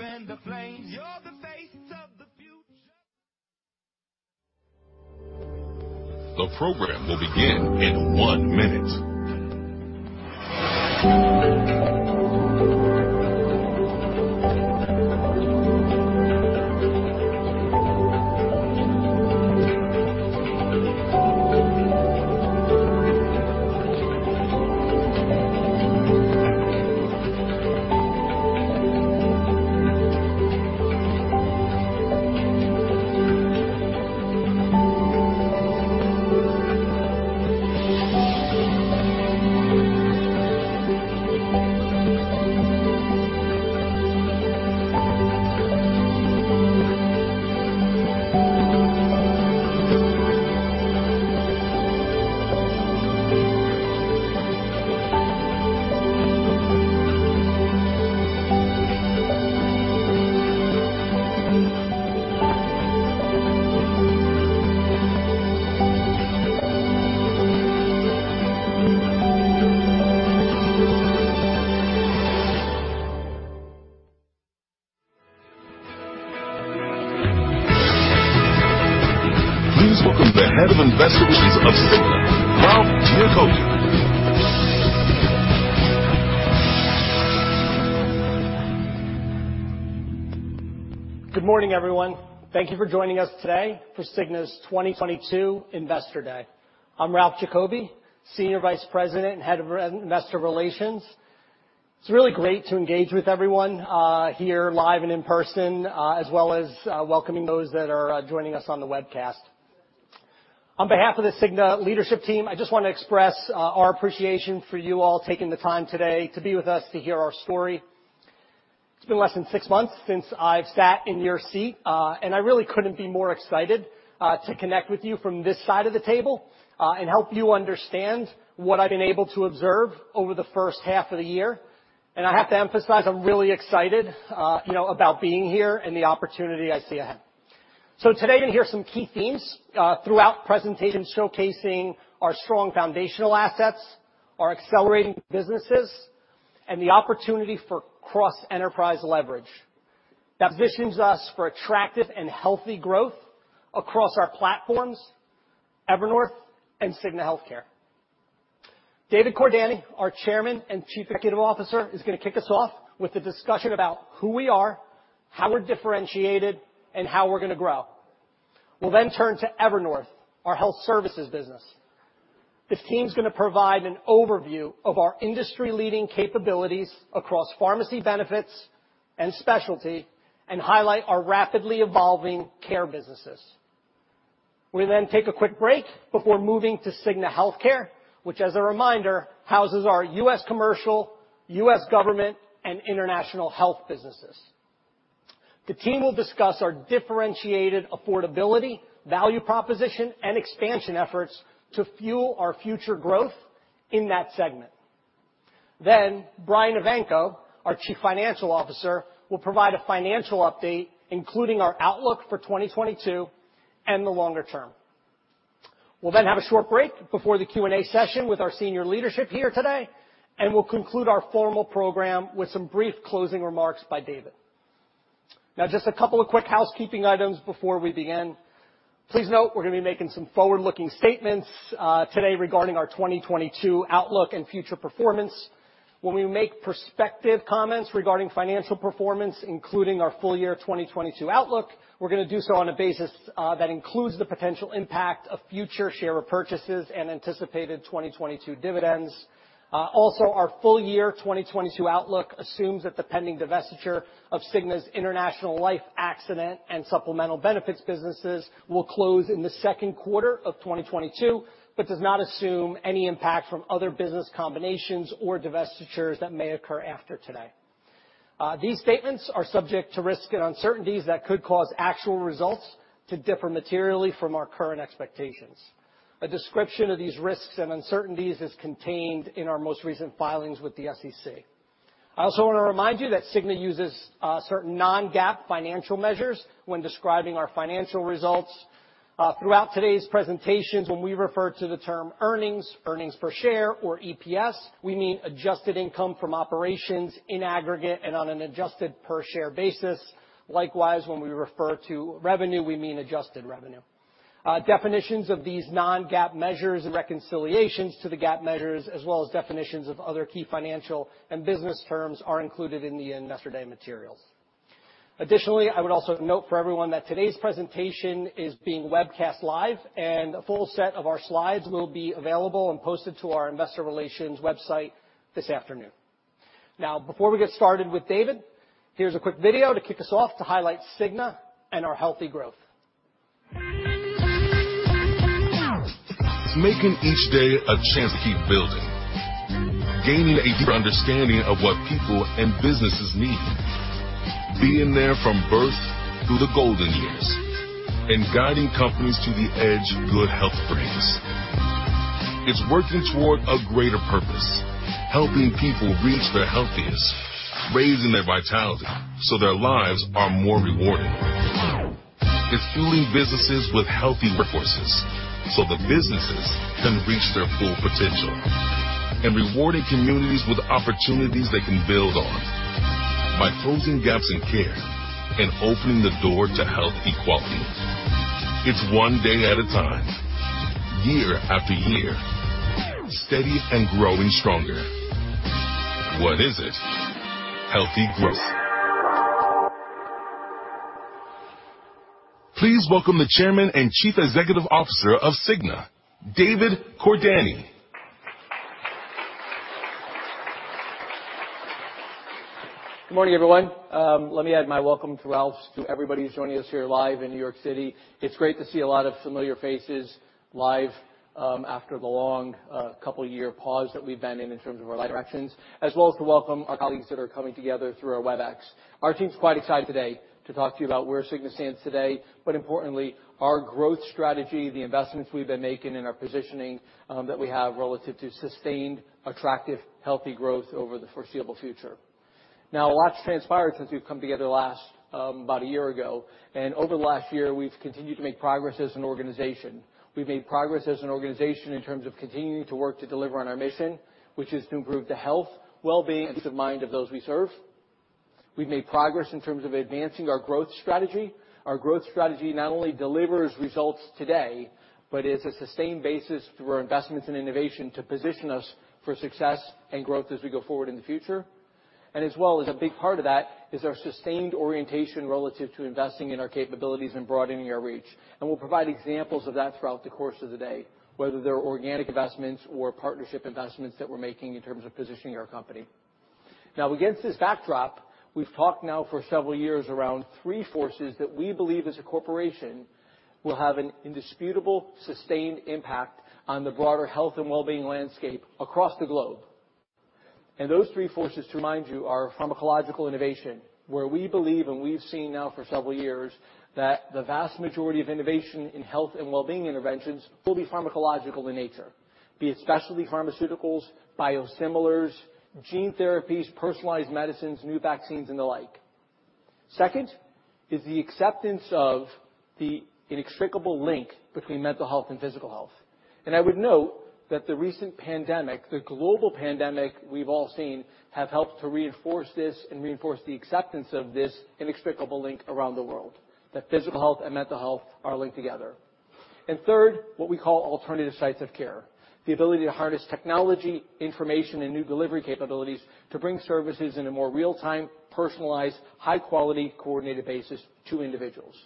The program will begin in one minute. Please welcome the Head of Investor Relations of Cigna, Ralph Giacobbe. Good morning, everyone. Thank you for joining us today for Cigna's 2022 Investor Day. I'm Ralph Giacobbe, Senior Vice President and Head of Investor Relations. It's really great to engage with everyone here live and in person, as well as welcoming those that are joining us on the webcast. On behalf of the Cigna leadership team, I just wanna express our appreciation for you all taking the time today to be with us to hear our story. It's been less than six months since I've sat in your seat, and I really couldn't be more excited to connect with you from this side of the table and help you understand what I've been able to observe over the first half of the year. I have to emphasize, I'm really excited, you know, about being here and the opportunity I see ahead. Today you'll hear some key themes throughout the presentation showcasing our strong foundational assets, our accelerating businesses, and the opportunity for cross-enterprise leverage that positions us for attractive and healthy growth across our platforms, Evernorth and Cigna Healthcare. David Cordani, our Chairman and Chief Executive Officer, is gonna kick us off with a discussion about who we are, how we're differentiated, and how we're gonna grow. We'll then turn to Evernorth, our health services business. This team's gonna provide an overview of our industry-leading capabilities across pharmacy benefits and specialty, and highlight our rapidly evolving care businesses. We'll then take a quick break before moving to Cigna Healthcare, which as a reminder, houses our U.S. Commercial, U.S. Government, and International Health businesses. The team will discuss our differentiated affordability, value proposition, and expansion efforts to fuel our future growth in that segment. Brian Evanko, our Chief Financial Officer, will provide a financial update, including our outlook for 2022 and the longer term. We'll then have a short break before the Q&A session with our senior leadership here today, and we'll conclude our formal program with some brief closing remarks by David. Now, just a couple of quick housekeeping items before we begin. Please note, we're gonna be making some forward-looking statements today regarding our 2022 outlook and future performance. When we make prospective comments regarding financial performance, including our full year 2022 outlook, we're gonna do so on a basis that includes the potential impact of future share repurchases and anticipated 2022 dividends. Also, our full year 2022 outlook assumes that the pending divestiture of Cigna's international life, accident, and supplemental benefits businesses will close in the second quarter of 2022, but does not assume any impact from other business combinations or divestitures that may occur after today. These statements are subject to risks and uncertainties that could cause actual results to differ materially from our current expectations. A description of these risks and uncertainties is contained in our most recent filings with the SEC. I also wanna remind you that Cigna uses certain non-GAAP financial measures when describing our financial results. Throughout today's presentations, when we refer to the term earnings per share or EPS, we mean adjusted income from operations in aggregate and on an adjusted per share basis. Likewise, when we refer to revenue, we mean adjusted revenue. Definitions of these non-GAAP measures and reconciliations to the GAAP measures, as well as definitions of other key financial and business terms, are included in the Investor Day materials. Additionally, I would also note for everyone that today's presentation is being webcast live, and a full set of our slides will be available and posted to our investor relations website this afternoon. Now, before we get started with David, here's a quick video to kick us off to highlight Cigna and our healthy growth. Making each day a chance to keep building. Gaining a deeper understanding of what people and businesses need. Being there from birth through the golden years, and guiding companies to the edge of good health frames. It's working toward a greater purpose, helping people reach their healthiest, raising their vitality so their lives are more rewarding. Fueling businesses with healthy workforces so that businesses can reach their full potential. Rewarding communities with opportunities they can build on. By closing gaps in care and opening the door to health equality. It's one day at a time, year after year, steady and growing stronger. What is it? Healthy growth. Please welcome the Chairman and Chief Executive Officer of Cigna, David Cordani. Good morning, everyone. Let me add my welcome to Ralph's to everybody who's joining us here live in New York City. It's great to see a lot of familiar faces live after the long couple-year pause that we've been in terms of our live interactions, as well as to welcome our colleagues that are coming together through our Webex. Our team's quite excited today to talk to you about where Cigna stands today, but importantly, our growth strategy, the investments we've been making and our positioning that we have relative to sustained, attractive, healthy growth over the foreseeable future. Now, a lot's transpired since we've come together last about a year ago, and over the last year, we've continued to make progress as an organization. We've made progress as an organization in terms of continuing to work to deliver on our mission, which is to improve the health, well-being and peace of mind of those we serve. We've made progress in terms of advancing our growth strategy. Our growth strategy not only delivers results today, but it's a sustained basis through our investments in innovation to position us for success and growth as we go forward in the future. As well, as a big part of that, is our sustained orientation relative to investing in our capabilities and broadening our reach. We'll provide examples of that throughout the course of the day, whether they're organic investments or partnership investments that we're making in terms of positioning our company. Now, against this backdrop, we've talked now for several years around three forces that we believe as a corporation will have an indisputable, sustained impact on the broader health and well-being landscape across the globe. Those three forces, to remind you, are pharmacological innovation, where we believe, and we've seen now for several years, that the vast majority of innovation in health and well-being interventions will be pharmacological in nature, be it specialty pharmaceuticals, biosimilars, gene therapies, personalized medicines, new vaccines, and the like. Second is the acceptance of the inextricable link between mental health and physical health. I would note that the recent pandemic, the global pandemic we've all seen, have helped to reinforce this and reinforce the acceptance of this inextricable link around the world, that physical health and mental health are linked together. Third, what we call alternative sites of care, the ability to harness technology, information, and new delivery capabilities to bring services in a more real-time, personalized, high quality, coordinated basis to individuals.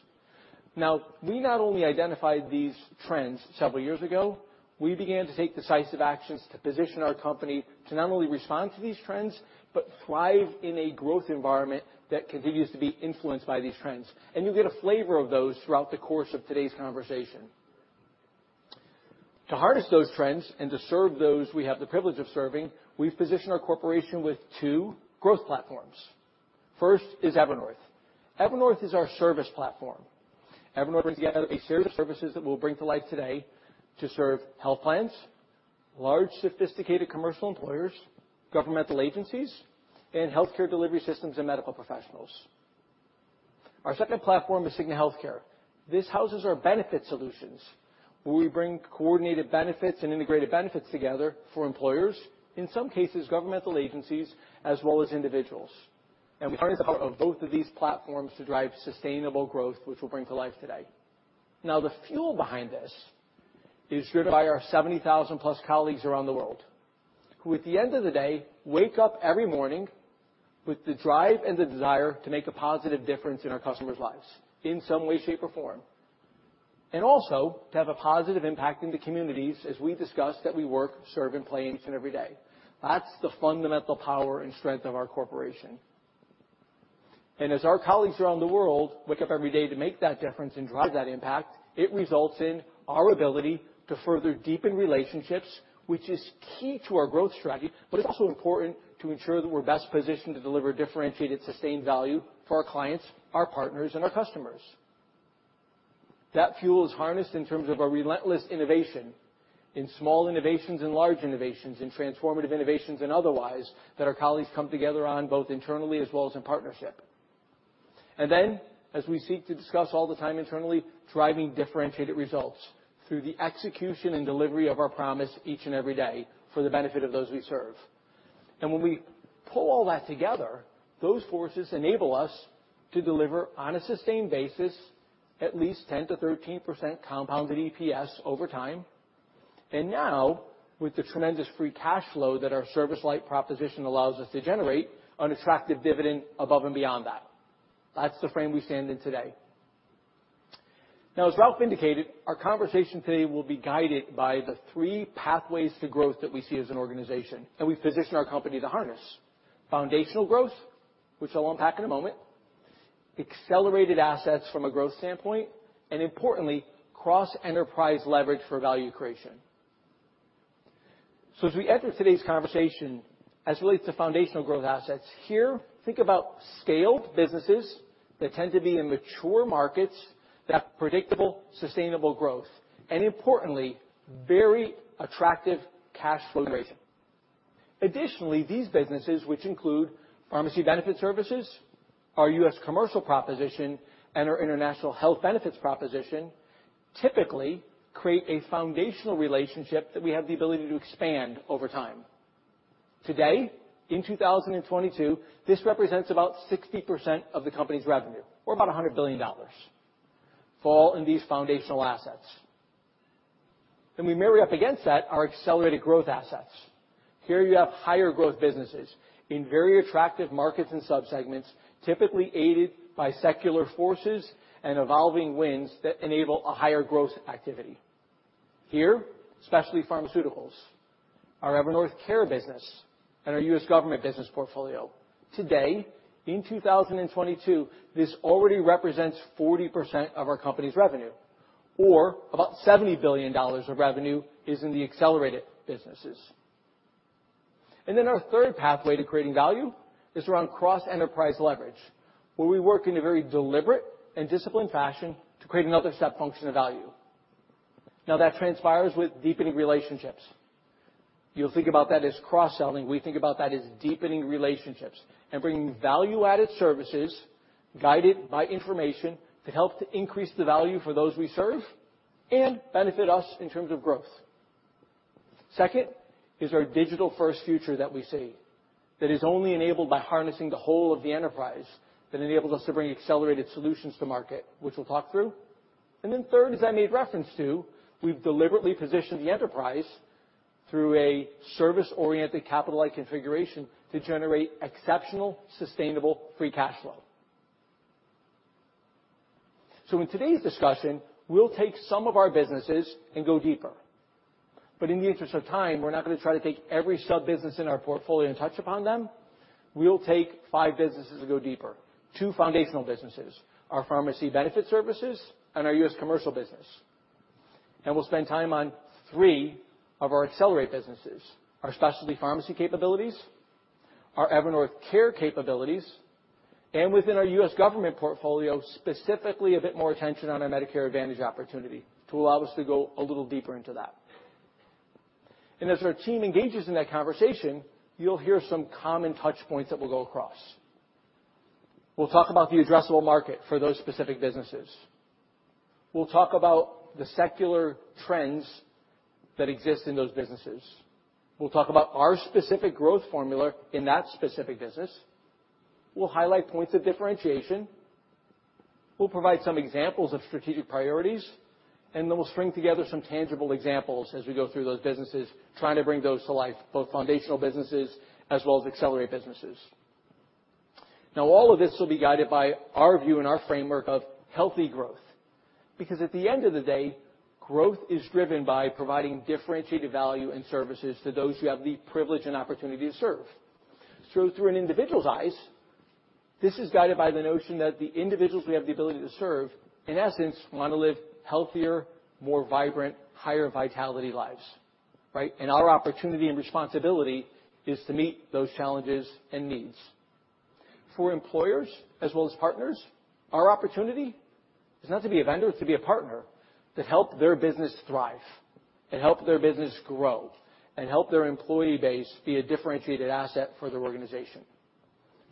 Now, we not only identified these trends several years ago. We began to take decisive actions to position our company to not only respond to these trends, but thrive in a growth environment that continues to be influenced by these trends. You'll get a flavor of those throughout the course of today's conversation. To harness those trends and to serve those we have the privilege of serving, we've positioned our corporation with two growth platforms. First is Evernorth. Evernorth is our service platform. Evernorth brings together a series of services that we'll bring to life today to serve health plans, large, sophisticated commercial employers, governmental agencies, and healthcare delivery systems and medical professionals. Our second platform is Cigna Healthcare. This houses our benefit solutions, where we bring coordinated benefits and integrated benefits together for employers, in some cases, governmental agencies, as well as individuals. We harness the power of both of these platforms to drive sustainable growth, which we'll bring to life today. Now, the fuel behind this is driven by our 70,000+ colleagues around the world, who at the end of the day, wake up every morning with the drive and the desire to make a positive difference in our customers' lives in some way, shape, or form. Also to have a positive impact in the communities as we discuss that we work, serve, and play in each and every day. That's the fundamental power and strength of our corporation. As our colleagues around the world wake up every day to make that difference and drive that impact, it results in our ability to further deepen relationships, which is key to our growth strategy, but it's also important to ensure that we're best positioned to deliver differentiated, sustained value for our clients, our partners, and our customers. That fuel is harnessed in terms of our relentless innovation in small innovations and large innovations, in transformative innovations and otherwise, that our colleagues come together on both internally as well as in partnership. Then, as we seek to discuss all the time internally, driving differentiated results through the execution and delivery of our promise each and every day for the benefit of those we serve. When we pull all that together, those forces enable us to deliver on a sustained basis at least 10%-13% compounded EPS over time. Now, with the tremendous free cash flow that our service-like proposition allows us to generate, an attractive dividend above and beyond that. That's the frame we stand in today. Now, as Ralph indicated, our conversation today will be guided by the three pathways to growth that we see as an organization, and we position our company to harness. Foundational growth, which I'll unpack in a moment, accelerated assets from a growth standpoint, and importantly, cross-enterprise leverage for value creation. As we enter today's conversation, as it relates to foundational growth assets, here, think about scaled businesses that tend to be in mature markets that have predictable, sustainable growth, and importantly, very attractive cash flow generation. Additionally, these businesses, which include pharmacy benefit services, our U.S. Commercial proposition, and our International Health benefits proposition, typically create a foundational relationship that we have the ability to expand over time. Today, in 2022, this represents about 60% of the company's revenue or about $100 billion, fall in these foundational assets. We marry up against that our accelerated growth assets. Here you have higher growth businesses in very attractive markets and subsegments, typically aided by secular forces and evolving tailwinds that enable a higher growth activity. Here, specialty pharmaceuticals, our Evernorth Care business, and our U.S. Government business portfolio. Today, in 2022, this already represents 40% of our company's revenue, or about $70 billion of revenue is in the accelerated businesses. Our third pathway to creating value is around cross-enterprise leverage, where we work in a very deliberate and disciplined fashion to create another step function of value. Now that transpires with deepening relationships. You'll think about that as cross-selling. We think about that as deepening relationships and bringing value-added services guided by information to help to increase the value for those we serve and benefit us in terms of growth. Second is our digital-first future that we see that is only enabled by harnessing the whole of the enterprise, that enables us to bring accelerated solutions to market, which we'll talk through. Then third, as I made reference to, we've deliberately positioned the enterprise through a service-oriented capital light configuration to generate exceptional, sustainable, free cash flow. In today's discussion, we'll take some of our businesses and go deeper. In the interest of time, we're not gonna try to take every sub-business in our portfolio and touch upon them. We'll take five businesses to go deeper. Two foundational businesses, our pharmacy benefit services and our U.S. Commercial business. We'll spend time on three of our accelerate businesses, our specialty pharmacy capabilities, our Evernorth Care capabilities, and within our U.S. Government portfolio, specifically a bit more attention on our Medicare Advantage opportunity to allow us to go a little deeper into that. As our team engages in that conversation, you'll hear some common touch points that we'll go across. We'll talk about the addressable market for those specific businesses. We'll talk about the secular trends that exist in those businesses. We'll talk about our specific growth formula in that specific business. We'll highlight points of differentiation. We'll provide some examples of strategic priorities, and then we'll string together some tangible examples as we go through those businesses, trying to bring those to life, both foundational businesses as well as accelerate businesses. Now, all of this will be guided by our view and our framework of healthy growth, because at the end of the day, growth is driven by providing differentiated value and services to those who have the privilege and opportunity to serve. Through an individual's eyes, this is guided by the notion that the individuals we have the ability to serve, in essence, wanna live healthier, more vibrant, higher vitality lives, right? Our opportunity and responsibility is to meet those challenges and needs. For employers as well as partners, our opportunity is not to be a vendor, it's to be a partner to help their business thrive and help their business grow, and help their employee base be a differentiated asset for their organization.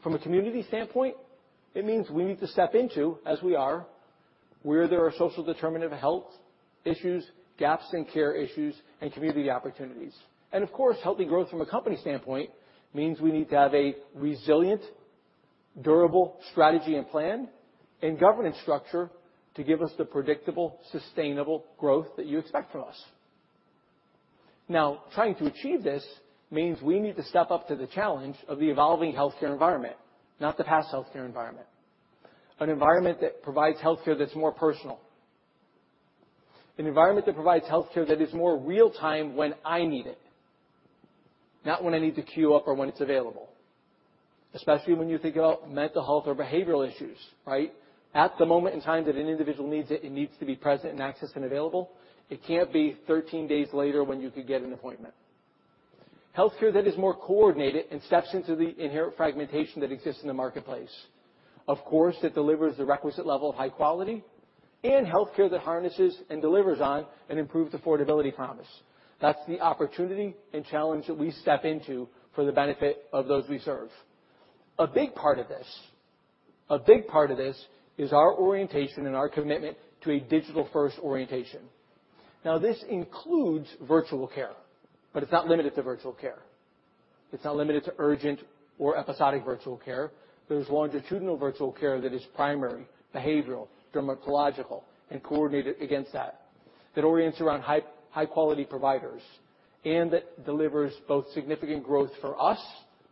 From a community standpoint, it means we need to step into, as we are, where there are social determinants of health issues, gaps in care issues, and community opportunities. Of course, healthy growth from a company standpoint means we need to have a resilient, durable strategy and plan and governance structure to give us the predictable, sustainable growth that you expect from us. Now, trying to achieve this means we need to step up to the challenge of the evolving healthcare environment, not the past healthcare environment. An environment that provides healthcare that's more personal. An environment that provides healthcare that is more real-time when I need it, not when I need to queue up or when it's available, especially when you think about mental health or behavioral issues, right? At the moment in time that an individual needs it needs to be present and accessed and available. It can't be 13 days later when you could get an appointment. Healthcare that is more coordinated and steps into the inherent fragmentation that exists in the marketplace. Of course, it delivers the requisite level of high quality and healthcare that harnesses and delivers on an improved affordability promise. That's the opportunity and challenge that we step into for the benefit of those we serve. A big part of this is our orientation and our commitment to a digital-first orientation. Now, this includes virtual care, but it's not limited to virtual care. It's not limited to urgent or episodic virtual care. There's longitudinal virtual care that is primary, behavioral, dermatological, and coordinated against that that orients around high quality providers, and that delivers both significant growth for us,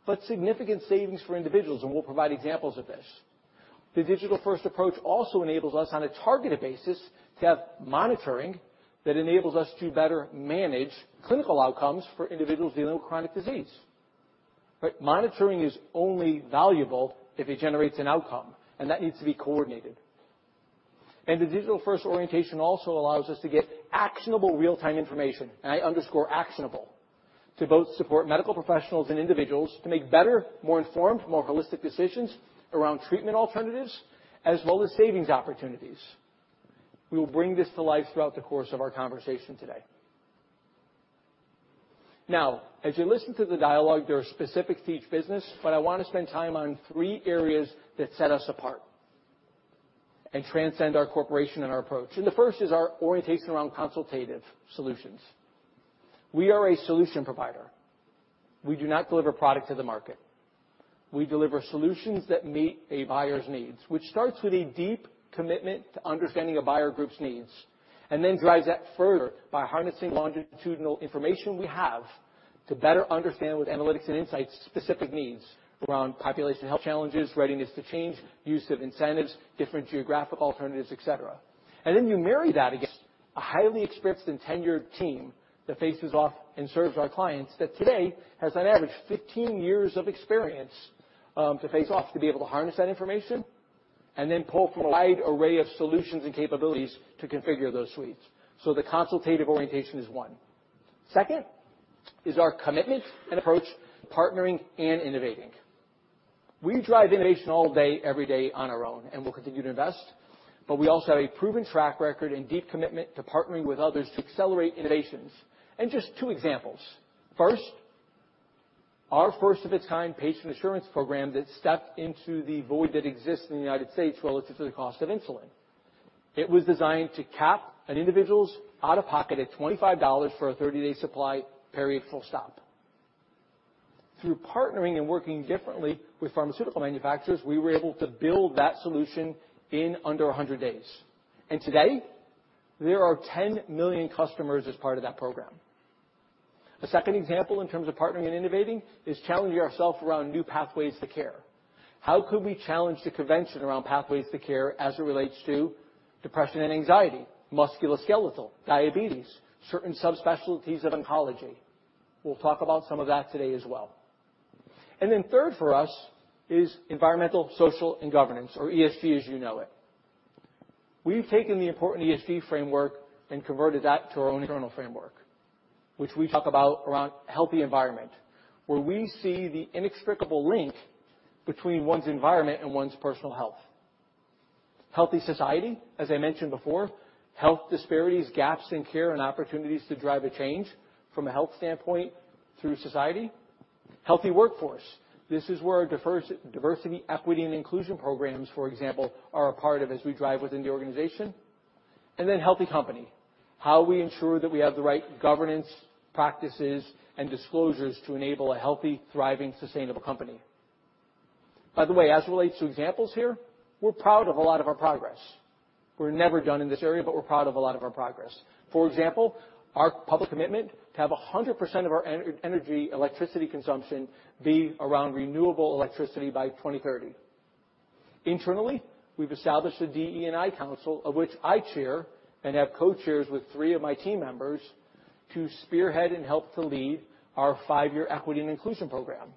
but significant savings for individuals, and we'll provide examples of this. The digital-first approach also enables us on a targeted basis to have monitoring that enables us to better manage clinical outcomes for individuals dealing with chronic disease. But monitoring is only valuable if it generates an outcome, and that needs to be coordinated. The digital-first orientation also allows us to get actionable real-time information, and I underscore actionable, to both support medical professionals and individuals to make better, more informed, more holistic decisions around treatment alternatives, as well as savings opportunities. We will bring this to life throughout the course of our conversation today. Now, as you listen to the dialogue, there are specifics to each business, but I wanna spend time on three areas that set us apart and transcend our corporation and our approach. The first is our orientation around consultative solutions. We are a solution provider. We do not deliver product to the market. We deliver solutions that meet a buyer's needs, which starts with a deep commitment to understanding a buyer group's needs, and then drives that further by harnessing longitudinal information we have to better understand, with analytics and insights, specific needs around population health challenges, readiness to change, use of incentives, different geographic alternatives, et cetera. You marry that against a highly experienced and tenured team that faces off and serves our clients that today has on average 15 years of experience to face off, to be able to harness that information, and then pull from a wide array of solutions and capabilities to configure those suites. The consultative orientation is one. Second is our commitment and approach to partnering and innovating. We drive innovation all day, every day on our own, and we'll continue to invest, but we also have a proven track record and deep commitment to partnering with others to accelerate innovations. Just two examples. First, our first of its kind patient assurance program that stepped into the void that exists in the United States relative to the cost of insulin. It was designed to cap an individual's out-of-pocket at $25 for a 30-day supply, period. Through partnering and working differently with pharmaceutical manufacturers, we were able to build that solution in under 100 days. Today, there are 10 million customers as part of that program. A second example in terms of partnering and innovating is challenging ourself around new pathways to care. How could we challenge the convention around pathways to care as it relates to depression and anxiety, musculoskeletal, diabetes, certain subspecialties of oncology? We'll talk about some of that today as well. Third for us is environmental, social, and governance, or ESG as you know it. We've taken the important ESG framework and converted that to our own internal framework, which we talk about around healthy environment, where we see the inextricable link between one's environment and one's personal health. Healthy society, as I mentioned before, health disparities, gaps in care, and opportunities to drive a change from a health standpoint through society. Healthy workforce. This is where our diversity, equity, and inclusion programs, for example, are a part of as we drive within the organization. Then healthy company. How we ensure that we have the right governance, practices, and disclosures to enable a healthy, thriving, sustainable company. By the way, as it relates to examples here, we're proud of a lot of our progress. We're never done in this area, but we're proud of a lot of our progress. For example, our public commitment to have 100% of our energy electricity consumption be from renewable electricity by 2030. Internally, we've established a DE&I council of which I chair and have co-chairs with three of my team members to spearhead and help to lead our five-year equity and inclusion program.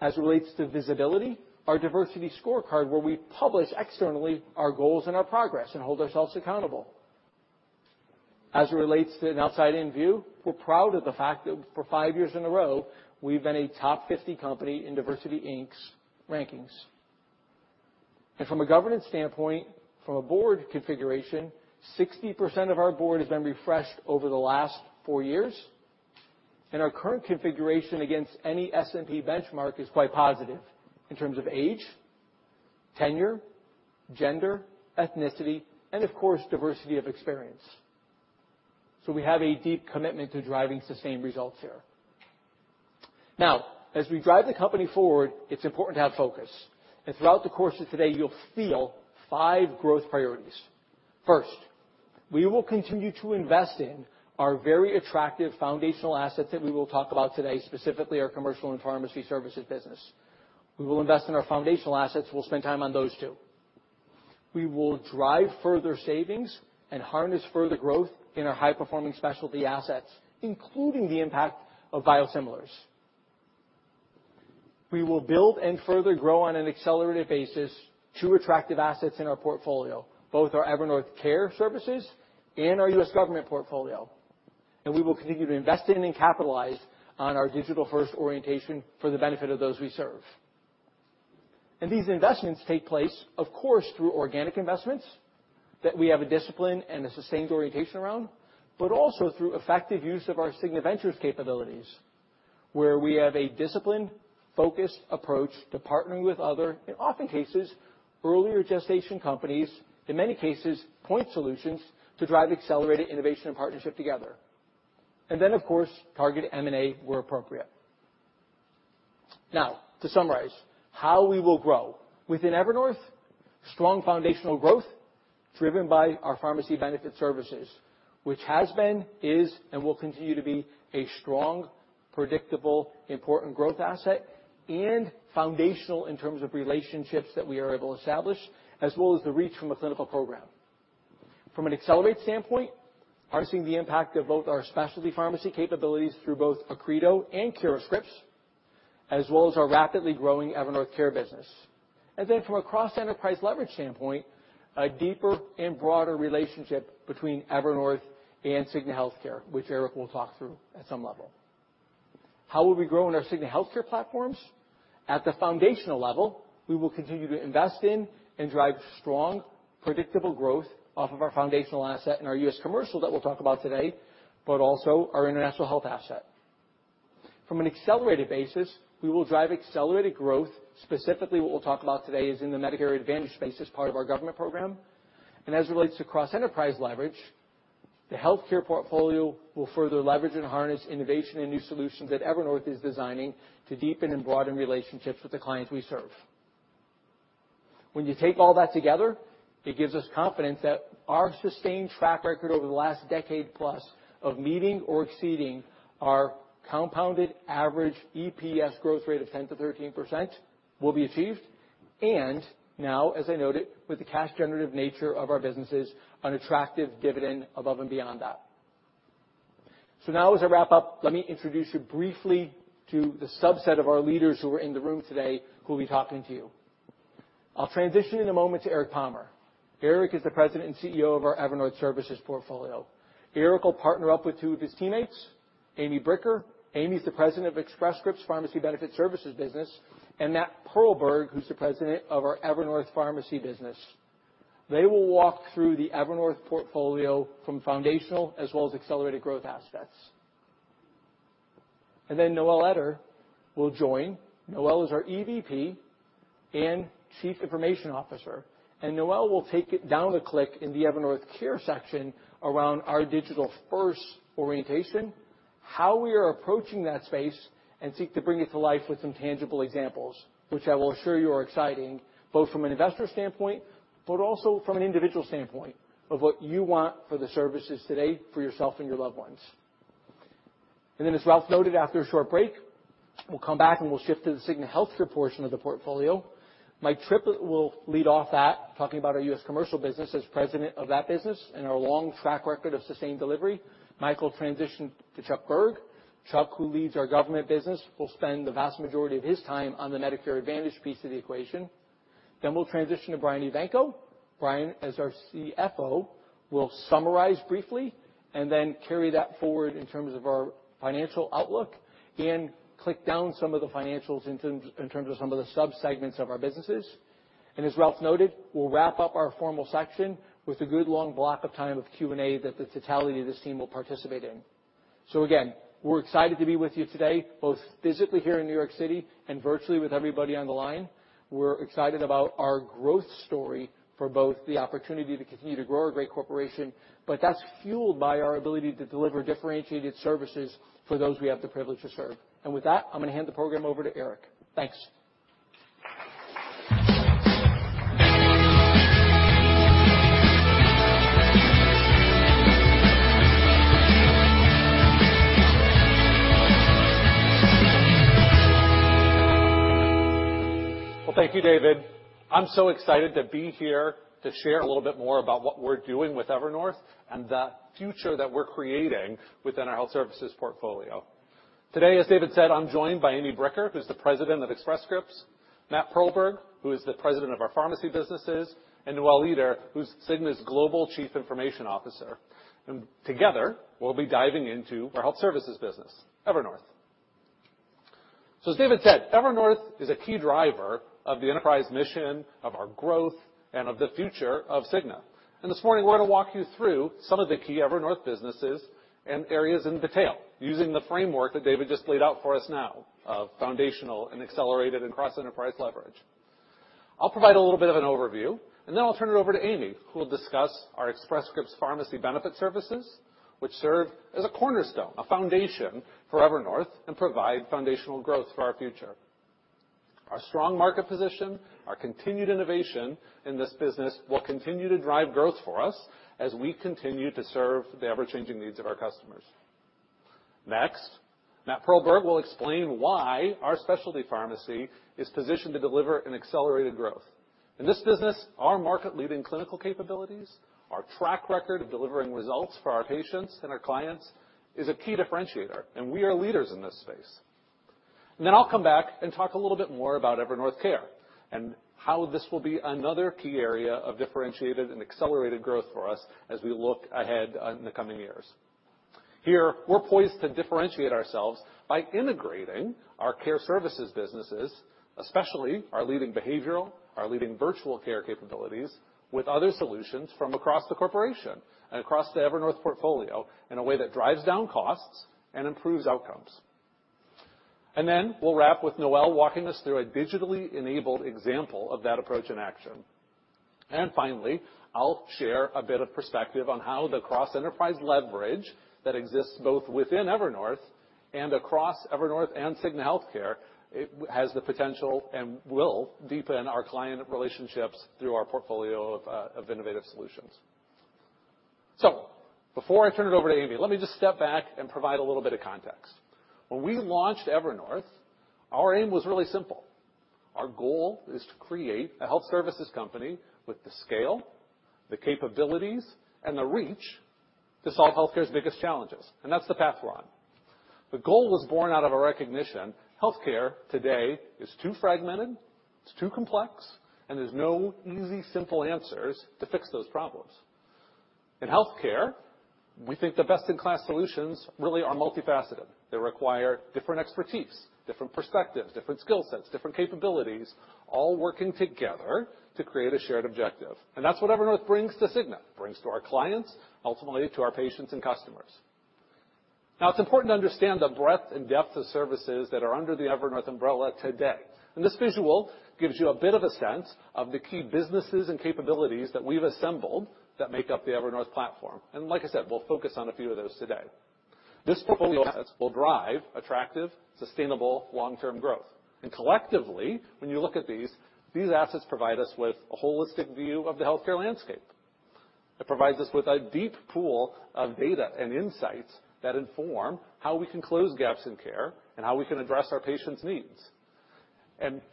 As it relates to visibility, our diversity scorecard, where we publish externally our goals and our progress and hold ourselves accountable. As it relates to an outside-in view, we're proud of the fact that for 5 years in a row, we've been a top 50 company in DiversityInc's rankings. From a governance standpoint, from a board configuration, 60% of our board has been refreshed over the last four years. Our current configuration against any S&P benchmark is quite positive in terms of age, tenure, gender, ethnicity, and of course, diversity of experience. We have a deep commitment to driving sustained results here. Now, as we drive the company forward, it's important to have focus. Throughout the course of today, you'll feel five growth priorities. First, we will continue to invest in our very attractive foundational assets that we will talk about today, specifically our commercial and pharmacy services business. We will invest in our foundational assets. We'll spend time on those, too. We will drive further savings and harness further growth in our high-performing specialty assets, including the impact of biosimilars. We will build and further grow on an accelerated basis two attractive assets in our portfolio, both our Evernorth Care Services and our U.S. Government portfolio. We will continue to invest in and capitalize on our digital-first orientation for the benefit of those we serve. These investments take place, of course, through organic investments that we have a discipline and a sustained orientation around, but also through effective use of our Cigna Ventures capabilities, where we have a disciplined, focused approach to partnering with other, in often cases, earlier gestation companies, in many cases, point solutions to drive accelerated innovation and partnership together. Then, of course, target M&A where appropriate. Now, to summarize, how we will grow. Within Evernorth, strong foundational growth driven by our pharmacy benefit services, which has been, is, and will continue to be a strong, predictable, important growth asset and foundational in terms of relationships that we are able to establish, as well as the reach from a clinical program. From an acceleration standpoint, harnessing the impact of both our specialty pharmacy capabilities through both Accredo and CuraScript, as well as our rapidly growing Evernorth Care business. From a cross-enterprise leverage standpoint, a deeper and broader relationship between Evernorth and Cigna Healthcare, which Eric will talk through at some level. How will we grow in our Cigna Healthcare platforms? At the foundational level, we will continue to invest in and drive strong, predictable growth off of our foundational asset in our U.S. Commercial that we'll talk about today, but also our International Health asset. From an accelerated basis, we will drive accelerated growth. Specifically, what we'll talk about today is in the Medicare Advantage space as part of our government program. As it relates to cross-enterprise leverage, the healthcare portfolio will further leverage and harness innovation and new solutions that Evernorth is designing to deepen and broaden relationships with the clients we serve. When you take all that together, it gives us confidence that our sustained track record over the last decade plus of meeting or exceeding our compounded average EPS growth rate of 10%-13% will be achieved. Now, as I noted, with the cash generative nature of our businesses, an attractive dividend above and beyond that. Now as I wrap up, let me introduce you briefly to the subset of our leaders who are in the room today who will be talking to you. I'll transition in a moment to Eric Palmer. Eric is the President and CEO of our Evernorth Health Services portfolio. Eric will partner up with two of his teammates, Amy Bricker. Amy's the President of Express Scripts Pharmacy Benefit Services business, and Matt Perlberg, who's the president of our Evernorth Pharmacy business. They will walk through the Evernorth portfolio from foundational as well as accelerated growth aspects. Noelle Eder will join. Noelle is our EVP and Chief Information Officer, and Noelle will take it down a click in the Evernorth Care section around our digital-first orientation, how we are approaching that space, and seek to bring it to life with some tangible examples, which I will assure you are exciting, both from an investor standpoint, but also from an individual standpoint of what you want for the services today for yourself and your loved ones. as Ralph noted, after a short break, we'll come back and we'll shift to the Cigna Healthcare portion of the portfolio. Mike Triplett will lead off that, talking about our U.S. Commercial business as president of that business and our long track record of sustained delivery. Mike will transition to Chuck Berg. Chuck, who leads our Government business, will spend the vast majority of his time on the Medicare Advantage piece of the equation. Then we'll transition to Brian Evanko. Brian, as our CFO, will summarize briefly and then carry that forward in terms of our financial outlook and drill down some of the financials in terms of some of the subsegments of our businesses. As Ralph noted, we'll wrap up our formal section with a good long block of time of Q&A that the totality of this team will participate in. Again, we're excited to be with you today, both physically here in New York City and virtually with everybody on the line. We're excited about our growth story for both the opportunity to continue to grow a great corporation, but that's fueled by our ability to deliver differentiated services for those we have the privilege to serve. With that, I'm gonna hand the program over to Eric. Thanks. Well, thank you, David. I'm so excited to be here to share a little bit more about what we're doing with Evernorth and the future that we're creating within our health services portfolio. Today, as David said, I'm joined by Amy Bricker, who's the President of Express Scripts, Matt Perlberg, who is the President of our pharmacy businesses, and Noelle Eder, who's Cigna's Global Chief Information Officer. Together, we'll be diving into our health services business, Evernorth. As David said, Evernorth is a key driver of the enterprise mission, of our growth, and of the future of Cigna. This morning, we're gonna walk you through some of the key Evernorth businesses and areas in detail using the framework that David just laid out for us now of foundational and accelerated and cross-enterprise leverage. I'll provide a little bit of an overview, and then I'll turn it over to Amy, who will discuss our Express Scripts pharmacy benefit services, which serve as a cornerstone, a foundation for Evernorth and provide foundational growth for our future. Our strong market position, our continued innovation in this business will continue to drive growth for us as we continue to serve the ever-changing needs of our customers. Next, Matt Perlberg will explain why our specialty pharmacy is positioned to deliver an accelerated growth. In this business, our market-leading clinical capabilities, our track record of delivering results for our patients and our clients is a key differentiator, and we are leaders in this space. I'll come back and talk a little bit more about Evernorth Care and how this will be another key area of differentiated and accelerated growth for us as we look ahead, in the coming years. Here, we're poised to differentiate ourselves by integrating our care services businesses, especially our leading behavioral, our leading virtual care capabilities, with other solutions from across the corporation and across the Evernorth portfolio in a way that drives down costs and improves outcomes. We'll wrap with Noelle walking us through a digitally enabled example of that approach in action. Finally, I'll share a bit of perspective on how the cross-enterprise leverage that exists both within Evernorth and across Evernorth and Cigna Healthcare, it, has the potential and will deepen our client relationships through our portfolio of innovative solutions. Before I turn it over to Amy, let me just step back and provide a little bit of context. When we launched Evernorth, our aim was really simple. Our goal is to create a health services company with the scale, the capabilities, and the reach to solve healthcare's biggest challenges, and that's the path we're on. The goal was born out of a recognition, healthcare today is too fragmented, it's too complex, and there's no easy, simple answers to fix those problems. In healthcare, we think the best-in-class solutions really are multifaceted. They require different expertise, different perspectives, different skill sets, different capabilities, all working together to create a shared objective. That's what Evernorth brings to Cigna, brings to our clients, ultimately to our patients and customers. Now, it's important to understand the breadth and depth of services that are under the Evernorth umbrella today. This visual gives you a bit of a sense of the key businesses and capabilities that we've assembled that make up the Evernorth platform. Like I said, we'll focus on a few of those today. These portfolio assets will drive attractive, sustainable long-term growth. Collectively, when you look at these assets provide us with a holistic view of the healthcare landscape. It provides us with a deep pool of data and insights that inform how we can close gaps in care and how we can address our patients' needs.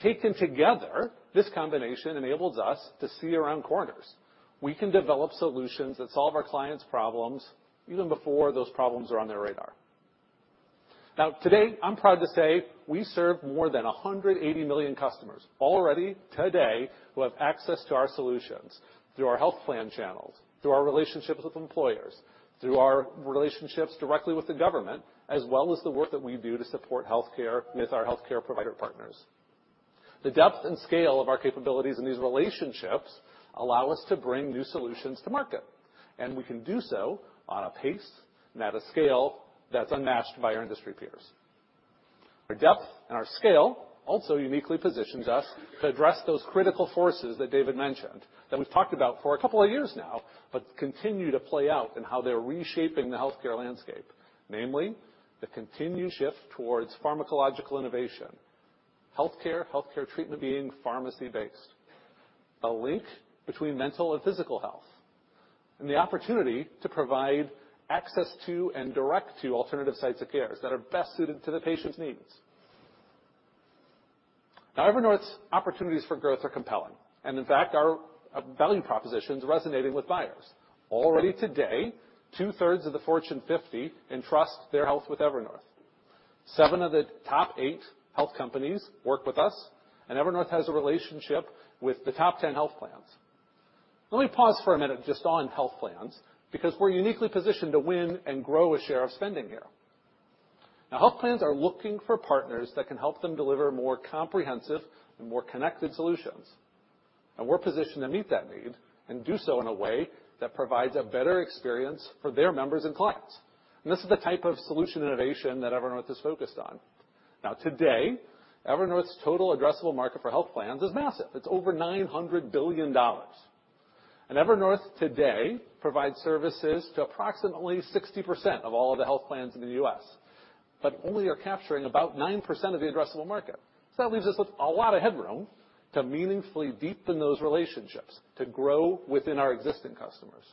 Taken together, this combination enables us to see around corners. We can develop solutions that solve our clients' problems even before those problems are on their radar. Now today, I'm proud to say we serve more than 180 million customers already today who have access to our solutions through our health plan channels, through our relationships with employers, through our relationships directly with the government, as well as the work that we do to support healthcare with our healthcare provider partners. The depth and scale of our capabilities in these relationships allow us to bring new solutions to market, and we can do so on a pace and at a scale that's unmatched by our industry peers. Our depth and our scale also uniquely positions us to address those critical forces that David mentioned, that we've talked about for a couple of years now, but continue to play out in how they're reshaping the healthcare landscape. Namely, the continued shift towards pharmacological innovation, healthcare treatment being pharmacy-based. A link between mental and physical health, and the opportunity to provide access to and direct to alternative sites of care that are best suited to the patient's needs. Now, Evernorth's opportunities for growth are compelling, and in fact, our value proposition is resonating with buyers. Already today, two-thirds of the Fortune 50 entrust their health with Evernorth. Seven of the top eight health companies work with us, and Evernorth has a relationship with the top ten health plans. Let me pause for a minute just on health plans, because we're uniquely positioned to win and grow a share of spending here. Now, health plans are looking for partners that can help them deliver more comprehensive and more connected solutions. We're positioned to meet that need and do so in a way that provides a better experience for their members and clients. This is the type of solution innovation that Evernorth is focused on. Now today, Evernorth's total addressable market for health plans is massive. It's over $900 billion. Evernorth today provides services to approximately 60% of all the health plans in the U.S., but only are capturing about 9% of the addressable market. That leaves us with a lot of headroom to meaningfully deepen those relationships, to grow within our existing customers.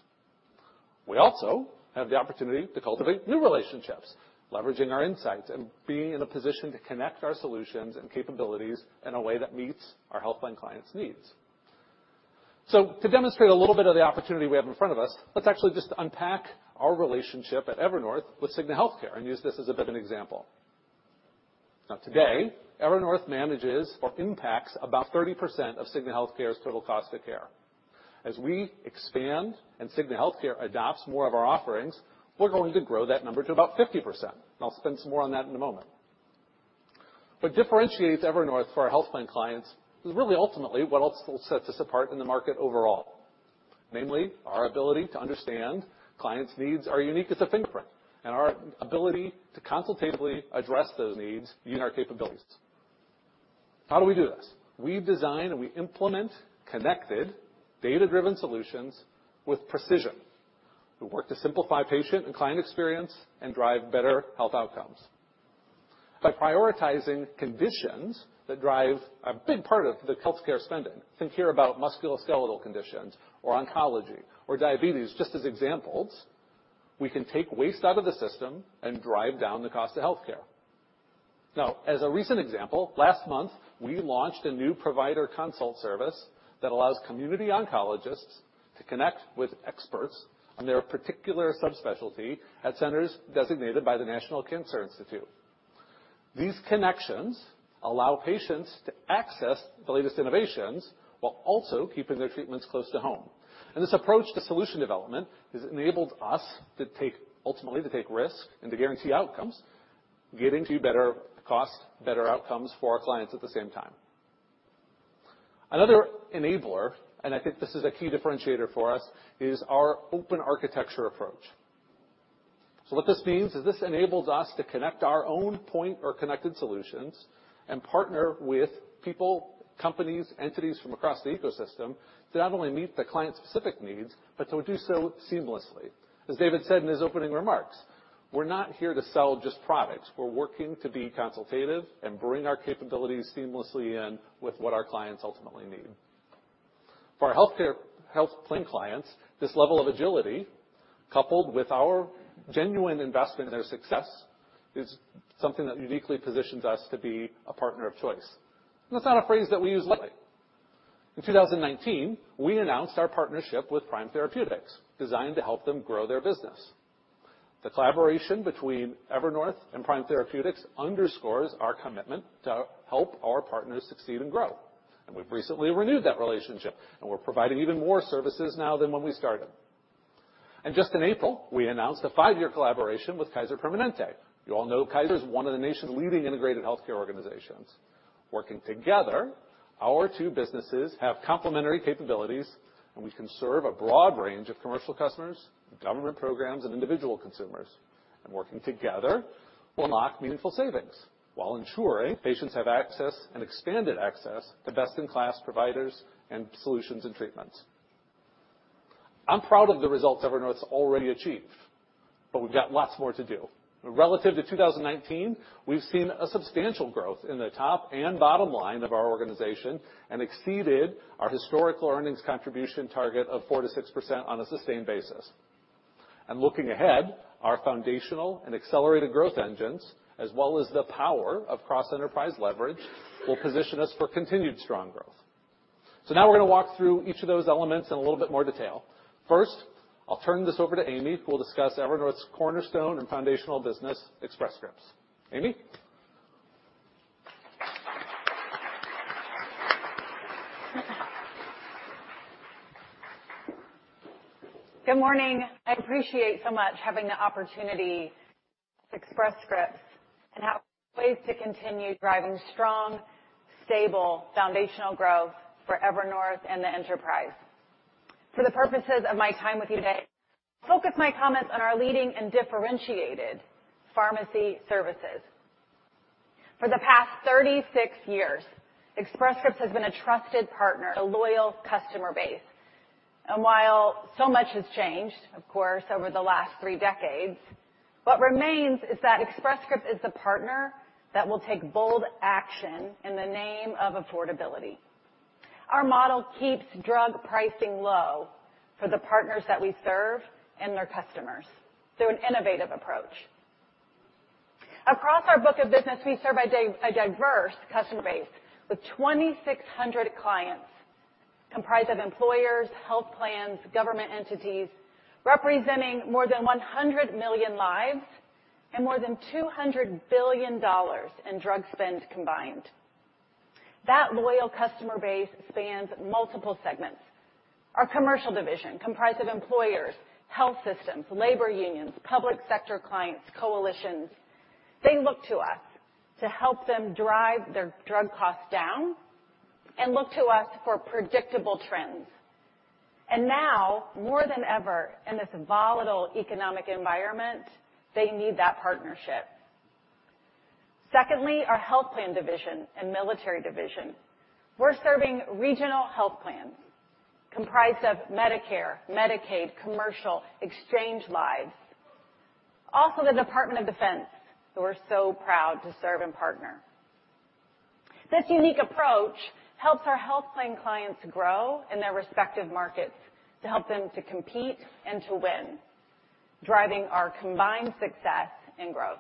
We also have the opportunity to cultivate new relationships, leveraging our insights and being in a position to connect our solutions and capabilities in a way that meets our health plan clients' needs. To demonstrate a little bit of the opportunity we have in front of us, let's actually just unpack our relationship at Evernorth with Cigna Healthcare and use this as a bit of an example. Now today, Evernorth manages or impacts about 30% of Cigna Healthcare's total cost of care. As we expand and Cigna Healthcare adopts more of our offerings, we're going to grow that number to about 50%. I'll spend some more on that in a moment. What differentiates Evernorth for our health plan clients is really ultimately what else will set us apart in the market overall. Namely, our ability to understand clients' needs are unique as a fingerprint, and our ability to consultatively address those needs using our capabilities. How do we do this? We design and we implement connected data-driven solutions with precision. We work to simplify patient and client experience and drive better health outcomes. By prioritizing conditions that drive a big part of the healthcare spending. Think here about musculoskeletal conditions or oncology or diabetes, just as examples. We can take waste out of the system and drive down the cost of healthcare. Now, as a recent example, last month, we launched a new provider consult service that allows community oncologists to connect with experts on their particular subspecialty at centers designated by the National Cancer Institute. These connections allow patients to access the latest innovations while also keeping their treatments close to home. This approach to solution development has enabled us to ultimately take risk and to guarantee outcomes, getting to better costs, better outcomes for our clients at the same time. Another enabler, and I think this is a key differentiator for us, is our open architecture approach. What this means is this enables us to connect our own point or connected solutions and partner with people, companies, entities from across the ecosystem to not only meet the client's specific needs, but to do so seamlessly. As David said in his opening remarks, we're not here to sell just products. We're working to be consultative and bring our capabilities seamlessly in with what our clients ultimately need. For our healthcare plan clients, this level of agility, coupled with our genuine investment in their success, is something that uniquely positions us to be a partner of choice. That's not a phrase that we use lightly. In 2019, we announced our partnership with Prime Therapeutics, designed to help them grow their business. The collaboration between Evernorth and Prime Therapeutics underscores our commitment to help our partners succeed and grow. We've recently renewed that relationship, and we're providing even more services now than when we started. Just in April, we announced a five-year collaboration with Kaiser Permanente. You all know Kaiser is one of the nation's leading integrated healthcare organizations. Working together, our two businesses have complementary capabilities, and we can serve a broad range of commercial customers, government programs, and individual consumers. Working together will unlock meaningful savings while ensuring patients have access and expanded access to best-in-class providers and solutions and treatments. I'm proud of the results Evernorth's already achieved, but we've got lots more to do. Relative to 2019, we've seen a substantial growth in the top and bottom line of our organization and exceeded our historical earnings contribution target of 4%-6% on a sustained basis. Looking ahead, our foundational and accelerated growth engines, as well as the power of cross-enterprise leverage, will position us for continued strong growth. Now we're gonna walk through each of those elements in a little bit more detail. First, I'll turn this over to Amy, who will discuss Evernorth's cornerstone and foundational business, Express Scripts. Amy. Good morning. I appreciate so much having the opportunity. Express Scripts has ways to continue driving strong, stable, foundational growth for Evernorth and the enterprise. For the purposes of my time with you today, focus my comments on our leading and differentiated pharmacy services. For the past 36 years, Express Scripts has been a trusted partner, a loyal customer base. While so much has changed, of course, over the last three decades, what remains is that Express Scripts is the partner that will take bold action in the name of affordability. Our model keeps drug pricing low for the partners that we serve and their customers through an innovative approach. Across our book of business, we serve a diverse customer base with 2,600 clients comprised of employers, health plans, government entities, representing more than 100 million lives and more than $200 billion in drug spend combined. That loyal customer base spans multiple segments. Our commercial division comprised of employers, health systems, labor unions, public sector clients, coalitions. They look to us to help them drive their drug costs down and look to us for predictable trends. Now, more than ever in this volatile economic environment, they need that partnership. Secondly, our health plan division and military division. We're serving regional health plans comprised of Medicare, Medicaid, commercial, exchange lives. Also, the Department of Defense, who we're so proud to serve and partner. This unique approach helps our health plan clients grow in their respective markets to help them to compete and to win, driving our combined success and growth.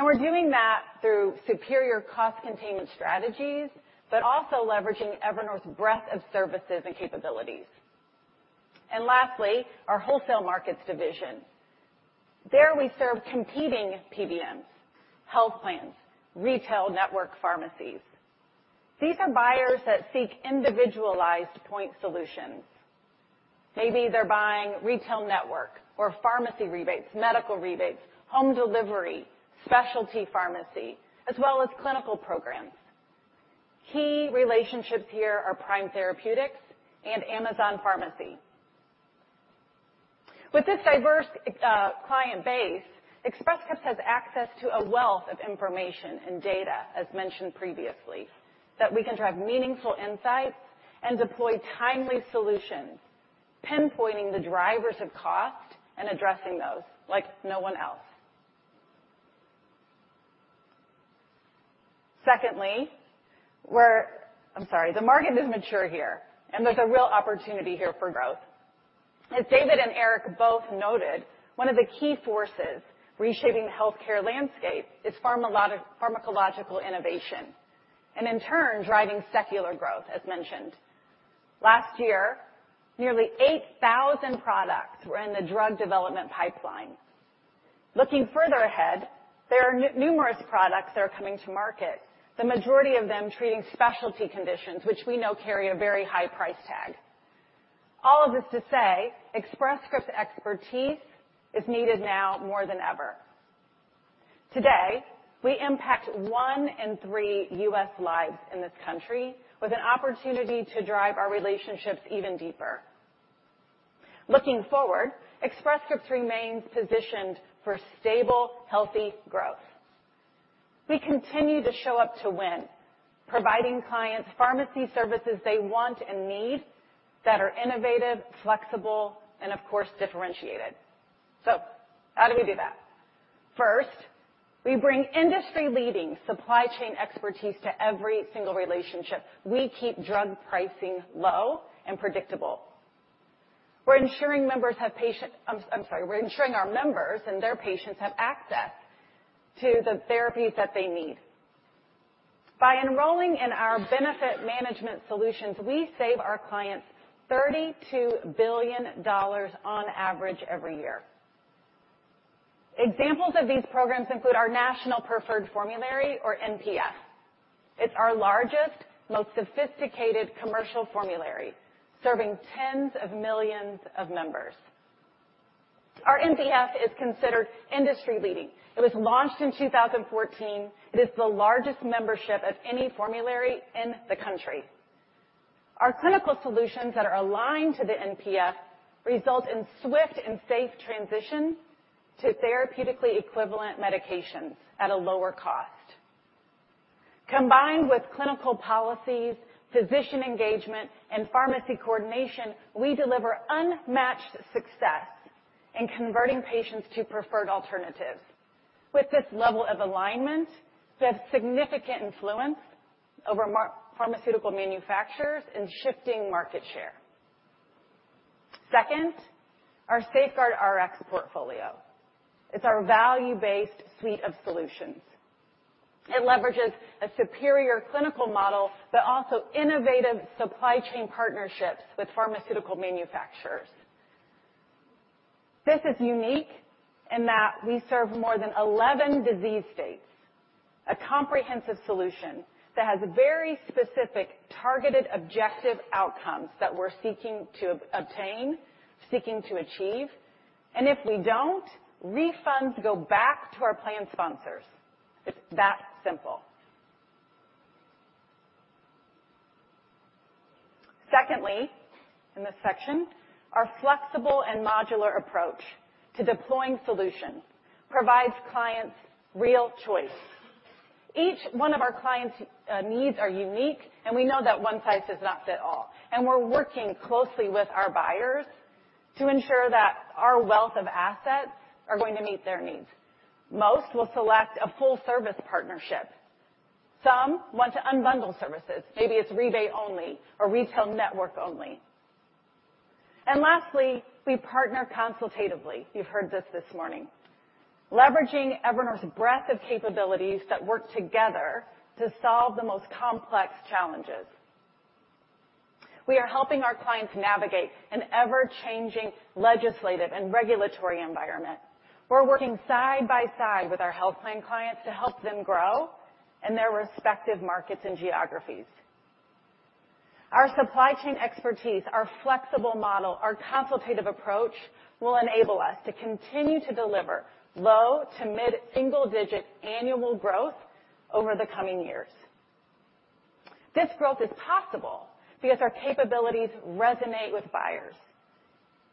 We're doing that through superior cost containment strategies, but also leveraging Evernorth's breadth of services and capabilities. Lastly, our wholesale markets division. There we serve competing PBMs, health plans, retail network pharmacies. These are buyers that seek individualized point solutions. Maybe they're buying retail network or pharmacy rebates, medical rebates, home delivery, specialty pharmacy, as well as clinical programs. Key relationships here are Prime Therapeutics and Amazon Pharmacy. With this diverse client base, Express Scripts has access to a wealth of information and data, as mentioned previously, that we can drive meaningful insights and deploy timely solutions, pinpointing the drivers of cost and addressing those like no one else. Secondly, I'm sorry. The market is mature here, and there's a real opportunity here for growth. As David and Eric both noted, one of the key forces reshaping the healthcare landscape is pharmacological innovation, and in turn, driving secular growth, as mentioned. Last year, nearly 8,000 products were in the drug development pipeline. Looking further ahead, there are numerous products that are coming to market, the majority of them treating specialty conditions, which we know carry a very high price tag. All of this to say, Express Scripts expertise is needed now more than ever. Today, we impact one in three U.S. lives in this country with an opportunity to drive our relationships even deeper. Looking forward, Express Scripts remains positioned for stable, healthy growth. We continue to show up to win, providing clients pharmacy services they want and need that are innovative, flexible, and of course, differentiated. How do we do that? First, we bring industry-leading supply chain expertise to every single relationship. We keep drug pricing low and predictable. We're ensuring our members and their patients have access to the therapies that they need. By enrolling in our benefit management solutions, we save our clients $32 billion on average every year. Examples of these programs include our national preferred formulary or NPF. It's our largest, most sophisticated commercial formulary, serving tens of millions of members. Our NPF is considered industry-leading. It was launched in 2014. It is the largest membership of any formulary in the country. Our clinical solutions that are aligned to the NPF result in swift and safe transition to therapeutically equivalent medications at a lower cost. Combined with clinical policies, physician engagement, and pharmacy coordination, we deliver unmatched success in converting patients to preferred alternatives. With this level of alignment, we have significant influence over pharmaceutical manufacturers in shifting market share. Second, our SafeGuardRx portfolio. It's our value-based suite of solutions. It leverages a superior clinical model, but also innovative supply chain partnerships with pharmaceutical manufacturers. This is unique in that we serve more than 11 disease states. A comprehensive solution that has very specific, targeted, objective outcomes that we're seeking to obtain, seeking to achieve, and if we don't, refunds go back to our plan sponsors. It's that simple. Secondly, in this section, our flexible and modular approach to deploying solutions provides clients real choice. Each one of our clients' needs are unique, and we know that one size does not fit all. We're working closely with our buyers to ensure that our wealth of assets are going to meet their needs. Most will select a full-service partnership. Some want to unbundle services. Maybe it's rebate only or retail network only. Lastly, we partner consultatively. You've heard this this morning. Leveraging Evernorth's breadth of capabilities that work together to solve the most complex challenges. We are helping our clients navigate an ever-changing legislative and regulatory environment. We're working side by side with our health plan clients to help them grow in their respective markets and geographies. Our supply chain expertise, our flexible model, our consultative approach, will enable us to continue to deliver low- to mid-single-digit annual growth over the coming years. This growth is possible because our capabilities resonate with buyers,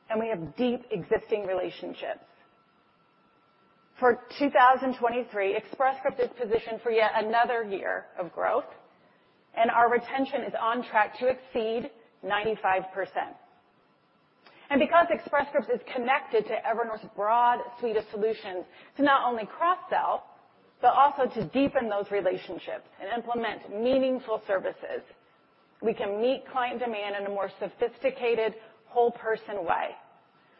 and we have deep existing relationships. For 2023, Express Scripts is positioned for yet another year of growth, and our retention is on track to exceed 95%. Because Express Scripts is connected to Evernorth's broad suite of solutions to not only cross-sell, but also to deepen those relationships and implement meaningful services, we can meet client demand in a more sophisticated whole person way,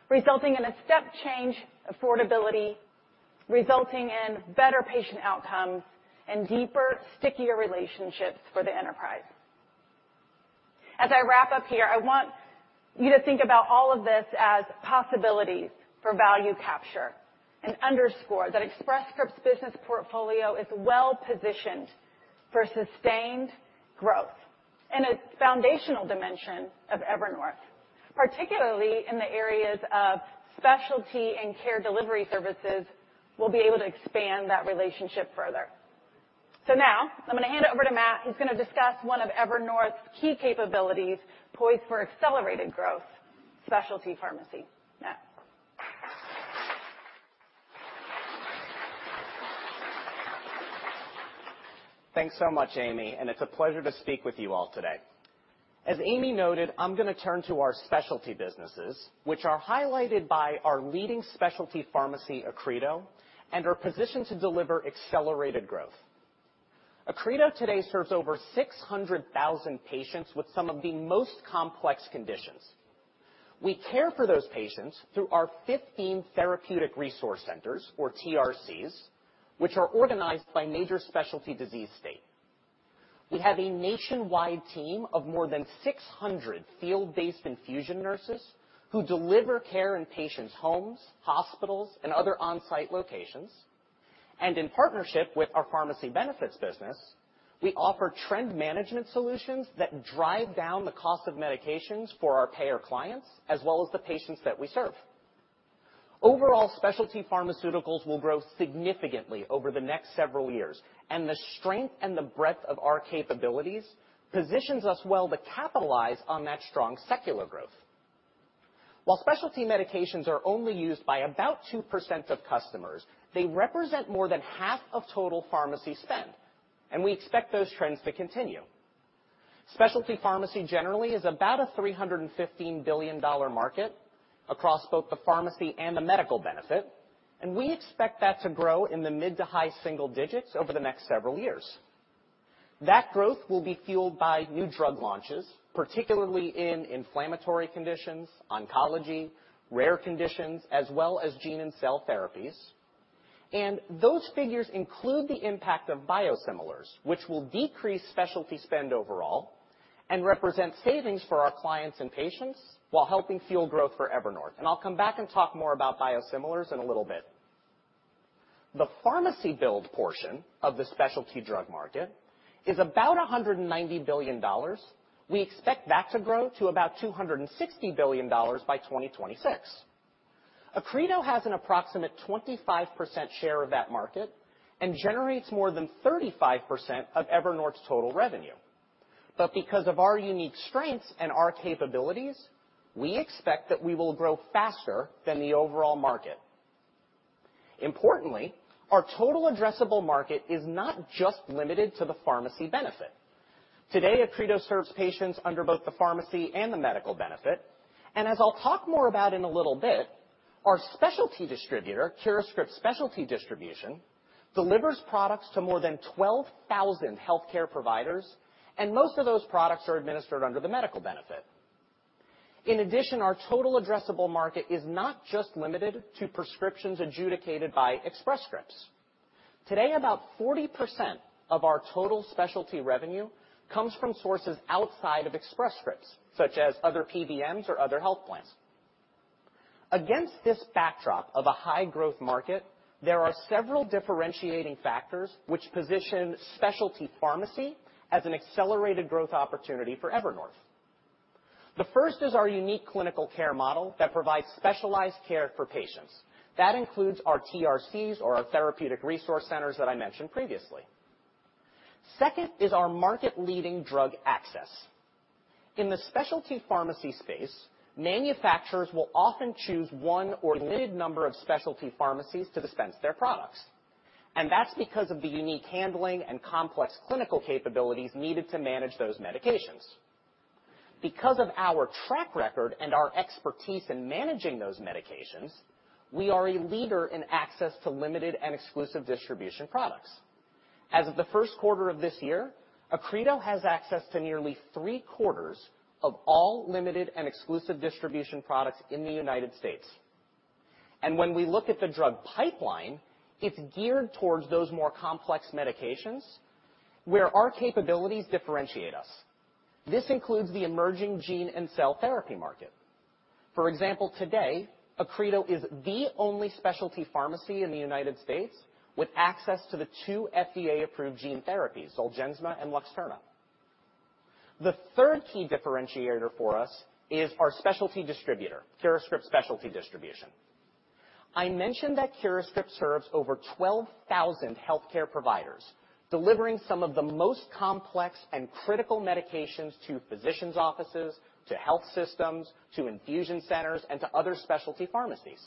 resulting in a step change affordability, resulting in better patient outcomes and deeper, stickier relationships for the enterprise. As I wrap up here, I want you to think about all of this as possibilities for value capture and underscore that Express Scripts' business portfolio is well positioned for sustained growth and a foundational dimension of Evernorth, particularly in the areas of specialty and care delivery services will be able to expand that relationship further. Now I'm gonna hand it over to Matt, who's gonna discuss one of Evernorth's key capabilities poised for accelerated growth, specialty pharmacy. Matt. Thanks so much, Amy, and it's a pleasure to speak with you all today. As Amy noted, I'm gonna turn to our specialty businesses, which are highlighted by our leading specialty pharmacy, Accredo, and are positioned to deliver accelerated growth. Accredo today serves over 600,000 patients with some of the most complex conditions. We care for those patients through our 15 Therapeutic Resource Centers or TRCs, which are organized by major specialty disease state. We have a nationwide team of more than 600 field-based infusion nurses who deliver care in patients' homes, hospitals, and other on-site locations. In partnership with our pharmacy benefits business, we offer trend management solutions that drive down the cost of medications for our payer clients, as well as the patients that we serve. Overall, specialty pharmaceuticals will grow significantly over the next several years, and the strength and the breadth of our capabilities positions us well to capitalize on that strong secular growth. While specialty medications are only used by about 2% of customers, they represent more than half of total pharmacy spend, and we expect those trends to continue. Specialty pharmacy generally is about a $315 billion market across both the pharmacy and the medical benefit, and we expect that to grow in the mid- to high-single digits over the next several years. That growth will be fueled by new drug launches, particularly in inflammatory conditions, oncology, rare conditions, as well as gene and cell therapies. Those figures include the impact of biosimilars, which will decrease specialty spend overall and represent savings for our clients and patients while helping fuel growth for Evernorth. I'll come back and talk more about biosimilars in a little bit. The pharmacy build portion of the specialty drug market is about $190 billion. We expect that to grow to about $260 billion by 2026. Accredo has an approximate 25% share of that market and generates more than 35% of Evernorth's total revenue. Because of our unique strengths and our capabilities, we expect that we will grow faster than the overall market. Importantly, our total addressable market is not just limited to the pharmacy benefit. Today, Accredo serves patients under both the pharmacy and the medical benefit, and as I'll talk more about in a little bit, our specialty distributor, CuraScript Specialty Distribution, delivers products to more than 12,000 healthcare providers, and most of those products are administered under the medical benefit. In addition, our total addressable market is not just limited to prescriptions adjudicated by Express Scripts. Today, about 40% of our total specialty revenue comes from sources outside of Express Scripts, such as other PBMs or other health plans. Against this backdrop of a high growth market, there are several differentiating factors which position specialty pharmacy as an accelerated growth opportunity for Evernorth. The first is our unique clinical care model that provides specialized care for patients. That includes our TRCs or our Therapeutic Resource Centers that I mentioned previously. Second is our market-leading drug access. In the specialty pharmacy space, manufacturers will often choose one or limited number of specialty pharmacies to dispense their products, and that's because of the unique handling and complex clinical capabilities needed to manage those medications. Because of our track record and our expertise in managing those medications, we are a leader in access to limited and exclusive distribution products. As of the first quarter of this year, Accredo has access to nearly three-quarters of all limited and exclusive distribution products in the United States. When we look at the drug pipeline, it's geared towards those more complex medications where our capabilities differentiate us. This includes the emerging gene and cell therapy market. For example, today, Accredo is the only specialty pharmacy in the United States with access to the two FDA-approved gene therapies, Zolgensma and Luxturna. The third key differentiator for us is our specialty distributor, CuraScript Specialty Distribution. I mentioned that CuraScript serves over 12,000 healthcare providers, delivering some of the most complex and critical medications to physicians' offices, to health systems, to infusion centers, and to other specialty pharmacies.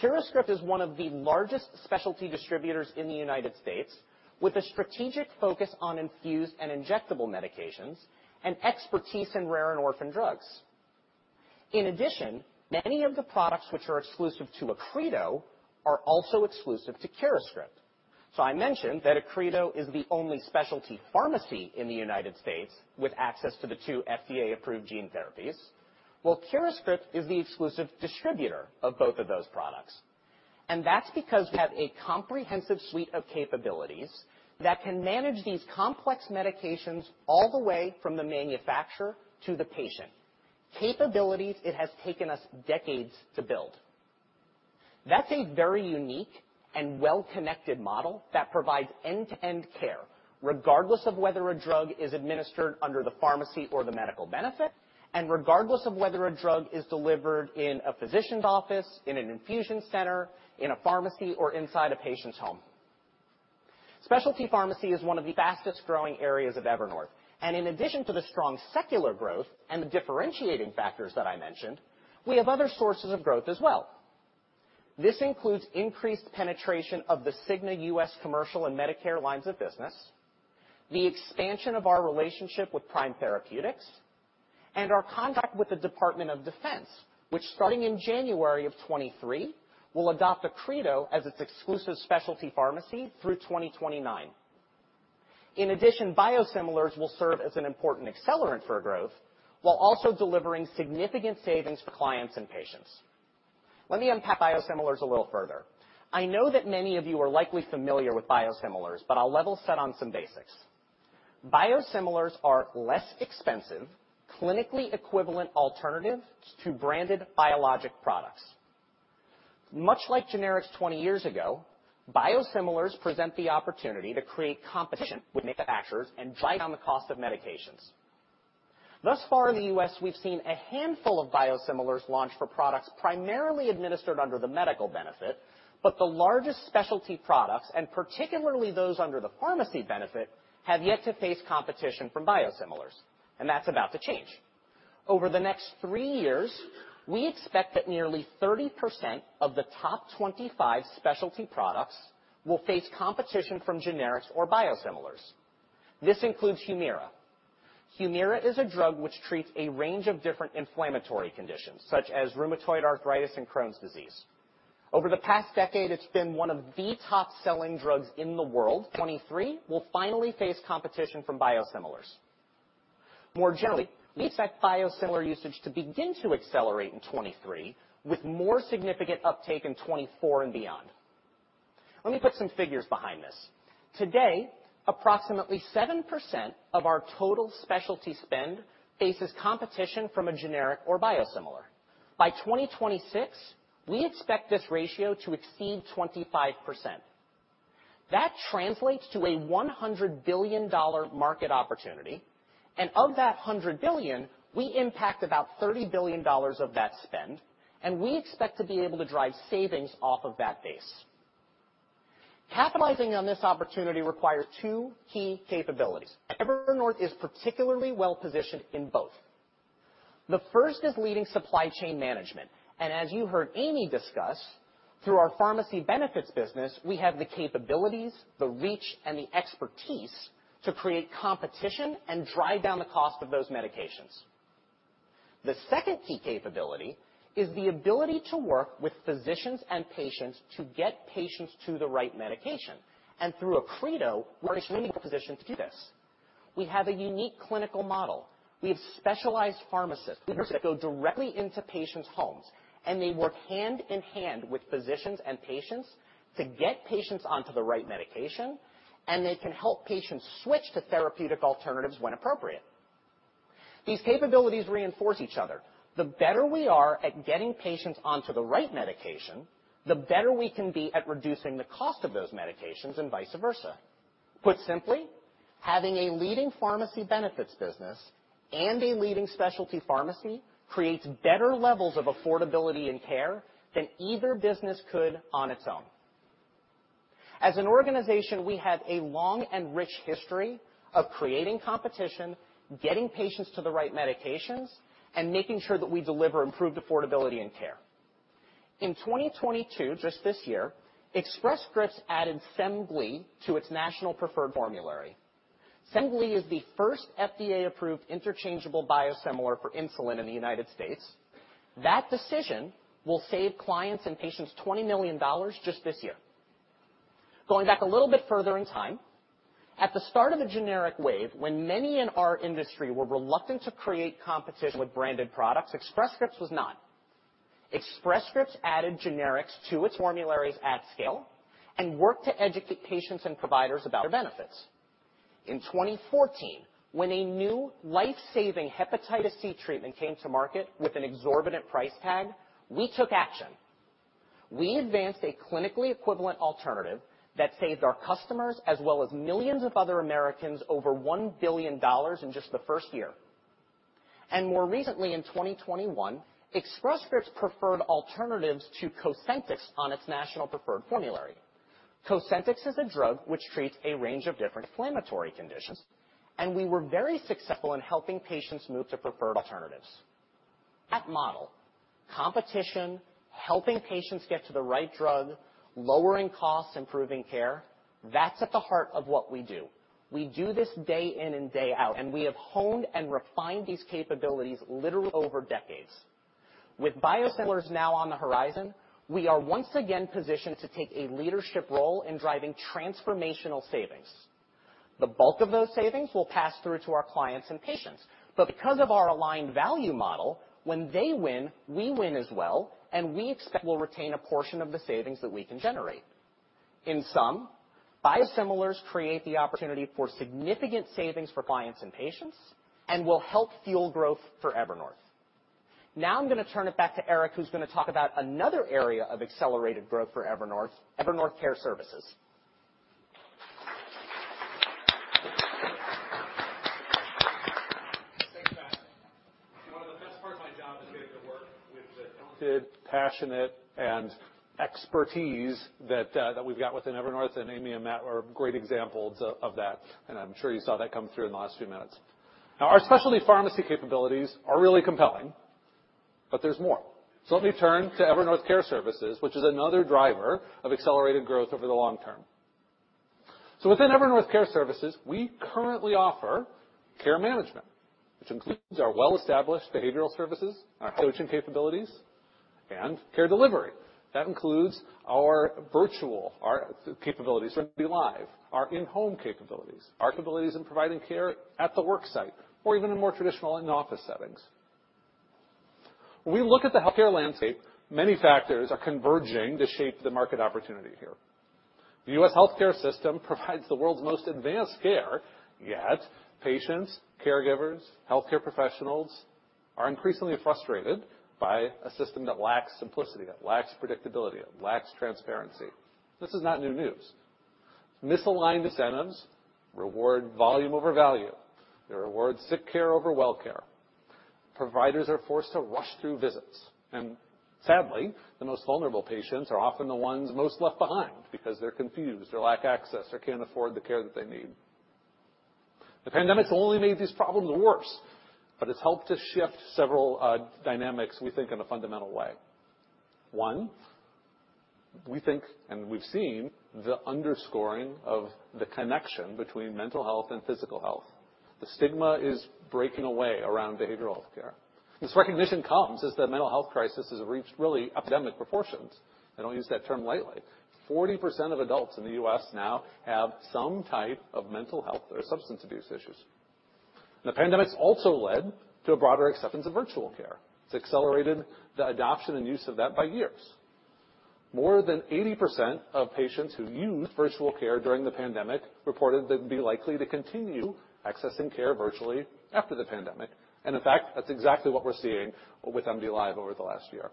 CuraScript is one of the largest specialty distributors in the United States with a strategic focus on infused and injectable medications and expertise in rare and orphan drugs. In addition, many of the products which are exclusive to Accredo are also exclusive to CuraScript. I mentioned that Accredo is the only specialty pharmacy in the United States with access to the two FDA-approved gene therapies. Well, CuraScript is the exclusive distributor of both of those products. That's because we have a comprehensive suite of capabilities that can manage these complex medications all the way from the manufacturer to the patient, capabilities it has taken us decades to build. That's a very unique and well-connected model that provides end-to-end care, regardless of whether a drug is administered under the pharmacy or the medical benefit, and regardless of whether a drug is delivered in a physician's office, in an infusion center, in a pharmacy, or inside a patient's home. Specialty pharmacy is one of the fastest-growing areas of Evernorth. In addition to the strong secular growth and the differentiating factors that I mentioned, we have other sources of growth as well. This includes increased penetration of the Cigna U.S. Commercial and Medicare lines of business, the expansion of our relationship with Prime Therapeutics, and our contract with the Department of Defense, which, starting in January 2023, will adopt Accredo as its exclusive specialty pharmacy through 2029. In addition, biosimilars will serve as an important accelerant for growth while also delivering significant savings for clients and patients. Let me unpack biosimilars a little further. I know that many of you are likely familiar with biosimilars, but I'll level set on some basics. Biosimilars are less expensive, clinically equivalent alternatives to branded biologic products. Much like generics 20 years ago, biosimilars present the opportunity to create competition with manufacturers and drive down the cost of medications. Thus far in the U.S., we've seen a handful of biosimilars launch for products primarily administered under the medical benefit, but the largest specialty products, and particularly those under the pharmacy benefit, have yet to face competition from biosimilars, and that's about to change. Over the next three years, we expect that nearly 30% of the top 25 specialty products will face competition from generics or biosimilars. This includes Humira. Humira is a drug which treats a range of different inflammatory conditions such as rheumatoid arthritis and Crohn's disease. Over the past decade, it's been one of the top selling drugs in the world. 2023 will finally face competition from biosimilars. More generally, we expect biosimilar usage to begin to accelerate in 2023 with more significant uptake in 2024 and beyond. Let me put some figures behind this. Today, approximately 7% of our total specialty spend faces competition from a generic or biosimilar. By 2026, we expect this ratio to exceed 25%. That translates to a $100 billion market opportunity. Of that $100 billion, we impact about $30 billion of that spend, and we expect to be able to drive savings off of that base. Capitalizing on this opportunity requires two key capabilities. Evernorth is particularly well positioned in both. The first is leading supply chain management. As you heard Amy discuss, through our pharmacy benefits business, we have the capabilities, the reach, and the expertise to create competition and drive down the cost of those medications. The second key capability is the ability to work with physicians and patients to get patients to the right medication. Through Accredo, we're extremely well positioned to do this. We have a unique clinical model. We have specialized pharmacists that go directly into patients' homes, and they work hand in hand with physicians and patients to get patients onto the right medication, and they can help patients switch to therapeutic alternatives when appropriate. These capabilities reinforce each other. The better we are at getting patients onto the right medication, the better we can be at reducing the cost of those medications, and vice versa. Put simply, having a leading pharmacy benefits business and a leading specialty pharmacy creates better levels of affordability and care than either business could on its own. As an organization, we have a long and rich history of creating competition, getting patients to the right medications, and making sure that we deliver improved affordability and care. In 2022, just this year, Express Scripts added Semglee to its national preferred formulary. Semglee is the first FDA-approved interchangeable biosimilar for insulin in the United States. That decision will save clients and patients $20 million just this year. Going back a little bit further in time, at the start of a generic wave, when many in our industry were reluctant to create competition with branded products, Express Scripts was not. Express Scripts added generics to its formularies at scale and worked to educate patients and providers about their benefits. In 2014, when a new life-saving hepatitis C treatment came to market with an exorbitant price tag, we took action. We advanced a clinically equivalent alternative that saved our customers, as well as millions of other Americans, over $1 billion in just the first year. More recently, in 2021, Express Scripts preferred alternatives to Cosentyx on its national preferred formulary. Cosentyx is a drug which treats a range of different inflammatory conditions, and we were very successful in helping patients move to preferred alternatives. That model, competition, helping patients get to the right drug, lowering costs, improving care, that's at the heart of what we do. We do this day in and day out, and we have honed and refined these capabilities literally over decades. With biosimilars now on the horizon, we are once again positioned to take a leadership role in driving transformational savings. The bulk of those savings will pass through to our clients and patients. Because of our aligned value model, when they win, we win as well, and we expect we'll retain a portion of the savings that we can generate. In sum, biosimilars create the opportunity for significant savings for clients and patients and will help fuel growth for Evernorth. Now I'm going to turn it back to Eric, who's going to talk about another area of accelerated growth for Evernorth Care Services. Thanks, Matt. You know, the best part of my job is getting to work with the talented, passionate, and expertise that we've got within Evernorth, and Amy and Matt are great examples of that, and I'm sure you saw that come through in the last few minutes. Our specialty pharmacy capabilities are really compelling, but there's more. Let me turn to Evernorth Care Services, which is another driver of accelerated growth over the long term. Within Evernorth Care Services, we currently offer care management, which includes our well-established behavioral services, our coaching capabilities, and care delivery. That includes our virtual, our capabilities for MDLIVE, our in-home capabilities, our capabilities in providing care at the work site or even in more traditional in-office settings. When we look at the healthcare landscape, many factors are converging to shape the market opportunity here. The U.S. healthcare system provides the world's most advanced care, yet patients, caregivers, healthcare professionals are increasingly frustrated by a system that lacks simplicity, that lacks predictability, that lacks transparency. This is not new news. Misaligned incentives reward volume over value. They reward sick care over well care. Providers are forced to rush through visits, and sadly, the most vulnerable patients are often the ones most left behind because they're confused or lack access or can't afford the care that they need. The pandemic's only made these problems worse, but it's helped to shift several dynamics, we think in a fundamental way. One, we think, and we've seen the underscoring of the connection between mental health and physical health. The stigma is breaking away around behavioral health care. This recognition comes as the mental health crisis has reached really epidemic proportions. I don't use that term lightly. 40% of adults in the U.S. now have some type of mental health or substance abuse issues. The pandemic's also led to a broader acceptance of virtual care. It's accelerated the adoption and use of that by years. More than 80% of patients who used virtual care during the pandemic reported they'd be likely to continue accessing care virtually after the pandemic. In fact, that's exactly what we're seeing with MDLIVE over the last year.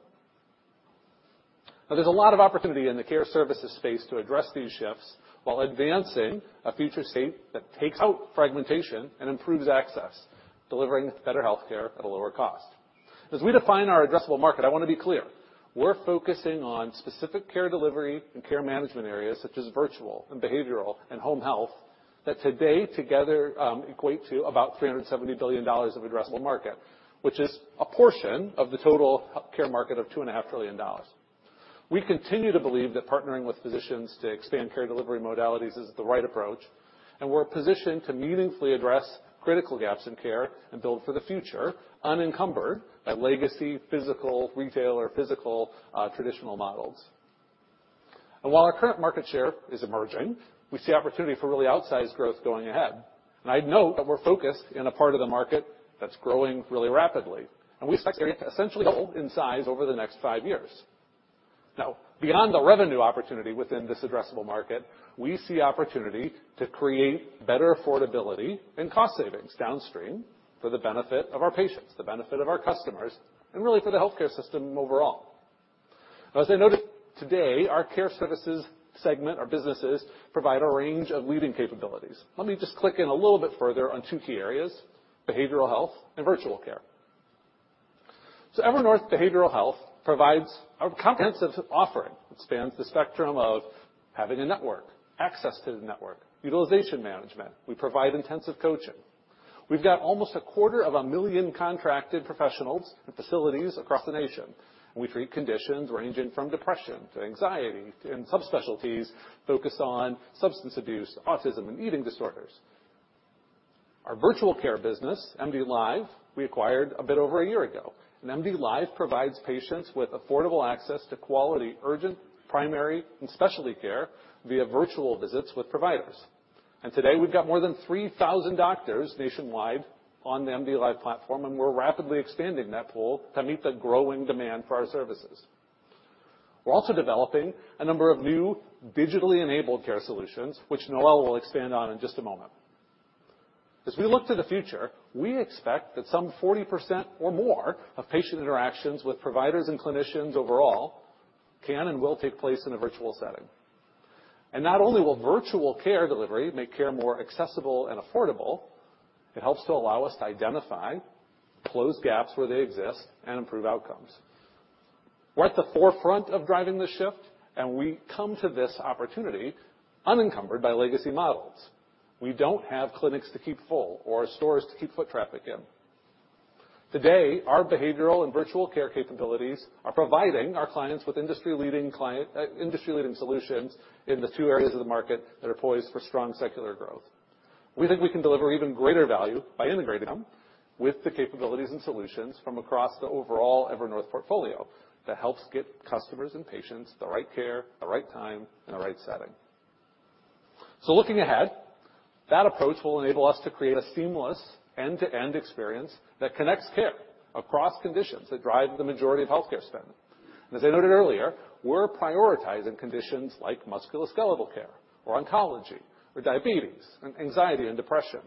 Now, there's a lot of opportunity in the care services space to address these shifts while advancing a future state that takes out fragmentation and improves access, delivering better healthcare at a lower cost. As we define our addressable market, I wanna be clear. We're focusing on specific care delivery and care management areas such as virtual and behavioral and home health that today together equate to about $370 billion of addressable market, which is a portion of the total healthcare market of $2.5 trillion. We continue to believe that partnering with physicians to expand care delivery modalities is the right approach, and we're positioned to meaningfully address critical gaps in care and build for the future unencumbered by legacy, physical retail or physical traditional models. While our current market share is emerging, we see opportunity for really outsized growth going ahead. I'd note that we're focused in a part of the market that's growing really rapidly, and we expect it to essentially hold in size over the next five years. Now, beyond the revenue opportunity within this addressable market, we see opportunity to create better affordability and cost savings downstream for the benefit of our patients, the benefit of our customers, and really for the healthcare system overall. As I noted today, our care services segment or businesses provide a range of leading capabilities. Let me just click in a little bit further on two key areas, behavioral health and virtual care. Evernorth Behavioral Health provides a comprehensive offering that spans the spectrum of having a network, access to the network, utilization management. We provide intensive coaching. We've got almost a quarter of a million contracted professionals in facilities across the nation. We treat conditions ranging from depression to anxiety, and subspecialties focus on substance abuse, autism, and eating disorders. Our virtual care business, MDLIVE, we acquired a bit over a year ago. MDLIVE provides patients with affordable access to quality, urgent, primary, and specialty care via virtual visits with providers. Today, we've got more than 3,000 doctors nationwide on the MDLIVE platform, and we're rapidly expanding that pool to meet the growing demand for our services. We're also developing a number of new digitally enabled care solutions, which Noelle will expand on in just a moment. As we look to the future, we expect that some 40% or more of patient interactions with providers and clinicians overall can and will take place in a virtual setting. Not only will virtual care delivery make care more accessible and affordable, it helps to allow us to identify close gaps where they exist and improve outcomes. We're at the forefront of driving the shift, and we come to this opportunity unencumbered by legacy models. We don't have clinics to keep full or stores to keep foot traffic in. Today, our behavioral and virtual care capabilities are providing our clients with industry-leading solutions in the two areas of the market that are poised for strong secular growth. We think we can deliver even greater value by integrating them with the capabilities and solutions from across the overall Evernorth portfolio that helps get customers and patients the right care, the right time, and the right setting. Looking ahead, that approach will enable us to create a seamless end-to-end experience that connects care across conditions that drive the majority of healthcare spend. As I noted earlier, we're prioritizing conditions like musculoskeletal care or oncology or diabetes, anxiety and depression.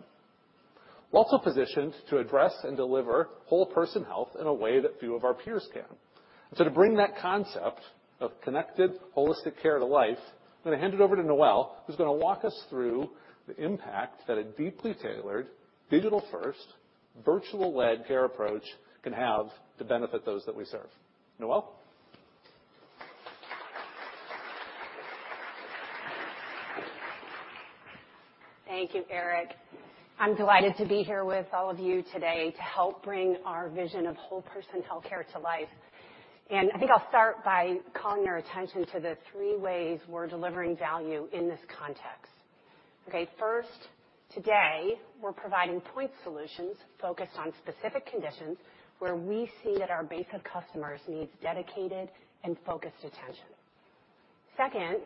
We're also positioned to address and deliver whole person health in a way that few of our peers can. to bring that concept of connected holistic care to life, I'm gonna hand it over to Noelle, who's gonna walk us through the impact that a deeply tailored, digital-first, virtual-led care approach can have to benefit those that we serve. Noelle. Thank you, Eric. I'm delighted to be here with all of you today to help bring our vision of whole person healthcare to life. I think I'll start by calling your attention to the three ways we're delivering value in this context. Okay. First, today, we're providing point solutions focused on specific conditions where we see that our base of customers needs dedicated and focused attention. Second,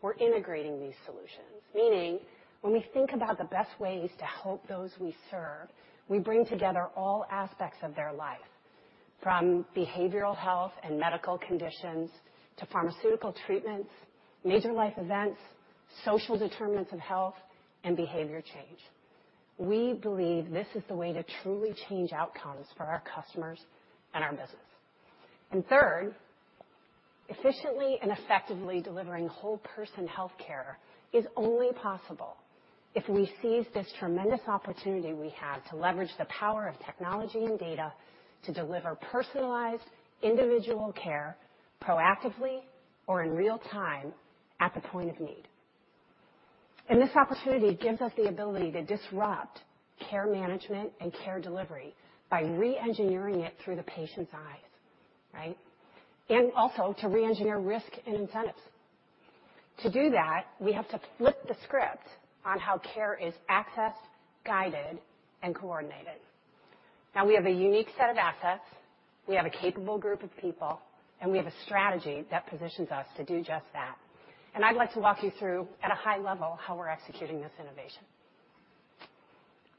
we're integrating these solutions, meaning when we think about the best ways to help those we serve, we bring together all aspects of their life, from behavioral health and medical conditions to pharmaceutical treatments, major life events, social determinants of health, and behavior change. We believe this is the way to truly change outcomes for our customers and our business. Third, efficiently and effectively delivering whole person healthcare is only possible if we seize this tremendous opportunity we have to leverage the power of technology and data to deliver personalized individual care proactively or in real time at the point of need. This opportunity gives us the ability to disrupt care management and care delivery by reengineering it through the patient's eyes, right? Also to reengineer risk and incentives. To do that, we have to flip the script on how care is accessed, guided, and coordinated. Now we have a unique set of assets, we have a capable group of people, and we have a strategy that positions us to do just that. I'd like to walk you through at a high level how we're executing this innovation.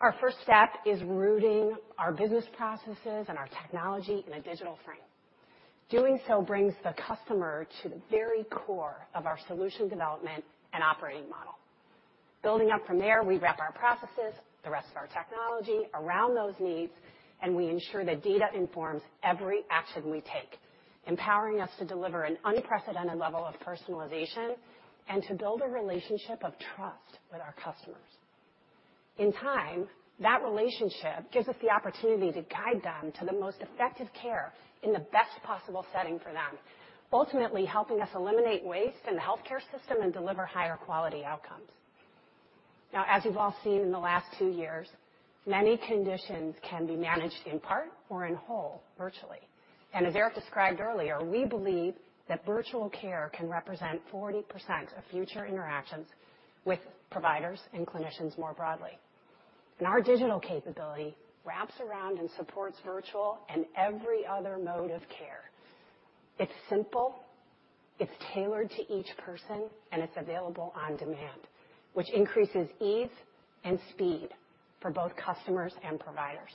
Our first step is rooting our business processes and our technology in a digital frame. Doing so brings the customer to the very core of our solution development and operating model. Building up from there, we wrap our processes, the rest of our technology around those needs, and we ensure that data informs every action we take, empowering us to deliver an unprecedented level of personalization and to build a relationship of trust with our customers. In time, that relationship gives us the opportunity to guide them to the most effective care in the best possible setting for them, ultimately helping us eliminate waste in the healthcare system and deliver higher quality outcomes. Now, as you've all seen in the last two years, many conditions can be managed in part or in whole virtually. As Eric described earlier, we believe that virtual care can represent 40% of future interactions with providers and clinicians more broadly. Our digital capability wraps around and supports virtual and every other mode of care. It's simple, it's tailored to each person, and it's available on demand, which increases ease and speed for both customers and providers.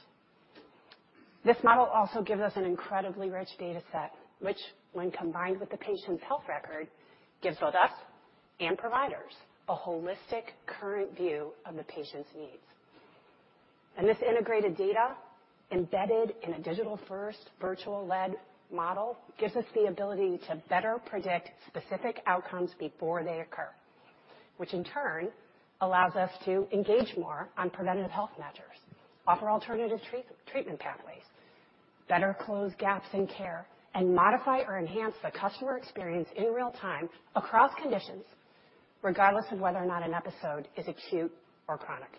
This model also gives us an incredibly rich data set, which, when combined with the patient's health record, gives both us and providers a holistic current view of the patient's needs. This integrated data embedded in a digital-first, virtual-led model gives us the ability to better predict specific outcomes before they occur, which in turn allows us to engage more on preventative health measures, offer alternative treatment pathways, better close gaps in care, and modify or enhance the customer experience in real time across conditions, regardless of whether or not an episode is acute or chronic.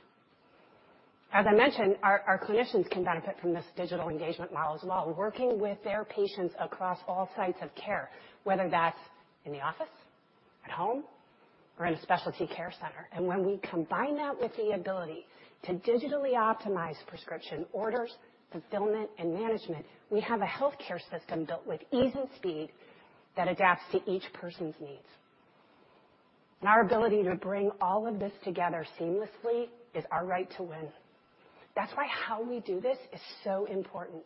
As I mentioned, our clinicians can benefit from this digital engagement model as well, working with their patients across all sites of care, whether that's in the office, at home, or in a specialty care center. When we combine that with the ability to digitally optimize prescription orders, fulfillment, and management, we have a healthcare system built with ease and speed that adapts to each person's needs. Our ability to bring all of this together seamlessly is our right to win. That's why how we do this is so important.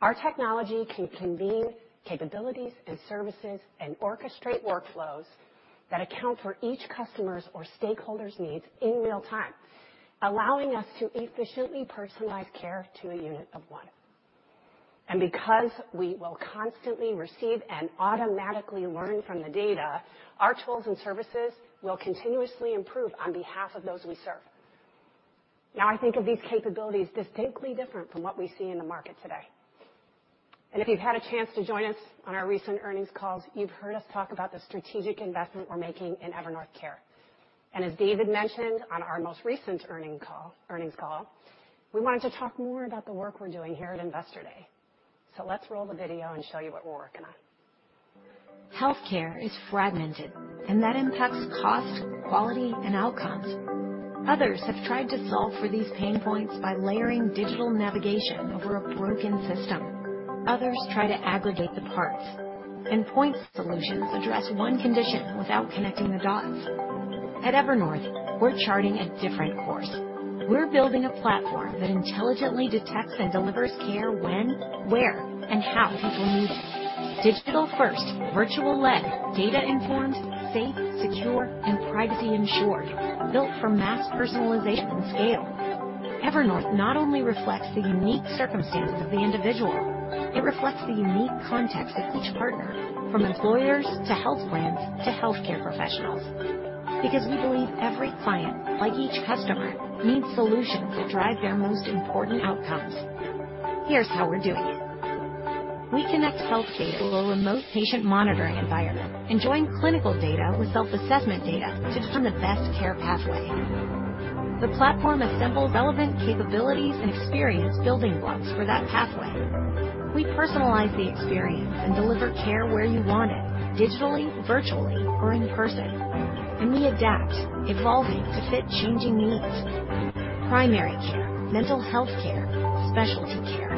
Our technology can convene capabilities and services and orchestrate workflows that account for each customer's or stakeholder's needs in real time, allowing us to efficiently personalize care to a unit of one. Because we will constantly receive and automatically learn from the data, our tools and services will continuously improve on behalf of those we serve. Now, I think of these capabilities distinctly different from what we see in the market today. If you've had a chance to join us on our recent earnings calls, you've heard us talk about the strategic investment we're making in Evernorth Care. As David mentioned on our most recent earnings call, we wanted to talk more about the work we're doing here at Investor Day. Let's roll the video and show you what we're working on. Healthcare is fragmented, and that impacts cost, quality, and outcomes. Others have tried to solve for these pain points by layering digital navigation over a broken system. Others try to aggregate the parts. Point solutions address one condition without connecting the dots. At Evernorth, we're charting a different course. We're building a platform that intelligently detects and delivers care when, where, and how people need it. Digital-first, virtual led, data informed, safe, secure, and privacy ensured, built for mass personalization and scale. Evernorth not only reflects the unique circumstances of the individual, it reflects the unique context of each partner, from employers to health plans to healthcare professionals. Because we believe every client, like each customer, needs solutions that drive their most important outcomes. Here's how we're doing it. We connect health data to a remote patient monitoring environment and join clinical data with self-assessment data to determine the best care pathway. The platform assembles relevant capabilities and experience building blocks for that pathway. We personalize the experience and deliver care where you want it, digitally, virtually, or in person. We adapt, evolving to fit changing needs. Primary care, mental health care, specialty care,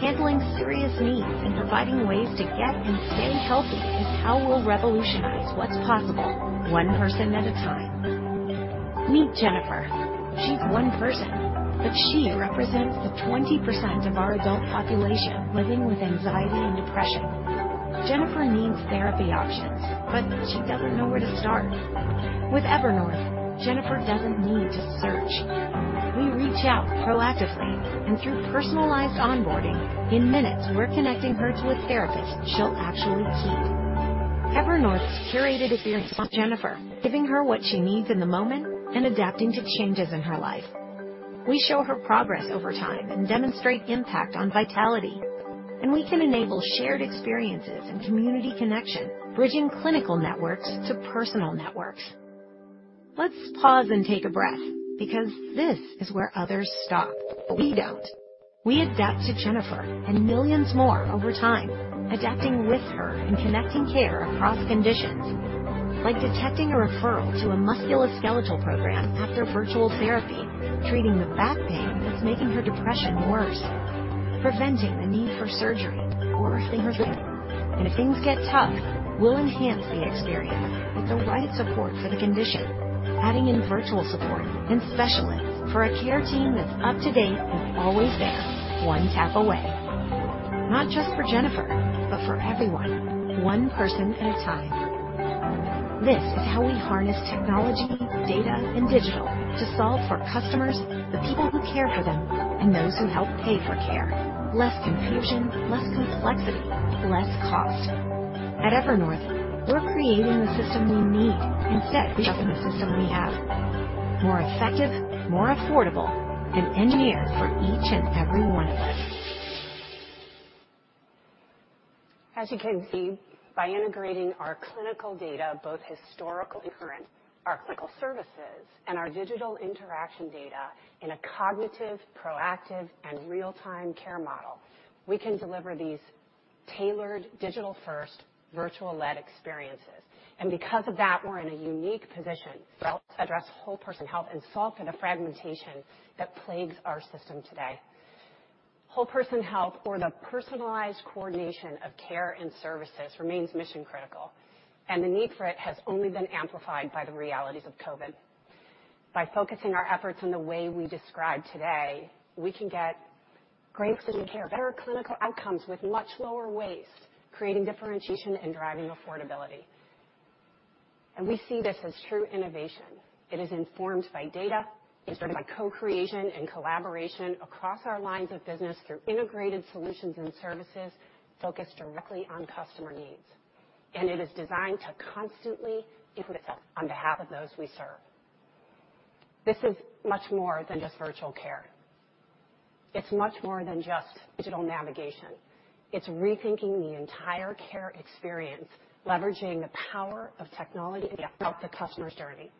handling serious needs and providing ways to get and stay healthy is how we'll revolutionize what's possible one person at a time. Meet Jennifer. She's one person, but she represents the 20% of our adult population living with anxiety and depression. Jennifer needs therapy options, but she doesn't know where to start. With Evernorth, Jennifer doesn't need to search. We reach out proactively and through personalized onboarding. In minutes, we're connecting her to a therapist she'll actually keep. Evernorth's curated experience with Jennifer, giving her what she needs in the moment and adapting to changes in her life. We show her progress over time and demonstrate impact on vitality, and we can enable shared experiences and community connection, bridging clinical networks to personal networks. Let's pause and take a breath because this is where others stop. We don't. We adapt to Jennifer and millions more over time, adapting with her and connecting care across conditions. Like detecting a referral to a musculoskeletal program after virtual therapy, treating the back pain that's making her depression worse, preventing the need for surgery. If things get tough, we'll enhance the experience with the right support for the condition. Adding in virtual support and specialists for a care team that's up to date and always there, one tap away. Not just for Jennifer, but for everyone, one person at a time. This is how we harness technology, data, and digital to solve for customers, the people who care for them, and those who help pay for care. Less confusion, less complexity, less cost. At Evernorth, we're creating the system we need instead of reshuffling the system we have. More effective, more affordable, and engineered for each and every one of us. As you can see, by integrating our clinical data, both historical and current, our clinical services and our digital interaction data in a cognitive, proactive, and real-time care model, we can deliver these tailored digital-first virtual led experiences. Because of that, we're in a unique position to help address whole person health and solve for the fragmentation that plagues our system today. Whole person health or the personalized coordination of care and services remains mission critical, and the need for it has only been amplified by the realities of COVID-19. By focusing our efforts in the way we describe today, we can get great clinical care, better clinical outcomes with much lower waste, creating differentiation and driving affordability. We see this as true innovation. It is informed by data. It's driven by co-creation and collaboration across our lines of business through integrated solutions and services focused directly on customer needs. It is designed to constantly improve itself on behalf of those we serve. This is much more than just virtual care. It's much more than just digital navigation. It's rethinking the entire care experience, leveraging the power of technology throughout the customer's journey,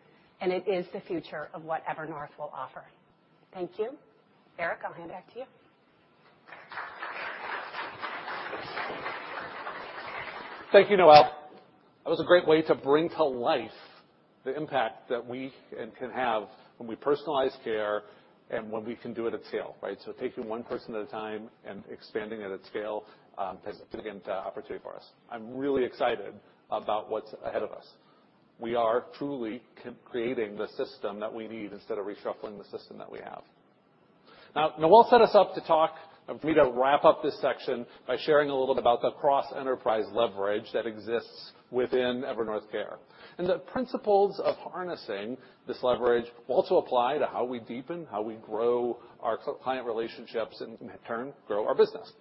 and it is the future of what Evernorth will offer. Thank you. Eric, I'll hand it back to you. Thank you, Noelle. That was a great way to bring to life the impact that we can have when we personalize care and when we can do it at scale, right? Taking one person at a time and expanding it at scale is a significant opportunity for us. I'm really excited about what's ahead of us. We are truly creating the system that we need instead of reshuffling the system that we have. Now, Noelle set us up to talk for me to wrap up this section by sharing a little bit about the cross enterprise leverage that exists within Evernorth Care. The principles of harnessing this leverage will also apply to how we deepen, how we grow our client relationships, and in turn, grow our business.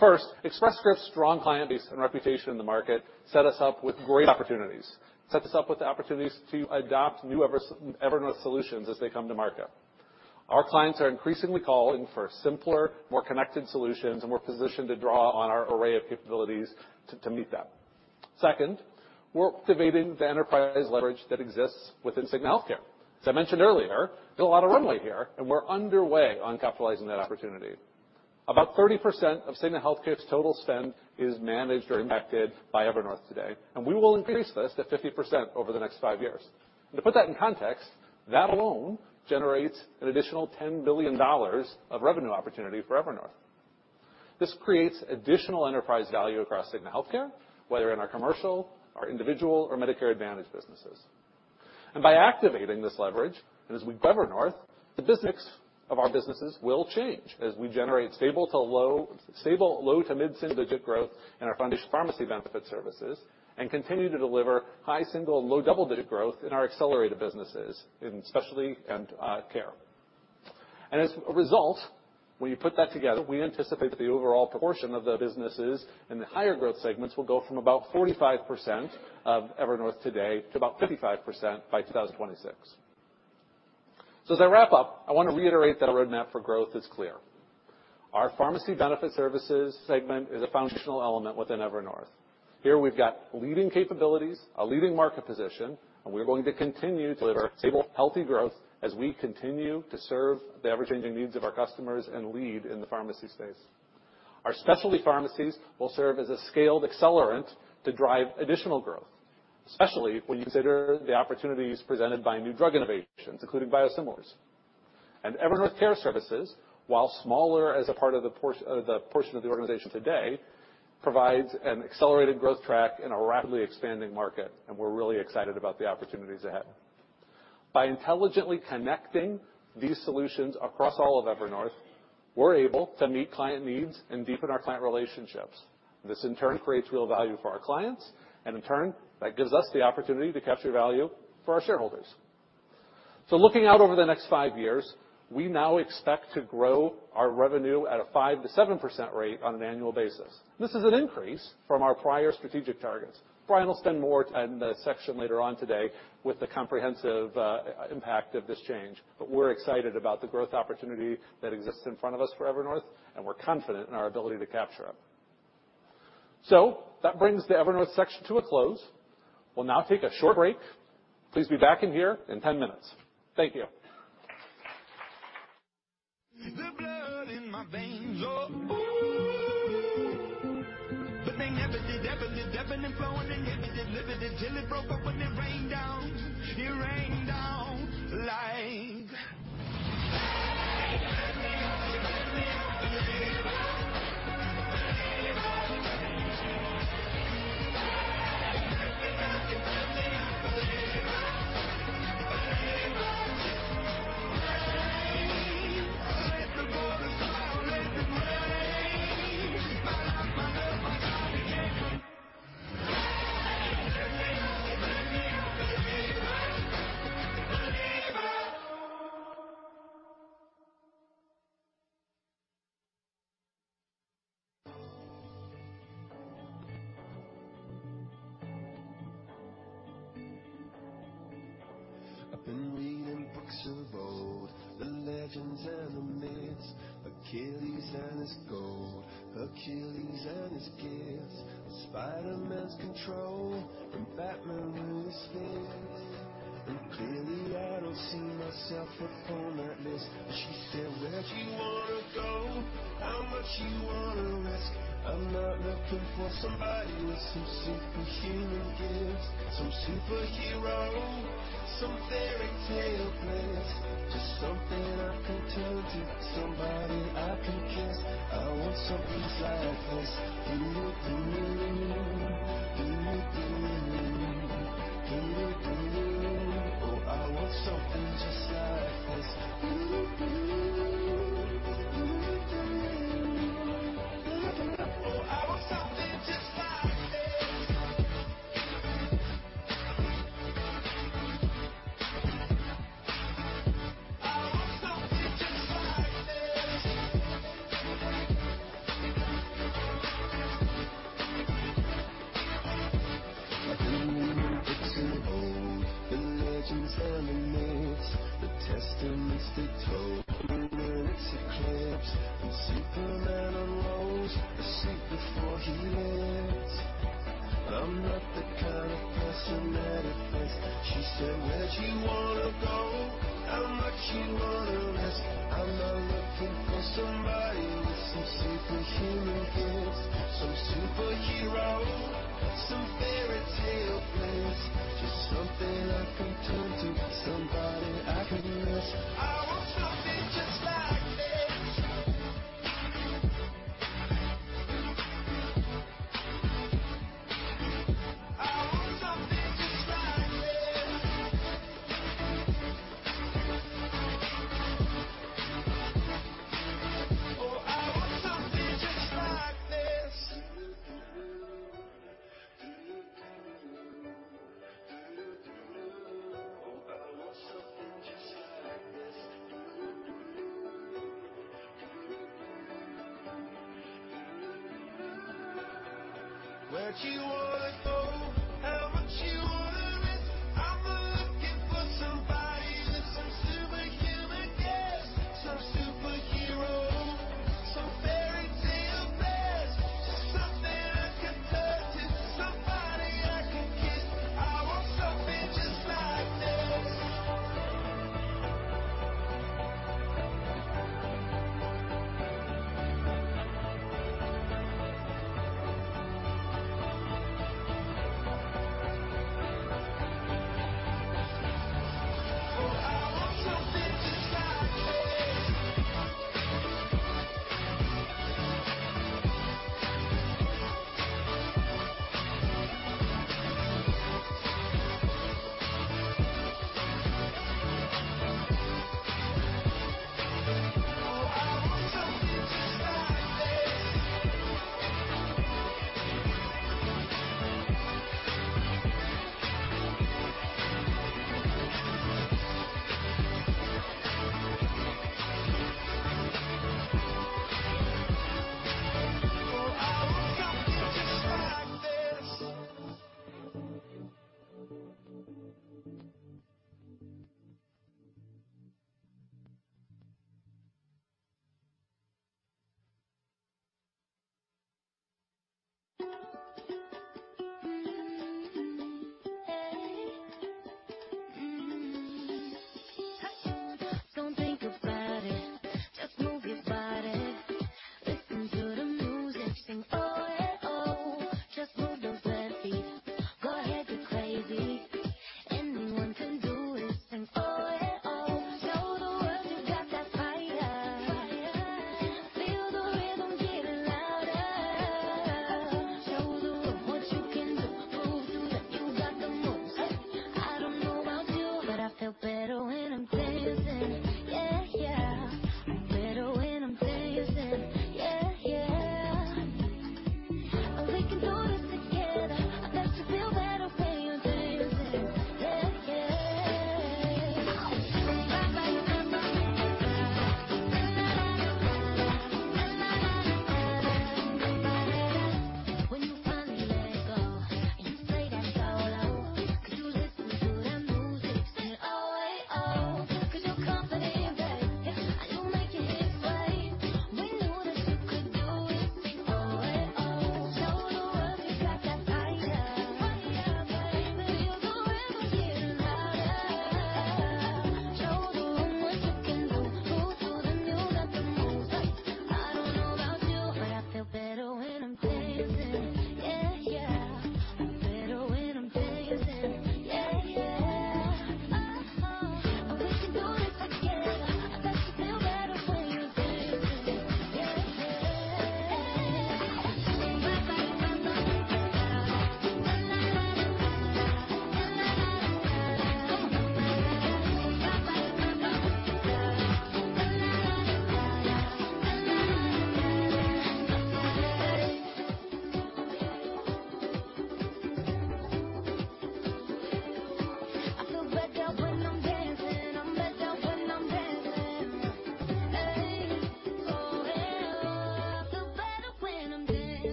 First, Express Scripts, strong client base and reputation in the market set us up with great opportunities to adopt new Evernorth solutions as they come to market. Our clients are increasingly calling for simpler, more connected solutions, and we're positioned to draw on our array of capabilities to meet them. Second, we're activating the enterprise leverage that exists within Cigna Healthcare. As I mentioned earlier, there's a lot of runway here, and we're underway on capitalizing that opportunity. About 30% of Cigna Healthcare's total spend is managed or impacted by Evernorth today, and we will increase this to 50% over the next five years. To put that in context, that alone generates an additional $10 billion of revenue opportunity for Evernorth. This creates additional enterprise value across Cigna Healthcare, whether in our commercial, our individual or Medicare Advantage businesses. By activating this leverage, and as we govern Evernorth, the business of our businesses will change as we generate stable low- to mid-single-digit growth in our pharmacy benefit services and continue to deliver high single- to low double-digit growth in our accelerated businesses in specialty and care. By the result, when you put that together, we anticipate the overall proportion of the businesses in the higher growth segments will go from about 45% of Evernorth today to about 55% by 2026. I wrap up, I want to reiterate that our roadmap for growth is clear. Our pharmacy benefit services segment is a foundational element within Evernorth. Here we've got leading capabilities, a leading market position, and we're going to continue to deliver stable, healthy growth as we continue to serve the ever-changing needs of our customers and lead in the pharmacy space. Our specialty pharmacies will serve as a scaled accelerant to drive additional growth, especially when you consider the opportunities presented by new drug innovations, including biosimilars. Evernorth Care Services, while smaller as a part of the portion of the organization today, provides an accelerated growth track in a rapidly expanding market, and we're really excited about the opportunities ahead. By intelligently connecting these solutions across all of Evernorth, we're able to meet client needs and deepen our client relationships. This in turn creates real value for our clients, and in turn, that gives us the opportunity to capture value for our shareholders. Looking out over the next five years, we now expect to grow our revenue at a 5%-7% rate on an annual basis. This is an increase from our prior strategic targets. Brian will spend more time in the section later on today with the comprehensive impact of this change. But we're excited about the growth opportunity that exists in front of us for Evernorth, and we're confident in our ability to capture it. That brings the Evernorth section to a close. We'll now take a short break. Please be back in here in 10 minutes. Thank you.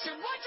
Our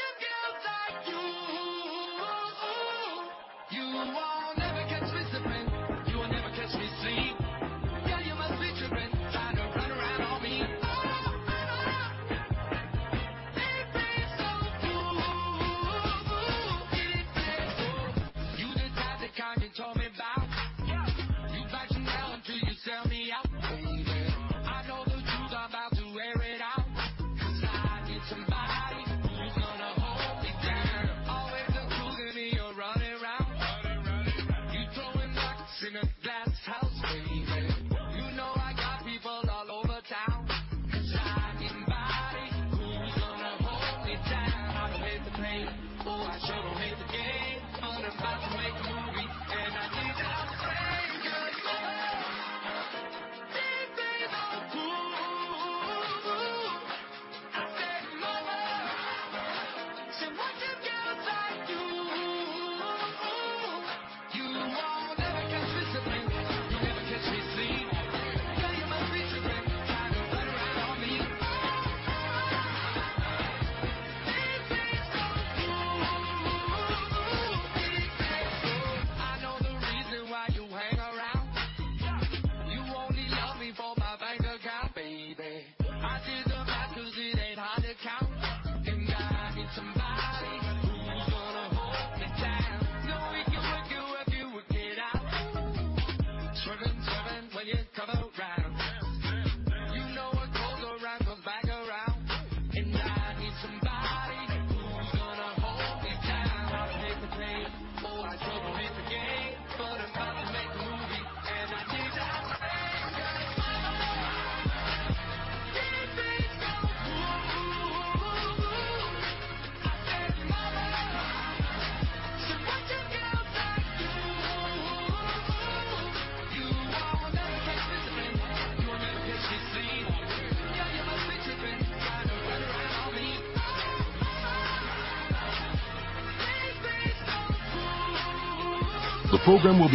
program will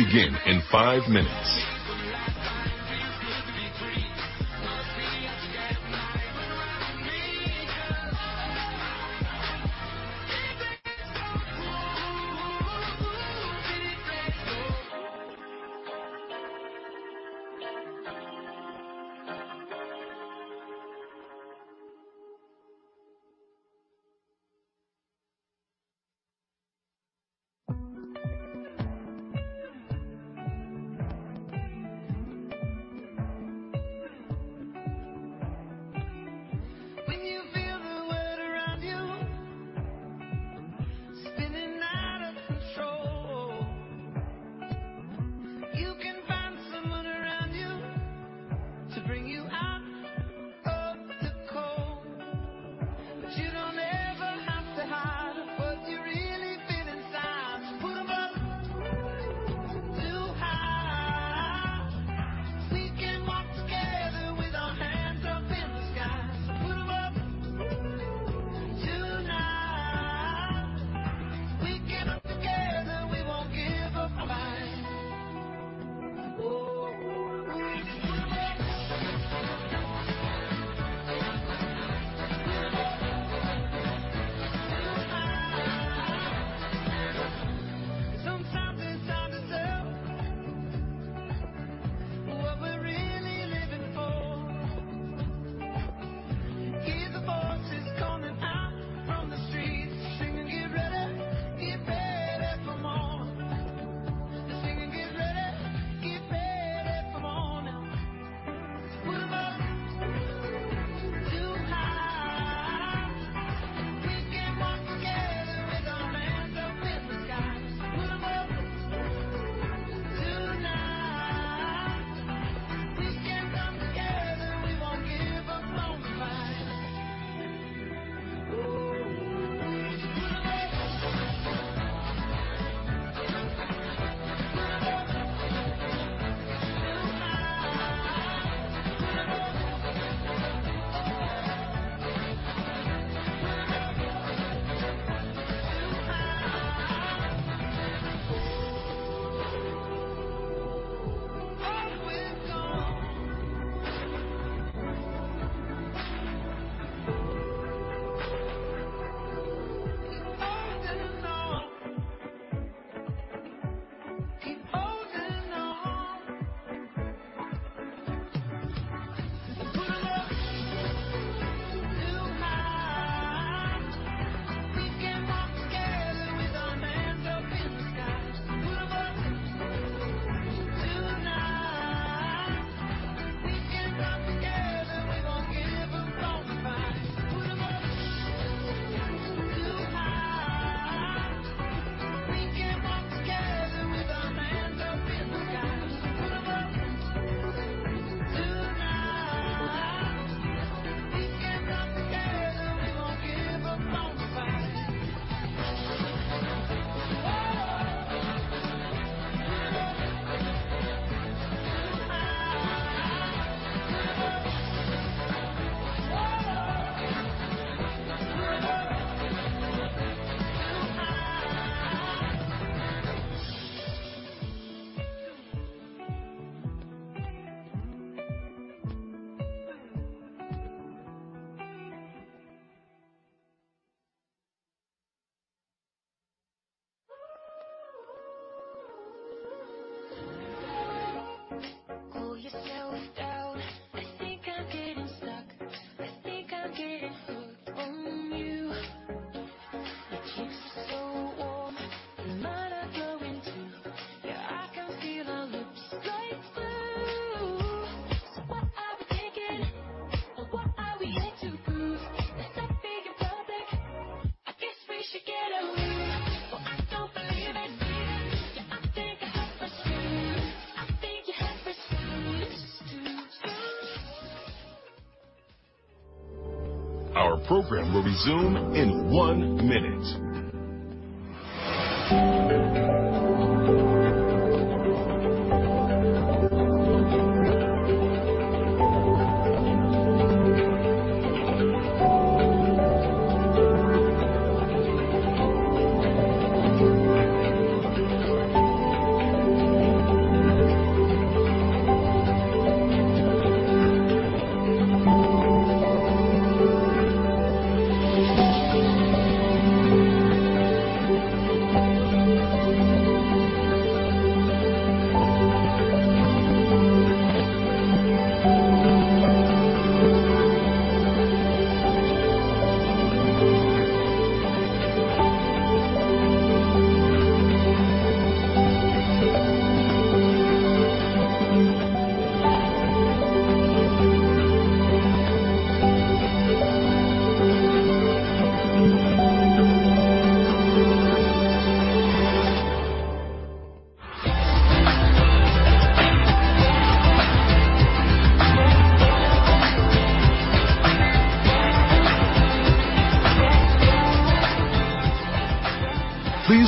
resume in one minute.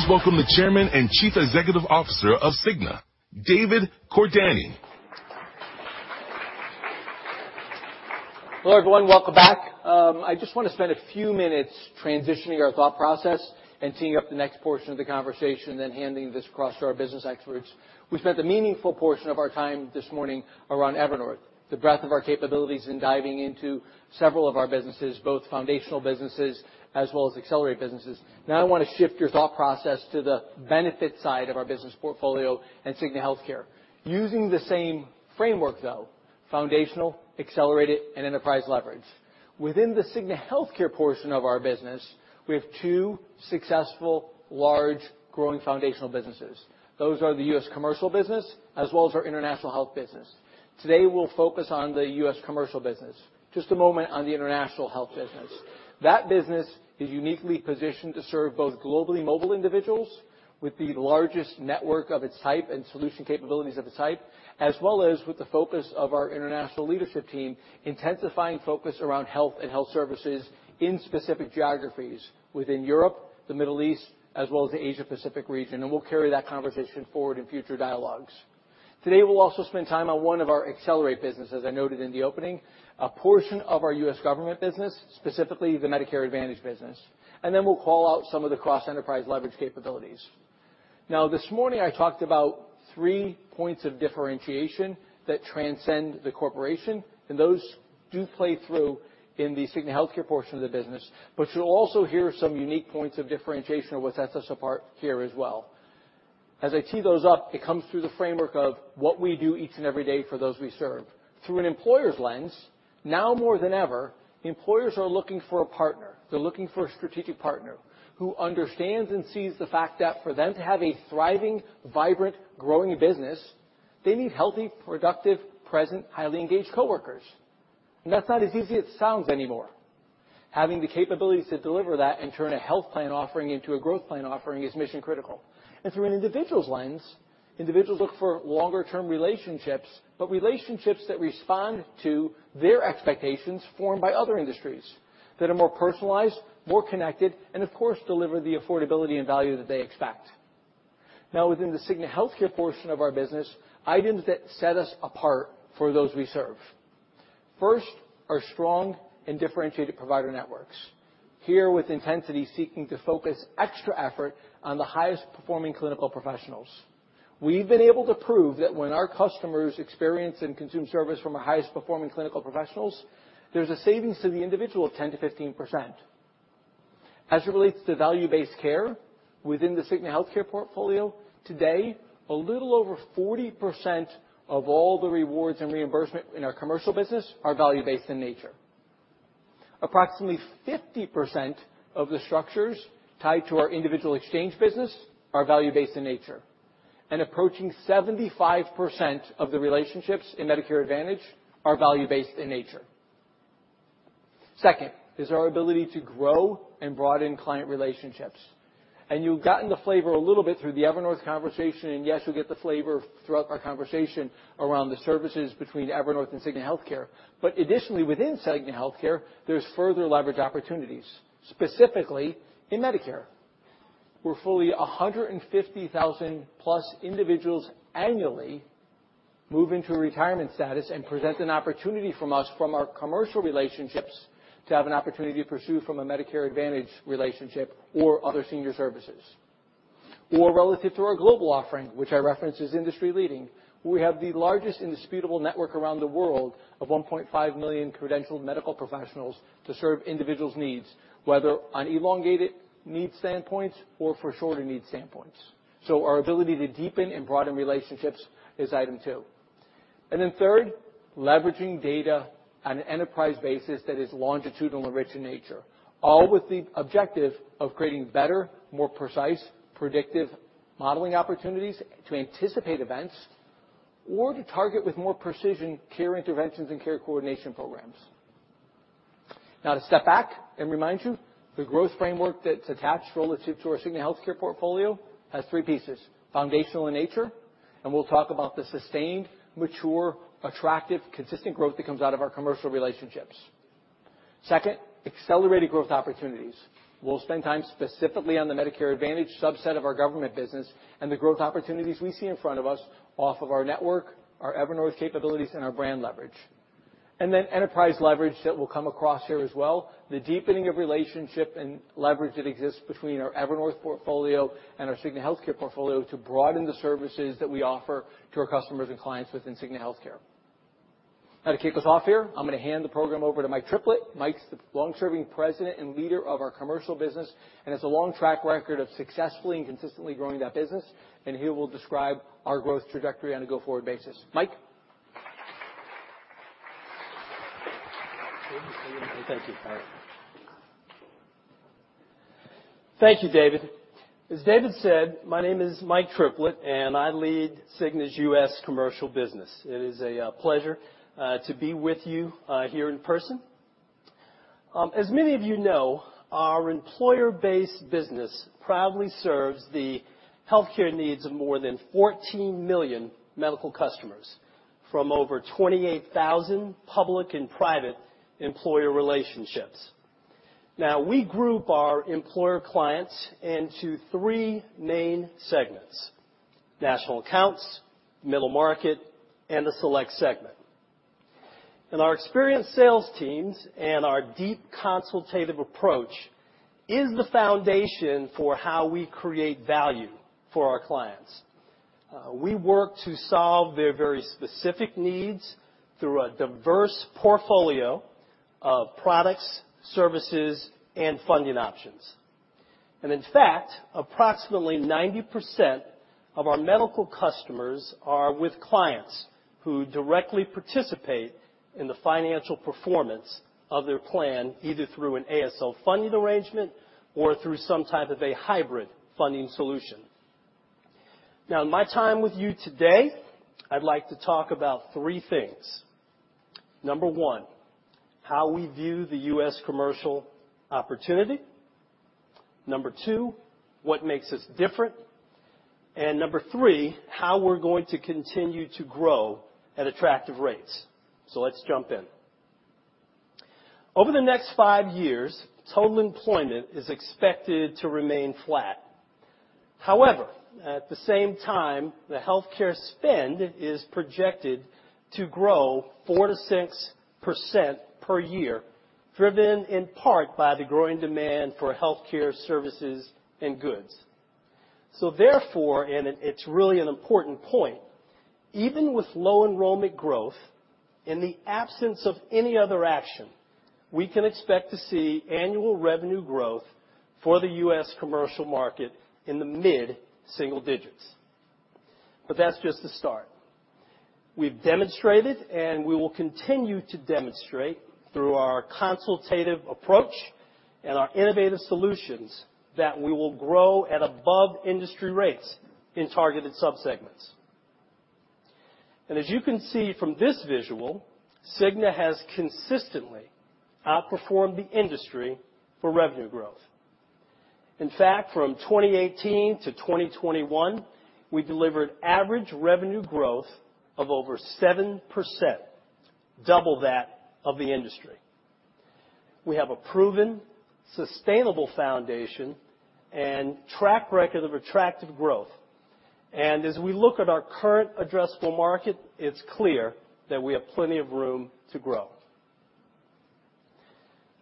Please welcome the Chairman and Chief Executive Officer of Cigna, David Cordani. Hello, everyone. Welcome back. I just want to spend a few minutes transitioning our thought process and teeing up the next portion of the conversation, then handing this across to our business experts. We spent a meaningful portion of our time this morning around Evernorth, the breadth of our capabilities in diving into several of our businesses, both foundational businesses as well as accelerated businesses. Now, I want to shift your thought process to the benefit side of our business portfolio and Cigna Healthcare. Using the same framework, though, foundational, accelerated, and enterprise leverage. Within the Cigna Healthcare portion of our business, we have two successful, large, growing foundational businesses. Those are the U.S. Commercial business as well as our International Health business. Today, we'll focus on the U.S. Commercial business. Just a moment on the International Health business. That business is uniquely positioned to serve both globally mobile individuals with the largest network of its type and solution capabilities of its type. As well as with the focus of our international leadership team, intensifying focus around health and health services in specific geographies within Europe, the Middle East, as well as the Asia Pacific region, and we'll carry that conversation forward in future dialogues. Today, we'll also spend time on one of our accelerate businesses, as I noted in the opening. A portion of our U.S. Government business, specifically the Medicare Advantage business. Then we'll call out some of the cross-enterprise leverage capabilities. Now, this morning I talked about three points of differentiation that transcend the corporation, and those do play through in the Cigna Healthcare portion of the business. You'll also hear some unique points of differentiation of what sets us apart here as well. As I tee those up, it comes through the framework of what we do each and every day for those we serve. Through an employer's lens, now more than ever, employers are looking for a partner. They're looking for a strategic partner who understands and sees the fact that for them to have a thriving, vibrant, growing business, they need healthy, productive, present, highly engaged coworkers. That's not as easy it sounds anymore. Having the capabilities to deliver that and turn a health plan offering into a growth plan offering is mission-critical. Through an individual's lens, individuals look for longer-term relationships, but relationships that respond to their expectations formed by other industries that are more personalized, more connected, and of course, deliver the affordability and value that they expect. Now within the Cigna Healthcare portion of our business, items that set us apart for those we serve. First, our strong and differentiated provider networks. Here with intensity, seeking to focus extra effort on the highest performing clinical professionals. We've been able to prove that when our customers experience and consume service from our highest performing clinical professionals, there's a savings to the individual of 10%-15%. As it relates to value-based care within the Cigna Healthcare portfolio, today, a little over 40% of all the rewards and reimbursement in our commercial business are value-based in nature. Approximately 50% of the structures tied to our individual exchange business are value-based in nature. Approaching 75% of the relationships in Medicare Advantage are value-based in nature. Second is our ability to grow and broaden client relationships. You've gotten the flavor a little bit through the Evernorth conversation. Yes, you'll get the flavor throughout our conversation around the services between Evernorth and Cigna Healthcare. Additionally, within Cigna Healthcare, there's further leverage opportunities, specifically in Medicare, where fully 150,000 plus individuals annually move into retirement status and present an opportunity from us, from our commercial relationships to have an opportunity to pursue from a Medicare Advantage relationship or other senior services. Relative to our global offering, which I reference is industry-leading, we have the largest indisputable network around the world of 1.5 million credentialed medical professionals to serve individuals' needs, whether on elongated needs standpoints or for shorter needs standpoints. Our ability to deepen and broaden relationships is item two. Third, leveraging data on an enterprise basis that is longitudinal and rich in nature, all with the objective of creating better, more precise predictive modeling opportunities to anticipate events or to target with more precision care interventions and care coordination programs. Now to step back and remind you, the growth framework that's attached relative to our Cigna Healthcare portfolio has three pieces, foundational in nature, and we'll talk about the sustained, mature, attractive, consistent growth that comes out of our commercial relationships. Second, accelerated growth opportunities. We'll spend time specifically on the Medicare Advantage subset of our Government business and the growth opportunities we see in front of us off of our network, our Evernorth capabilities, and our brand leverage. Enterprise leverage that will come across here as well, the deepening of relationship and leverage that exists between our Evernorth portfolio and our Cigna Healthcare portfolio to broaden the services that we offer to our customers and clients within Cigna Healthcare. Now to kick us off here, I'm gonna hand the program over to Mike Triplett. Mike's the long-serving President and leader of our commercial business, and has a long track record of successfully and consistently growing that business. He will describe our growth trajectory on a go-forward basis. Mike? Thank you. All right. Thank you, David. As David said, my name is Mike Triplett, and I lead Cigna's U.S. Commercial business. It is a pleasure to be with you here in person. As many of you know, our employer-based business proudly serves the healthcare needs of more than 14 million medical customers from over 28,000 public and private employer relationships. Now, we group our employer clients into three main segments: national accounts, middle market, and a Select segment. Our experienced sales teams and our deep consultative approach is the foundation for how we create value for our clients. We work to solve their very specific needs through a diverse portfolio of products, services, and funding options. In fact, approximately 90% of our medical customers are with clients who directly participate in the financial performance of their plan, either through an ASO funding arrangement or through some type of a hybrid funding solution. Now, in my time with you today, I'd like to talk about three things. Number one, how we view the U.S. Commercial opportunity. Number two, what makes us different. Number three, how we're going to continue to grow at attractive rates. Let's jump in. Over the next five years, total employment is expected to remain flat. However, at the same time, the healthcare spend is projected to grow 4%-6% per year, driven in part by the growing demand for healthcare services and goods. Therefore, it's really an important point, even with low enrollment growth, in the absence of any other action, we can expect to see annual revenue growth for the U.S. Commercial market in the mid-single digits. That's just the start. We've demonstrated, and we will continue to demonstrate through our consultative approach and our innovative solutions, that we will grow at above industry rates in targeted subsegments. As you can see from this visual, Cigna has consistently outperformed the industry for revenue growth. In fact, from 2018 to 2021, we delivered average revenue growth of over 7%, double that of the industry. We have a proven sustainable foundation and track record of attractive growth. As we look at our current addressable market, it's clear that we have plenty of room to grow.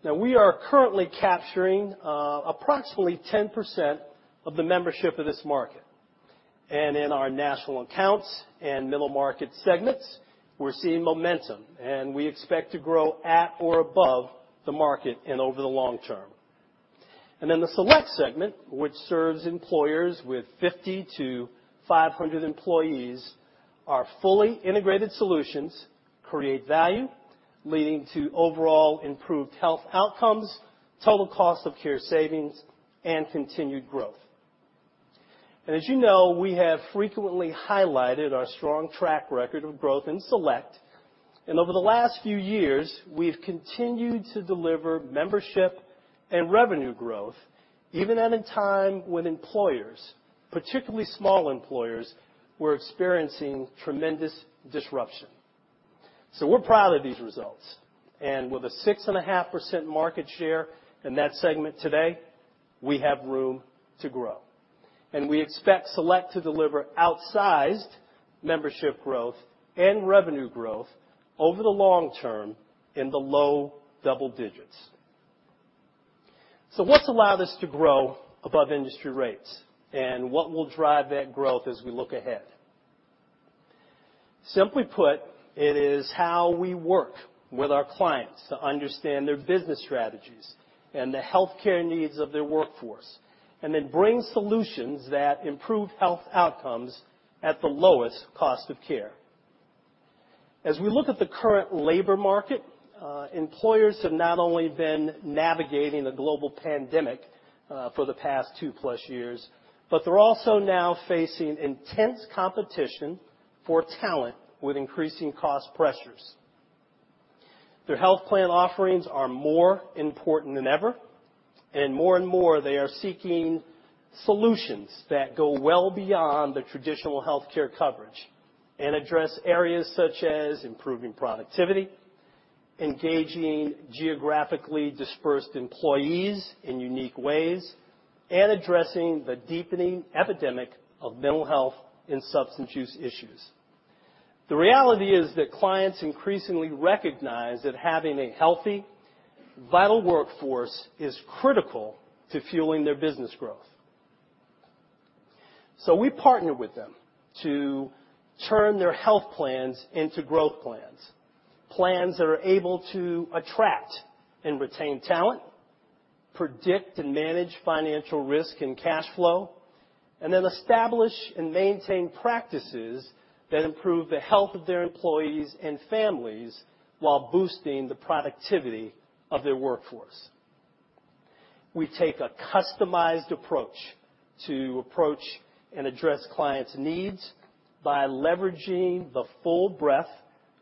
We are currently capturing approximately 10% of the membership of this market. In our national accounts and middle market segments, we're seeing momentum, and we expect to grow at or above the market and over the long term. In the Select segment, which serves employers with 50-500 employees, our fully integrated solutions create value, leading to overall improved health outcomes, total cost of care savings, and continued growth. As you know, we have frequently highlighted our strong track record of growth in Select. Over the last few years, we've continued to deliver membership and revenue growth, even at a time when employers, particularly small employers, were experiencing tremendous disruption. We're proud of these results. With a 6.5% market share in that segment today, we have room to grow. We expect Select to deliver outsized membership growth and revenue growth over the long term in the low double digits. What's allowed us to grow above industry rates, and what will drive that growth as we look ahead? Simply put, it is how we work with our clients to understand their business strategies and the healthcare needs of their workforce, and then bring solutions that improve health outcomes at the lowest cost of care. As we look at the current labor market, employers have not only been navigating a global pandemic for the past two-plus years, but they're also now facing intense competition for talent with increasing cost pressures. Their health plan offerings are more important than ever, and more and more, they are seeking solutions that go well beyond the traditional healthcare coverage and address areas such as improving productivity, engaging geographically dispersed employees in unique ways, and addressing the deepening epidemic of mental health and substance use issues. The reality is that clients increasingly recognize that having a healthy, vital workforce is critical to fueling their business growth. We partner with them to turn their health plans into growth plans that are able to attract and retain talent, predict and manage financial risk and cash flow, and then establish and maintain practices that improve the health of their employees and families while boosting the productivity of their workforce. We take a customized approach to address clients' needs by leveraging the full breadth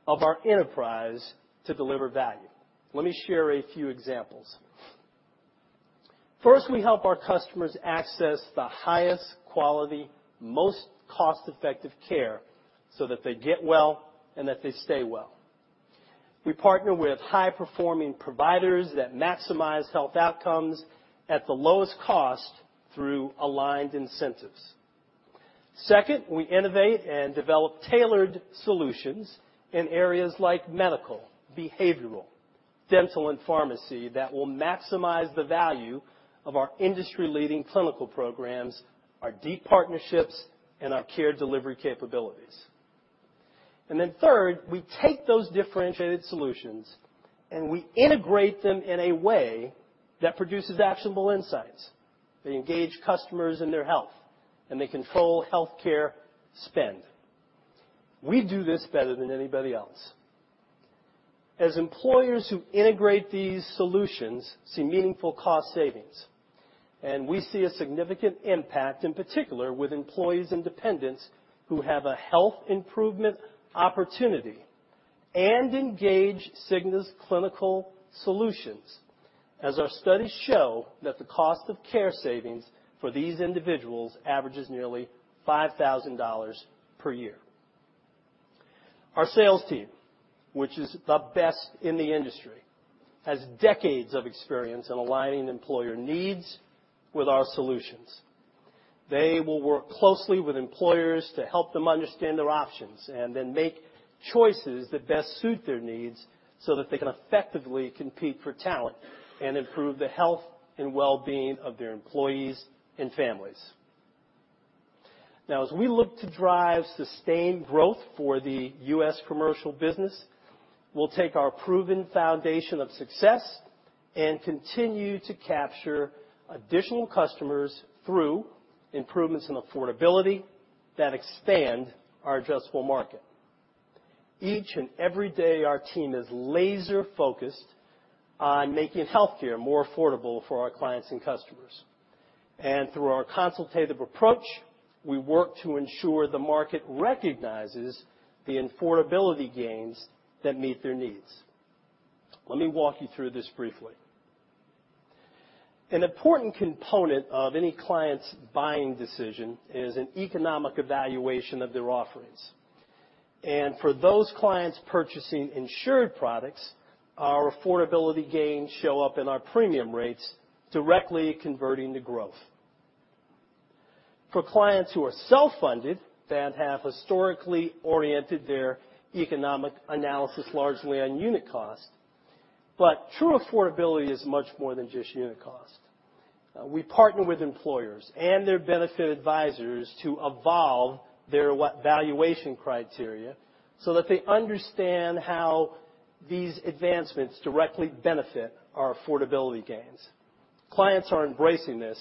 of our enterprise to deliver value. Let me share a few examples. First, we help our customers access the highest quality, most cost-effective care so that they get well and that they stay well. We partner with high-performing providers that maximize health outcomes at the lowest cost through aligned incentives. Second, we innovate and develop tailored solutions in areas like medical, behavioral, dental, and pharmacy that will maximize the value of our industry-leading clinical programs, our deep partnerships, and our care delivery capabilities. Third, we take those differentiated solutions, and we integrate them in a way that produces actionable insights. They engage customers in their health, and they control healthcare spend. We do this better than anybody else. As employers who integrate these solutions see meaningful cost savings, and we see a significant impact, in particular with employees and dependents who have a health improvement opportunity and engage Cigna's clinical solutions, as our studies show that the cost of care savings for these individuals averages nearly $5,000 per year. Our sales team, which is the best in the industry, has decades of experience in aligning employer needs with our solutions. They will work closely with employers to help them understand their options and then make choices that best suit their needs so that they can effectively compete for talent and improve the health and well-being of their employees and families. Now as we look to drive sustained growth for the U.S. Commercial business, we'll take our proven foundation of success and continue to capture additional customers through improvements in affordability that expand our addressable market. Each and every day, our team is laser-focused on making healthcare more affordable for our clients and customers. Through our consultative approach, we work to ensure the market recognizes the affordability gains that meet their needs. Let me walk you through this briefly. An important component of any client's buying decision is an economic evaluation of their offerings. For those clients purchasing insured products, our affordability gains show up in our premium rates directly converting to growth. For clients who are self-funded that have historically oriented their economic analysis largely on unit cost. True affordability is much more than just unit cost. We partner with employers and their benefit advisors to evolve their weighted valuation criteria so that they understand how these advancements directly benefit our affordability gains. Clients are embracing this,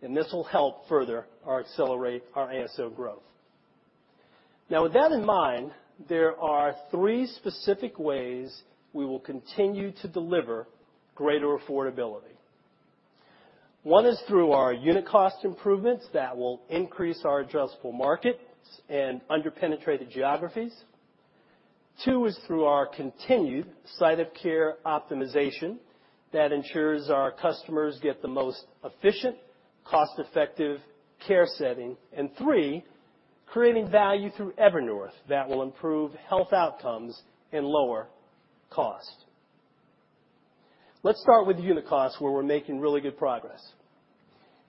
and this will help further or accelerate our ASO growth. Now with that in mind, there are three specific ways we will continue to deliver greater affordability. One is through our unit cost improvements that will increase our addressable markets in under-penetrated geographies. Two is through our continued site of care optimization that ensures our customers get the most efficient, cost-effective care setting. Three, creating value through Evernorth that will improve health outcomes and lower cost. Let's start with unit costs where we're making really good progress.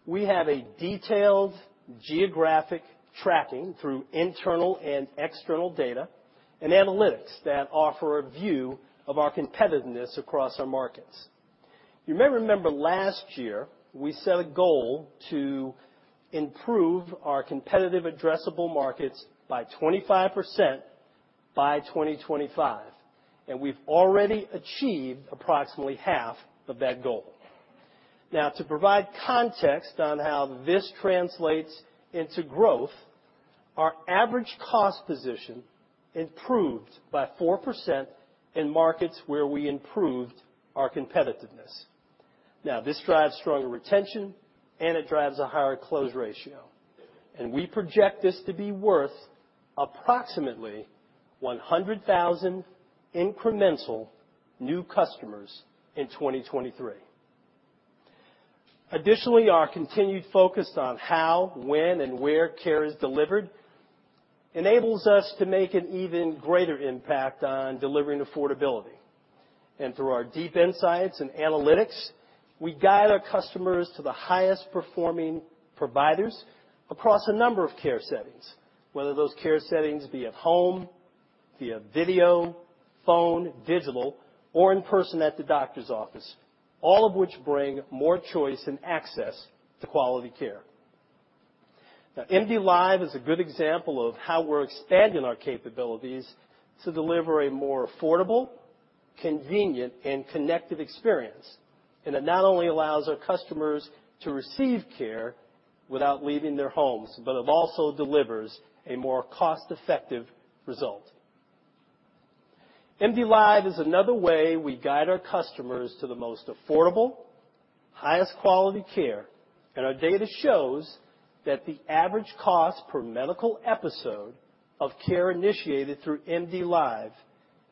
We have a detailed geographic tracking through internal and external data and analytics that offer a view of our competitiveness across our markets. You may remember last year, we set a goal to improve our competitive addressable markets by 25% by 2025, and we've already achieved approximately half of that goal. Now, to provide context on how this translates into growth, our average cost position improved by 4% in markets where we improved our competitiveness. Now, this drives stronger retention, and it drives a higher close ratio. We project this to be worth approximately 100,000 incremental new customers in 2023. Additionally, our continued focus on how, when, and where care is delivered enables us to make an even greater impact on delivering affordability. Through our deep insights and analytics, we guide our customers to the highest performing providers across a number of care settings, whether those care settings be at home, via video, phone, virtual, or in person at the doctor's office, all of which bring more choice and access to quality care. Now, MDLIVE is a good example of how we're expanding our capabilities to deliver a more affordable, convenient, and connected experience. It not only allows our customers to receive care without leaving their homes, but it also delivers a more cost-effective result. MDLIVE is another way we guide our customers to the most affordable, highest quality care, and our data shows that the average cost per medical episode of care initiated through MDLIVE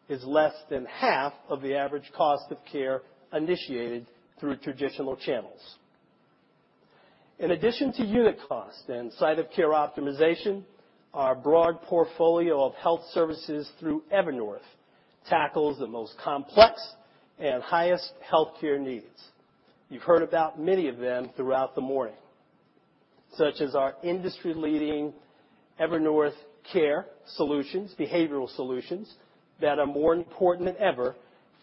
is less than half of the average cost of care initiated through traditional channels. In addition to unit cost and site of care optimization, our broad portfolio of health services through Evernorth tackles the most complex and highest care needs. You've heard about many of them throughout the morning, such as our industry-leading Evernorth Care Solutions, behavioral solutions that are more important than ever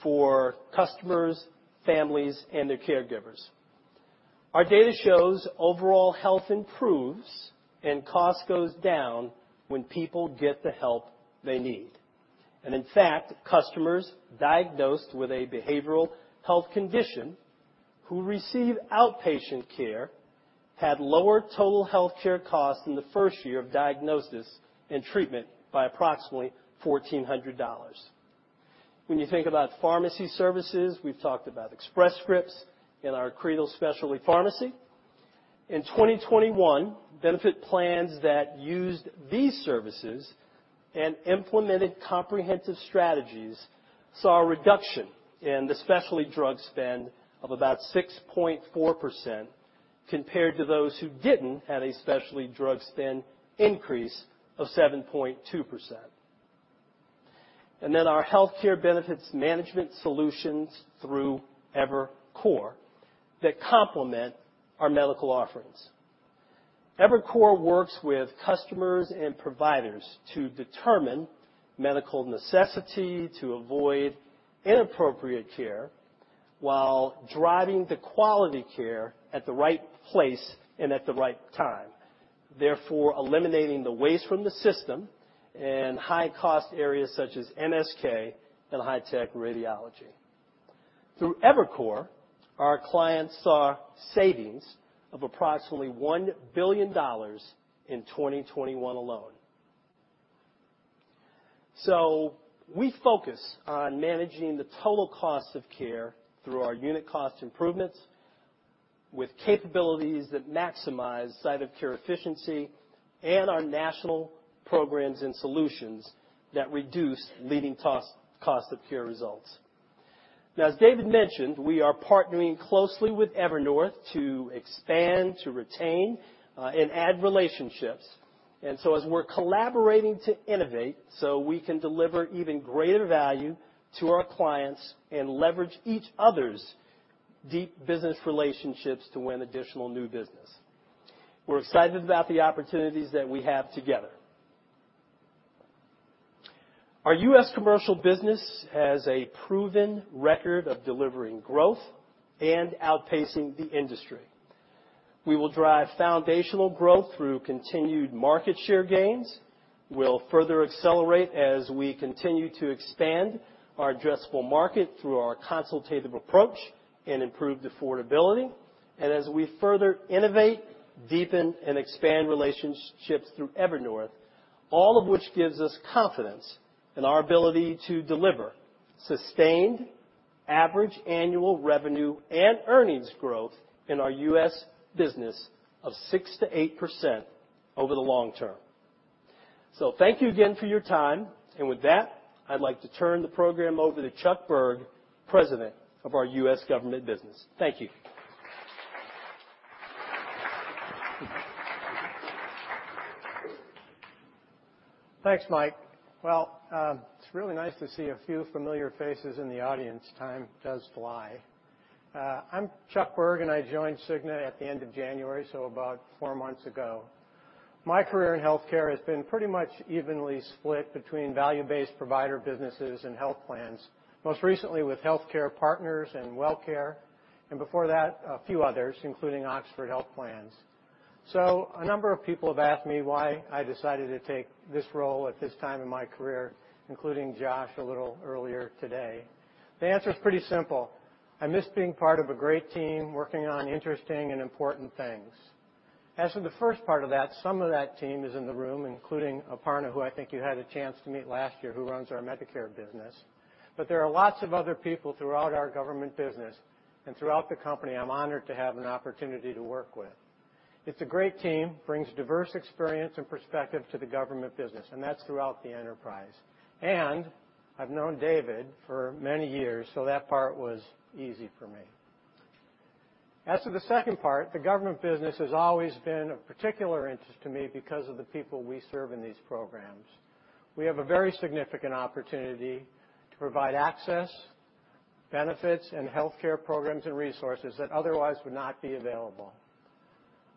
for customers, families, and their caregivers. Our data shows overall health improves and cost goes down when people get the help they need. In fact, customers diagnosed with a behavioral health condition who receive outpatient care had lower total health care costs in the first year of diagnosis and treatment by approximately $1,400. When you think about pharmacy services, we've talked about Express Scripts and our Accredo Specialty Pharmacy. In 2021, benefit plans that used these services and implemented comprehensive strategies saw a reduction in the specialty drug spend of about 6.4% compared to those who didn't have a specialty drug spend increase of 7.2%. Our healthcare benefits management solutions through Evernorth that complement our medical offerings. Evernorth works with customers and providers to determine medical necessity to avoid inappropriate care while driving the quality care at the right place and at the right time, therefore eliminating the waste from the system in high-cost areas such as MSK and high-tech radiology. Through Evernorth, our clients saw savings of approximately $1 billion in 2021 alone. We focus on managing the total cost of care through our unit cost improvements with capabilities that maximize site of care efficiency and our national programs and solutions that reduce leading cost of care results. Now, as David mentioned, we are partnering closely with Evernorth to expand, to retain, and add relationships. We're collaborating to innovate so we can deliver even greater value to our clients and leverage each other's deep business relationships to win additional new business. We're excited about the opportunities that we have together. Our U.S. Commercial business has a proven record of delivering growth and outpacing the industry. We will drive foundational growth through continued market share gains. We'll further accelerate as we continue to expand our addressable market through our consultative approach and improved affordability, and as we further innovate, deepen, and expand relationships through Evernorth, all of which gives us confidence in our ability to deliver sustained average annual revenue and earnings growth in our U.S. business of 6%-8% over the long term. Thank you again for your time. With that, I'd like to turn the program over to Charles Berg, President of our U.S. Government business. Thank you. Thanks, Mike. Well, it's really nice to see a few familiar faces in the audience. Time does fly. I'm Charles Berg, and I joined Cigna at the end of January, so about four months ago. My career in healthcare has been pretty much evenly split between value-based provider businesses and health plans, most recently with HealthCare Partners and Wellcare, and before that, a few others, including Oxford Health Plans. A number of people have asked me why I decided to take this role at this time in my career, including Josh a little earlier today. The answer is pretty simple. I miss being part of a great team, working on interesting and important things. As for the first part of that, some of that team is in the room, including Aparna, who I think you had a chance to meet last year, who runs our Medicare business. There are lots of other people throughout our Government business and throughout the company I'm honored to have an opportunity to work with. It's a great team, brings diverse experience and perspective to the Government business, and that's throughout the enterprise. I've known David for many years, so that part was easy for me. As to the second part, the Government business has always been of particular interest to me because of the people we serve in these programs. We have a very significant opportunity to provide access, benefits, and healthcare programs and resources that otherwise would not be available.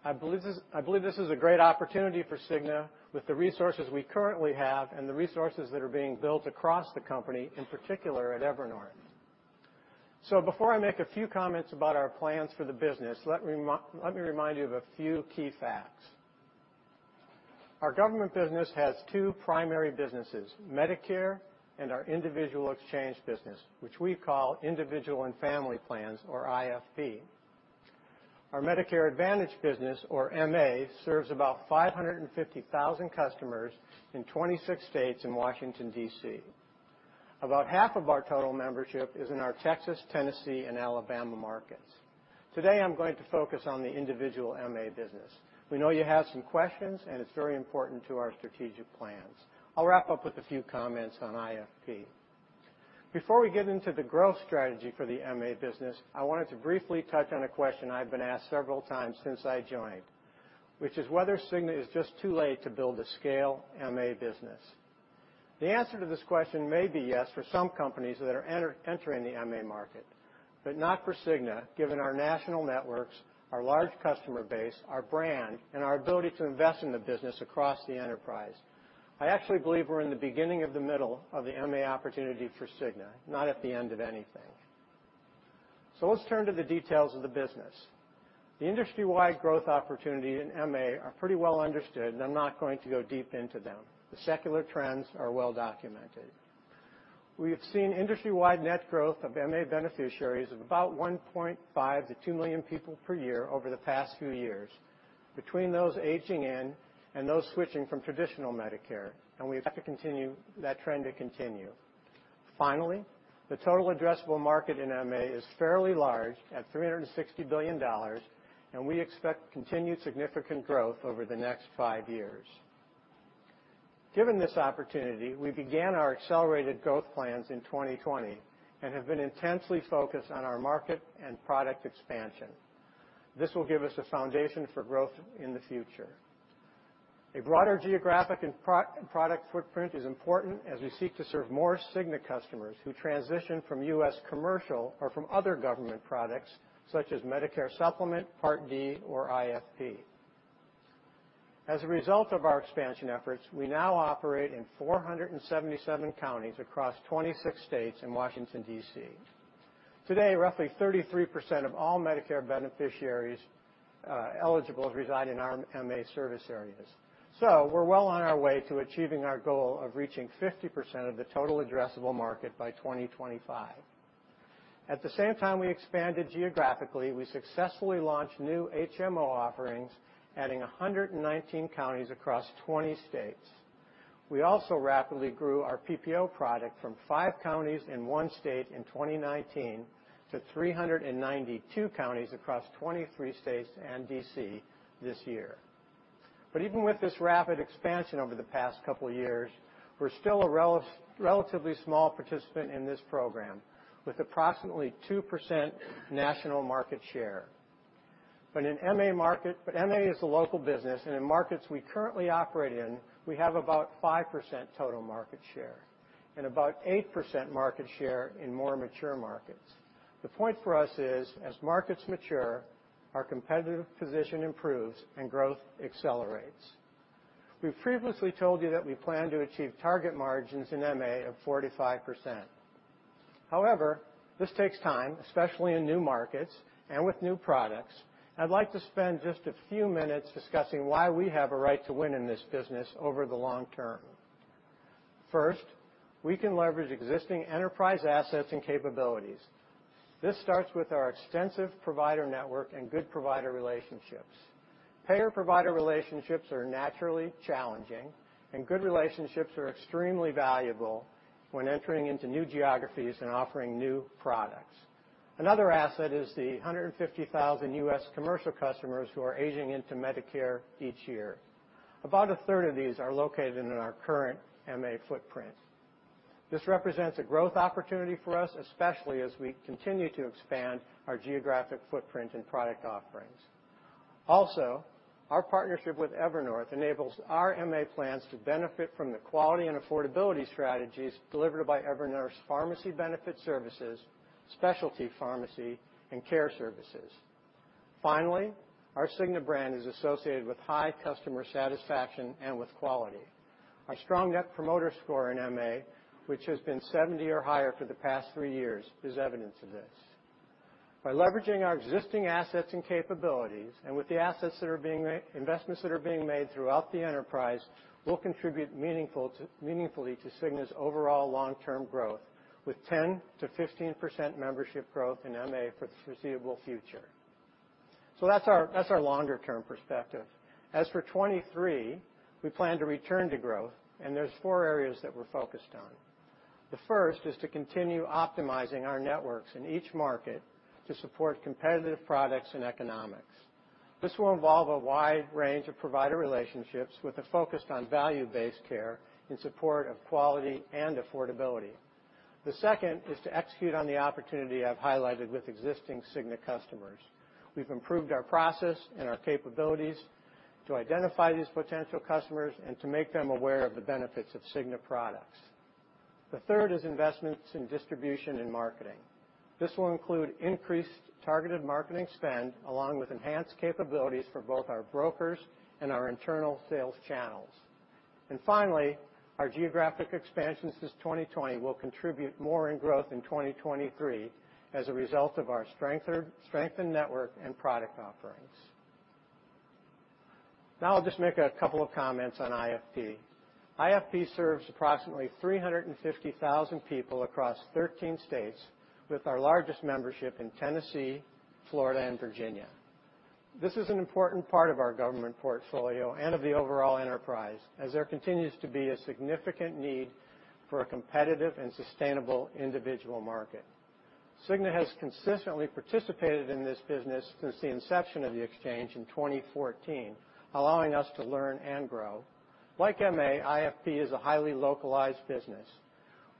I believe this is a great opportunity for Cigna with the resources we currently have and the resources that are being built across the company, in particular at Evernorth. Before I make a few comments about our plans for the business, let me remind you of a few key facts. Our government business has two primary businesses, Medicare and our individual exchange business, which we call Individual and Family Plans or IFP. Our Medicare Advantage business, or MA, serves about 550,000 customers in 26 states in Washington, D.C. About half of our total membership is in our Texas, Tennessee, and Alabama markets. Today, I'm going to focus on the individual MA business. We know you have some questions, and it's very important to our strategic plans. I'll wrap up with a few comments on IFP. Before we get into the growth strategy for the MA business, I wanted to briefly touch on a question I've been asked several times since I joined, which is whether Cigna is just too late to build a scale MA business. The answer to this question may be yes for some companies that are entering the MA market, but not for Cigna, given our national networks, our large customer base, our brand, and our ability to invest in the business across the enterprise. I actually believe we're in the beginning of the middle of the MA opportunity for Cigna, not at the end of anything. Let's turn to the details of the business. The industry-wide growth opportunity in MA are pretty well understood, and I'm not going to go deep into them. The secular trends are well documented. We have seen industry-wide net growth of MA beneficiaries of about 1.5-2 million people per year over the past few years between those aging in and those switching from traditional Medicare, and we expect that trend to continue. Finally, the total addressable market in MA is fairly large at $360 billion, and we expect continued significant growth over the next five years. Given this opportunity, we began our accelerated growth plans in 2020 and have been intensely focused on our market and product expansion. This will give us a foundation for growth in the future. A broader geographic and pro-product footprint is important as we seek to serve more Cigna customers who transition from U.S. Commercial or from other Government products such as Medicare Supplement, Part D, or IFP. As a result of our expansion efforts, we now operate in 477 counties across 26 states in Washington, D.C. Today, roughly 33% of all Medicare beneficiaries eligible reside in our MA service areas. We're well on our way to achieving our goal of reaching 50% of the total addressable market by 2025. At the same time we expanded geographically, we successfully launched new HMO offerings, adding 119 counties across 20 states. We also rapidly grew our PPO product from five counties in one state in 2019 to 392 counties across 23 states and D.C. this year. Even with this rapid expansion over the past couple years, we're still a relatively small participant in this program with approximately 2% national market share. MA is a local business, and in markets we currently operate in, we have about 5% total market share and about 8% market share in more mature markets. The point for us is as markets mature, our competitive position improves and growth accelerates. We've previously told you that we plan to achieve target margins in MA of 45%. However, this takes time, especially in new markets and with new products. I'd like to spend just a few minutes discussing why we have a right to win in this business over the long term. First, we can leverage existing enterprise assets and capabilities. This starts with our extensive provider network and good provider relationships. Payer-provider relationships are naturally challenging, and good relationships are extremely valuable when entering into new geographies and offering new products. Another asset is the 150,000 U.S. Commercial customers who are aging into Medicare each year. About a third of these are located in our current MA footprint. This represents a growth opportunity for us, especially as we continue to expand our geographic footprint and product offerings. Also, our partnership with Evernorth enables our MA plans to benefit from the quality and affordability strategies delivered by Evernorth's pharmacy benefit services, specialty pharmacy, and care services. Finally, our Cigna brand is associated with high customer satisfaction and with quality. Our strong net promoter score in MA, which has been 70 or higher for the past 3 years, is evidence of this. By leveraging our existing assets and capabilities, and with the investments that are being made throughout the enterprise, we'll contribute meaningfully to Cigna's overall long-term growth with 10%-15% membership growth in MA for the foreseeable future. That's our longer-term perspective. As for 2023, we plan to return to growth, and there's four areas that we're focused on. The first is to continue optimizing our networks in each market to support competitive products and economics. This will involve a wide range of provider relationships with a focus on value-based care in support of quality and affordability. The second is to execute on the opportunity I've highlighted with existing Cigna customers. We've improved our process and our capabilities to identify these potential customers and to make them aware of the benefits of Cigna products. The third is investments in distribution and marketing. This will include increased targeted marketing spend along with enhanced capabilities for both our brokers and our internal sales channels. Finally, our geographic expansion since 2020 will contribute more in growth in 2023 as a result of our strengthened network and product offerings. Now I'll just make a couple of comments on IFP. IFP serves approximately 350,000 people across 13 states, with our largest membership in Tennessee, Florida, and Virginia. This is an important part of our Government portfolio and of the overall enterprise, as there continues to be a significant need for a competitive and sustainable individual market. Cigna has consistently participated in this business since the inception of the exchange in 2014, allowing us to learn and grow. Like MA, IFP is a highly localized business.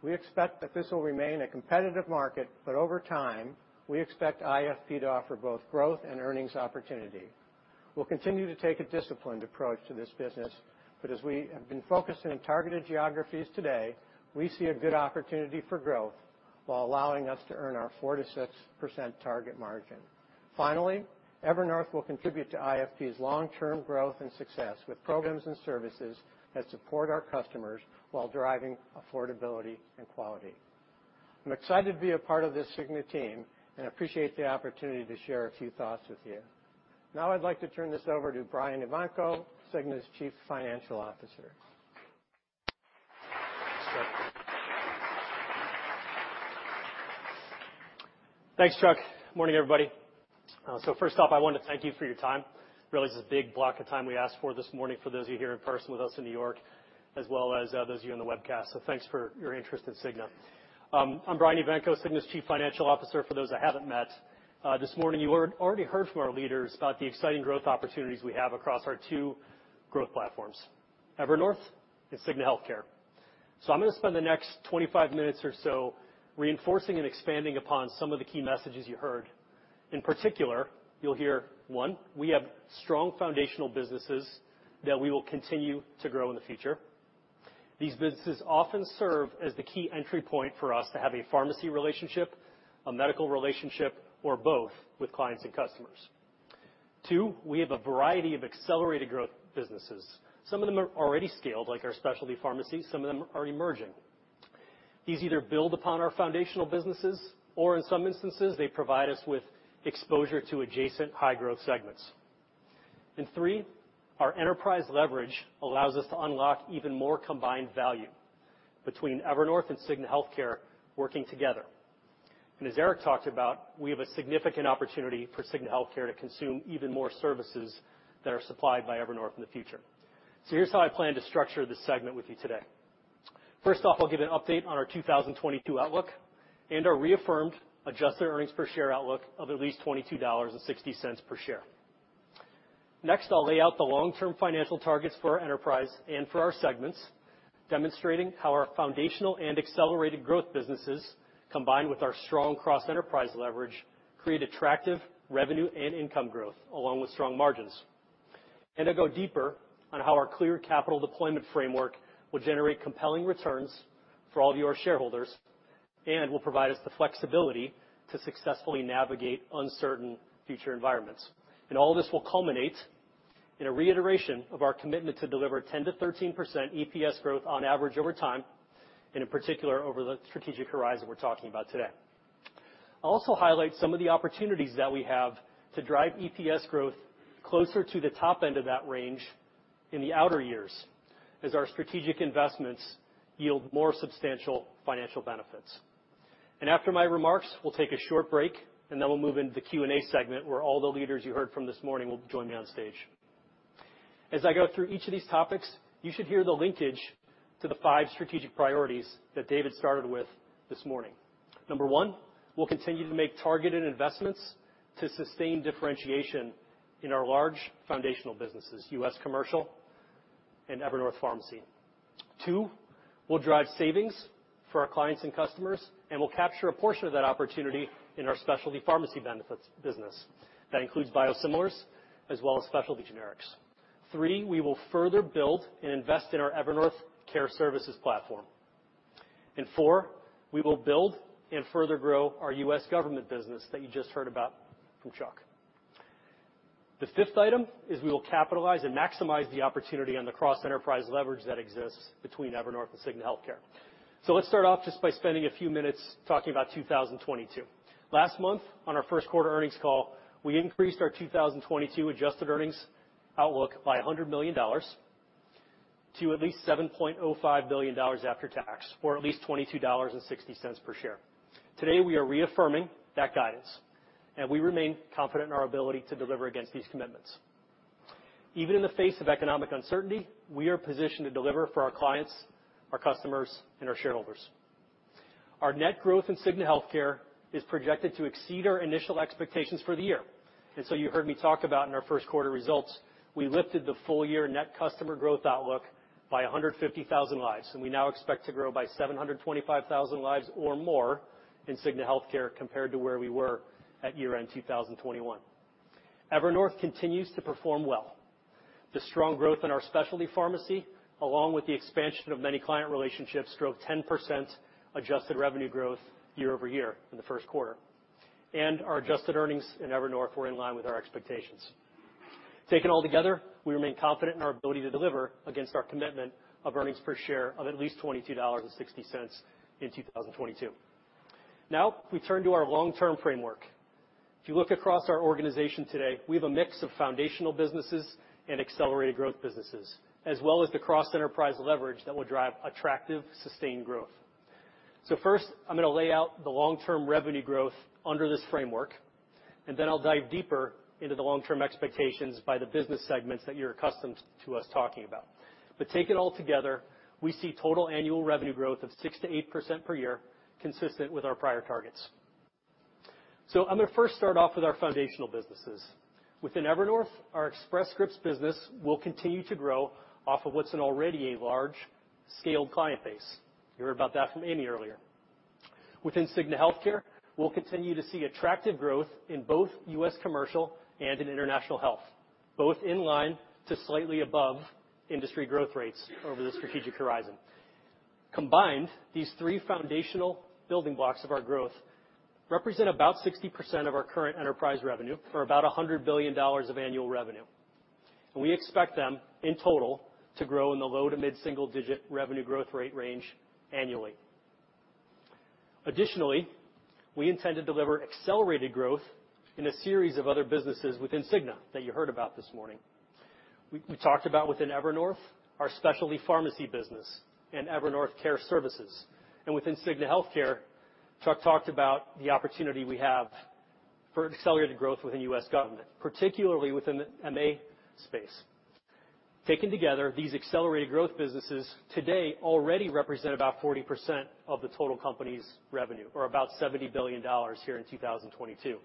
We expect that this will remain a competitive market, but over time, we expect IFP to offer both growth and earnings opportunity. We'll continue to take a disciplined approach to this business, but as we have been focusing on targeted geographies today, we see a good opportunity for growth while allowing us to earn our 4%-6% target margin. Finally, Evernorth will contribute to IFP's long-term growth and success with programs and services that support our customers while driving affordability and quality. I'm excited to be a part of this Cigna team and appreciate the opportunity to share a few thoughts with you. Now I'd like to turn this over to Brian Evanko, Cigna's Chief Financial Officer. Thanks, Charles. Morning, everybody. I want to thank you for your time. Really, it's a big block of time we asked for this morning for those of you here in person with us in New York, as well as those of you on the webcast. Thanks for your interest in Cigna. I'm Brian Evanko, Cigna's Chief Financial Officer, for those I haven't met. This morning, you already heard from our leaders about the exciting growth opportunities we have across our two growth platforms, Evernorth and Cigna Healthcare. I'm gonna spend the next 25 minutes or so reinforcing and expanding upon some of the key messages you heard. In particular, you'll hear, one, we have strong foundational businesses that we will continue to grow in the future. These businesses often serve as the key entry point for us to have a pharmacy relationship, a medical relationship, or both with clients and customers. Two, we have a variety of accelerated growth businesses. Some of them are already scaled, like our specialty pharmacy. Some of them are emerging. These either build upon our foundational businesses, or in some instances, they provide us with exposure to adjacent high-growth segments. Three, our enterprise leverage allows us to unlock even more combined value between Evernorth and Cigna Healthcare working together. As Eric talked about, we have a significant opportunity for Cigna Healthcare to consume even more services that are supplied by Evernorth in the future. Here's how I plan to structure this segment with you today. First off, I'll give an update on our 2022 outlook and our reaffirmed adjusted earnings per share outlook of at least $22.60 per share. Next, I'll lay out the long-term financial targets for our enterprise and for our segments, demonstrating how our foundational and accelerated growth businesses, combined with our strong cross-enterprise leverage, create attractive revenue and income growth along with strong margins. To go deeper on how our clear capital deployment framework will generate compelling returns for all of you, our shareholders, and will provide us the flexibility to successfully navigate uncertain future environments. All this will culminate in a reiteration of our commitment to deliver 10%-13% EPS growth on average over time, and in particular, over the strategic horizon we're talking about today. I'll also highlight some of the opportunities that we have to drive EPS growth closer to the top end of that range in the outer years as our strategic investments yield more substantial financial benefits. After my remarks, we'll take a short break, and then we'll move into the Q&A segment where all the leaders you heard from this morning will join me on stage. As I go through each of these topics, you should hear the linkage to the five strategic priorities that David started with this morning. Number one, we'll continue to make targeted investments to sustain differentiation in our large foundational businesses, U.S. Commercial and Evernorth Pharmacy. Two, we'll drive savings for our clients and customers, and we'll capture a portion of that opportunity in our specialty pharmacy benefits business. That includes biosimilars as well as specialty generics. Three, we will further build and invest in our Evernorth Care Services platform. Four, we will build and further grow our U.S. Government business that you just heard about from Chuck. The fifth item is we will capitalize and maximize the opportunity on the cross-enterprise leverage that exists between Evernorth and Cigna Healthcare. Let's start off just by spending a few minutes talking about 2022. Last month, on our first quarter earnings call, we increased our 2022 adjusted earnings outlook by $100 million to at least $7.05 billion after tax, or at least $22.60 per share. Today, we are reaffirming that guidance, and we remain confident in our ability to deliver against these commitments. Even in the face of economic uncertainty, we are positioned to deliver for our clients, our customers, and our shareholders. Our net growth in Cigna Healthcare is projected to exceed our initial expectations for the year. You heard me talk about in our first quarter results, we lifted the full year net customer growth outlook by 150,000 lives, and we now expect to grow by 725,000 lives or more in Cigna Healthcare compared to where we were at year-end 2021. Evernorth continues to perform well. The strong growth in our specialty pharmacy, along with the expansion of many client relationships, drove 10% adjusted revenue growth year-over-year in the first quarter. Our adjusted earnings in Evernorth were in line with our expectations. Taken all together, we remain confident in our ability to deliver against our commitment of earnings per share of at least $22.60 in 2022. Now, we turn to our long-term framework. If you look across our organization today, we have a mix of foundational businesses and accelerated growth businesses, as well as the cross-enterprise leverage that will drive attractive, sustained growth. First, I'm gonna lay out the long-term revenue growth under this framework, and then I'll dive deeper into the long-term expectations by the business segments that you're accustomed to us talking about. But taken all together, we see total annual revenue growth of 6%-8% per year, consistent with our prior targets. I'm going to first start off with our foundational businesses. Within Evernorth, our Express Scripts business will continue to grow off of what's already a large-scale client base. You heard about that from Amy earlier. Within Cigna Healthcare, we'll continue to see attractive growth in both U.S. Commercial and in International Health, both in line to slightly above industry growth rates over the strategic horizon. Combined, these three foundational building blocks of our growth represent about 60% of our current enterprise revenue for about $100 billion of annual revenue. We expect them, in total, to grow in the low- to mid-single-digit % revenue growth rate range annually. Additionally, we intend to deliver accelerated growth in a series of other businesses within Cigna that you heard about this morning. We talked about within Evernorth, our specialty pharmacy business and Evernorth Care Services. Within Cigna Healthcare, Chuck talked about the opportunity we have for accelerated growth within U.S. Government, particularly within the MA space. Taken together, these accelerated growth businesses today already represent about 40% of the total company's revenue or about $70 billion here in 2022.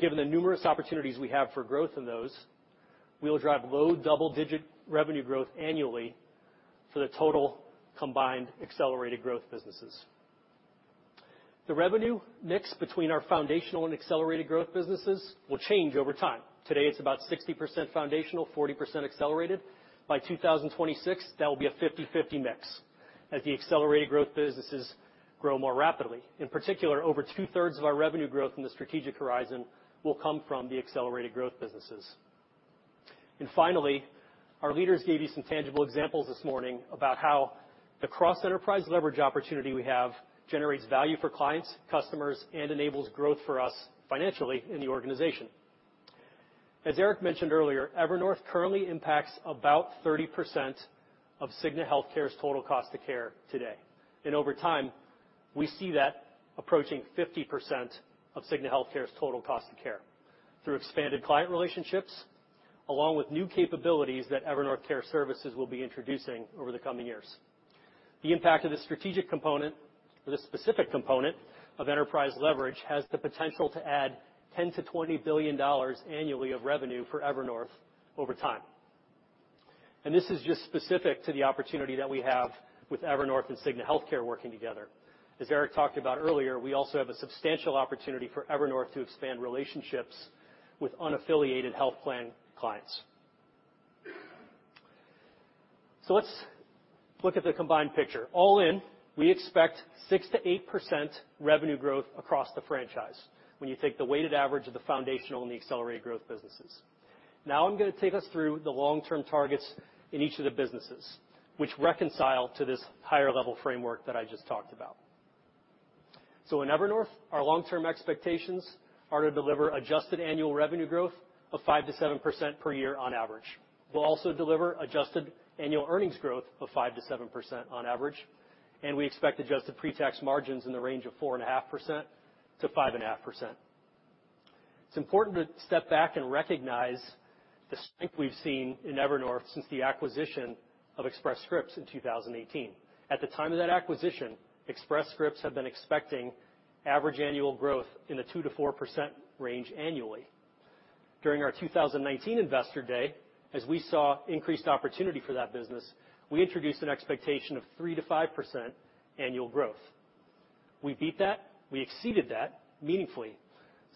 Given the numerous opportunities we have for growth in those, we will drive low double-digit revenue growth annually for the total combined accelerated growth businesses. The revenue mix between our foundational and accelerated growth businesses will change over time. Today, it's about 60% foundational, 40% accelerated. By 2026, that will be a 50/50 mix as the accelerated growth businesses grow more rapidly. In particular, over two-thirds of our revenue growth in the strategic horizon will come from the accelerated growth businesses. Finally, our leaders gave you some tangible examples this morning about how the cross enterprise leverage opportunity we have generates value for clients, customers, and enables growth for us financially in the organization. As Eric mentioned earlier, Evernorth currently impacts about 30% of Cigna Healthcare's total cost of care today. Over time, we see that approaching 50% of Cigna Healthcare's total cost of care through expanded client relationships, along with new capabilities that Evernorth Care Services will be introducing over the coming years. The impact of the strategic component or the specific component of enterprise leverage has the potential to add $10 billion-$20 billion annually of revenue for Evernorth over time. This is just specific to the opportunity that we have with Evernorth and Cigna Healthcare working together. As Eric talked about earlier, we also have a substantial opportunity for Evernorth to expand relationships with unaffiliated health plan clients. Let's look at the combined picture. All in, we expect 6%-8% revenue growth across the franchise when you take the weighted average of the foundational and the accelerated growth businesses. Now I'm gonna take us through the long-term targets in each of the businesses, which reconcile to this higher level framework that I just talked about. In Evernorth, our long-term expectations are to deliver adjusted annual revenue growth of 5%-7% per year on average. We'll also deliver adjusted annual earnings growth of 5%-7% on average, and we expect adjusted pre-tax margins in the range of 4.5%-5.5%. It's important to step back and recognize the strength we've seen in Evernorth since the acquisition of Express Scripts in 2018. At the time of that acquisition, Express Scripts had been expecting average annual growth in the 2%-4% range annually. During our 2019 investor day, as we saw increased opportunity for that business, we introduced an expectation of 3%-5% annual growth. We beat that. We exceeded that meaningfully